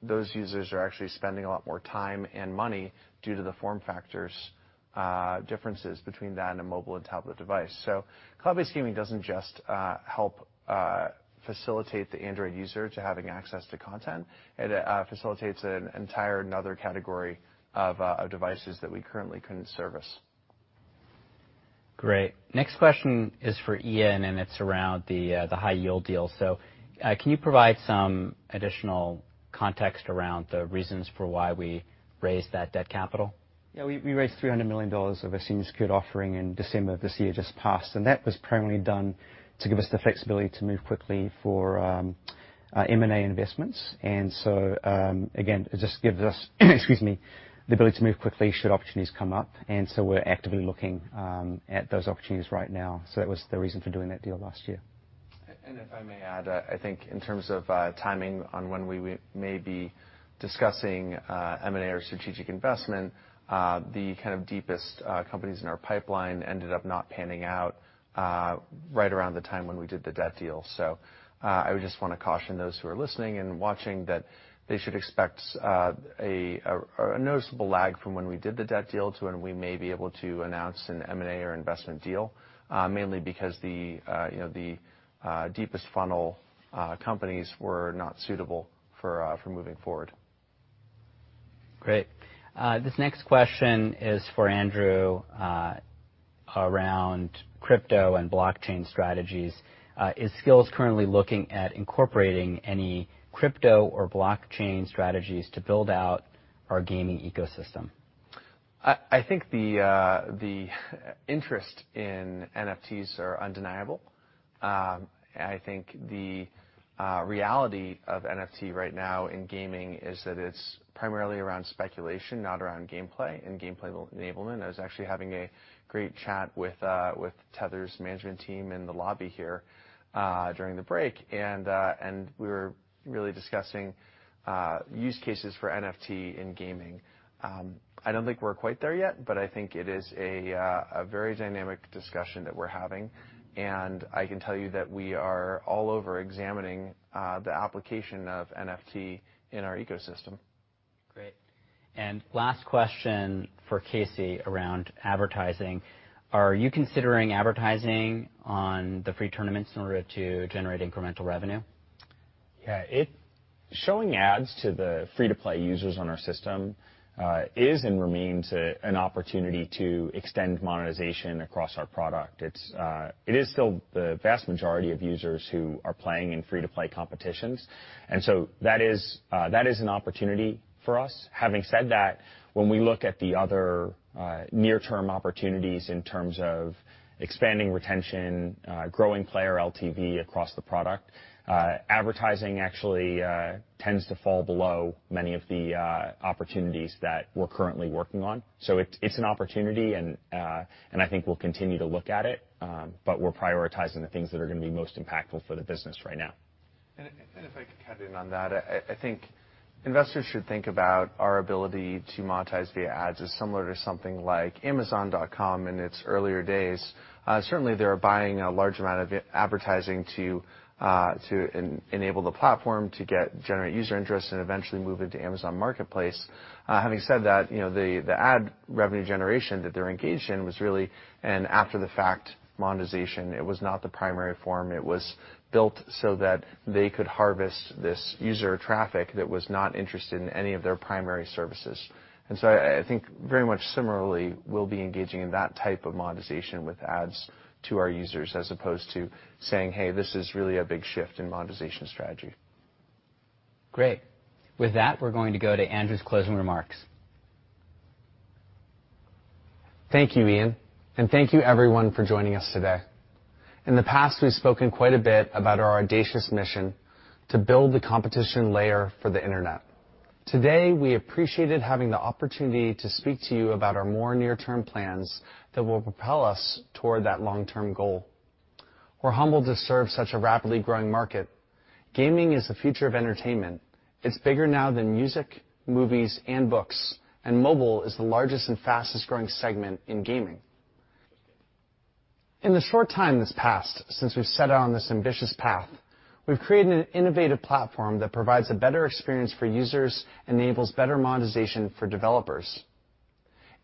Those users are actually spending a lot more time and money due to the form factors differences between that and a mobile and tablet device. Cloud-based gaming doesn't just help facilitate the Android user to having access to content. It facilitates an entire another category of devices that we currently couldn't service. Great. Next question is for Ian, and it's around the high-yield deal. Can you provide some additional context around the reasons for why we raised that debt capital? Yeah. We raised $300 million of a senior secured offering in December of this year just passed, and that was primarily done to give us the flexibility to move quickly for M&A investments. Again, it just gives us the ability to move quickly should opportunities come up. We're actively looking at those opportunities right now. That was the reason for doing that deal last year. If I may add, I think in terms of timing on when we may be discussing M&A or strategic investment, the kind of deepest companies in our pipeline ended up not panning out right around the time when we did the debt deal. I would just wanna caution those who are listening and watching that they should expect a noticeable lag from when we did the debt deal to when we may be able to announce an M&A or investment deal, mainly because the, you know, the deepest funnel companies were not suitable for moving forward. Great. This next question is for Andrew, around crypto and blockchain strategies. "Is Skillz currently looking at incorporating any crypto or blockchain strategies to build out our gaming ecosystem? I think the interest in NFTs are undeniable. I think the reality of NFT right now in gaming is that it's primarily around speculation, not around gameplay and gameplay enablement. I was actually having a great chat with Tether's management team in the lobby here during the break, and we were really discussing use cases for NFT in gaming. I don't think we're quite there yet, but I think it is a very dynamic discussion that we're having. I can tell you that we are all over examining the application of NFT in our ecosystem. Great. Last question for Casey around advertising. Are you considering advertising on the free tournaments in order to generate incremental revenue? Showing ads to the free-to-play users on our system is and remains an opportunity to extend monetization across our product. It is still the vast majority of users who are playing in free-to-play competitions, and that is an opportunity for us. Having said that, when we look at the other near-term opportunities in terms of expanding retention, growing player LTV across the product, advertising actually tends to fall below many of the opportunities that we're currently working on. It is an opportunity and I think we'll continue to look at it, but we're prioritizing the things that are gonna be most impactful for the business right now. If I could cut in on that, I think investors should think about our ability to monetize via ads as similar to something like amazon.com in its earlier days. Certainly they were buying a large amount of advertising to enable the platform to generate user interest and eventually move into Amazon Marketplace. Having said that, you know, the ad revenue generation that they're engaged in was really an after-the-fact monetization. It was not the primary form. It was built so that they could harvest this user traffic that was not interested in any of their primary services. I think very much similarly we'll be engaging in that type of monetization with ads to our users as opposed to saying, "Hey, this is really a big shift in monetization strategy. Great. With that, we're going to go to Andrew's closing remarks. Thank you, Ian, and thank you everyone for joining us today. In the past, we've spoken quite a bit about our audacious mission to build the competition layer for the internet. Today, we appreciated having the opportunity to speak to you about our more near-term plans that will propel us toward that long-term goal. We're humbled to serve such a rapidly growing market. Gaming is the future of entertainment. It's bigger now than music, movies, and books, and mobile is the largest and fastest growing segment in gaming. In the short time that's passed since we've set out on this ambitious path, we've created an innovative platform that provides a better experience for users, enables better monetization for developers.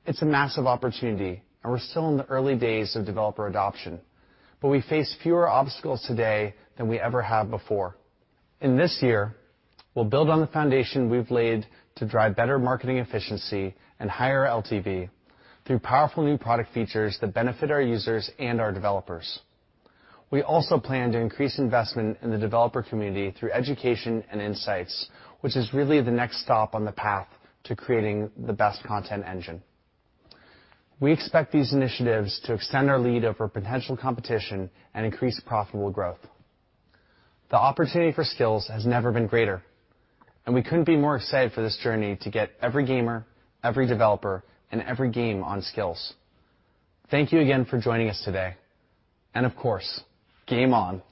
It's a massive opportunity, and we're still in the early days of developer adoption, but we face fewer obstacles today than we ever have before. In this year, we'll build on the foundation we've laid to drive better marketing efficiency and higher LTV through powerful new product features that benefit our users and our developers. We also plan to increase investment in the developer community through education and insights, which is really the next stop on the path to creating the best content engine. We expect these initiatives to extend our lead over potential competition and increase profitable growth. The opportunity for Skillz has never been greater, and we couldn't be more excited for this journey to get every gamer, every developer, and every game on Skillz. Thank you again for joining us today. Of course, game on.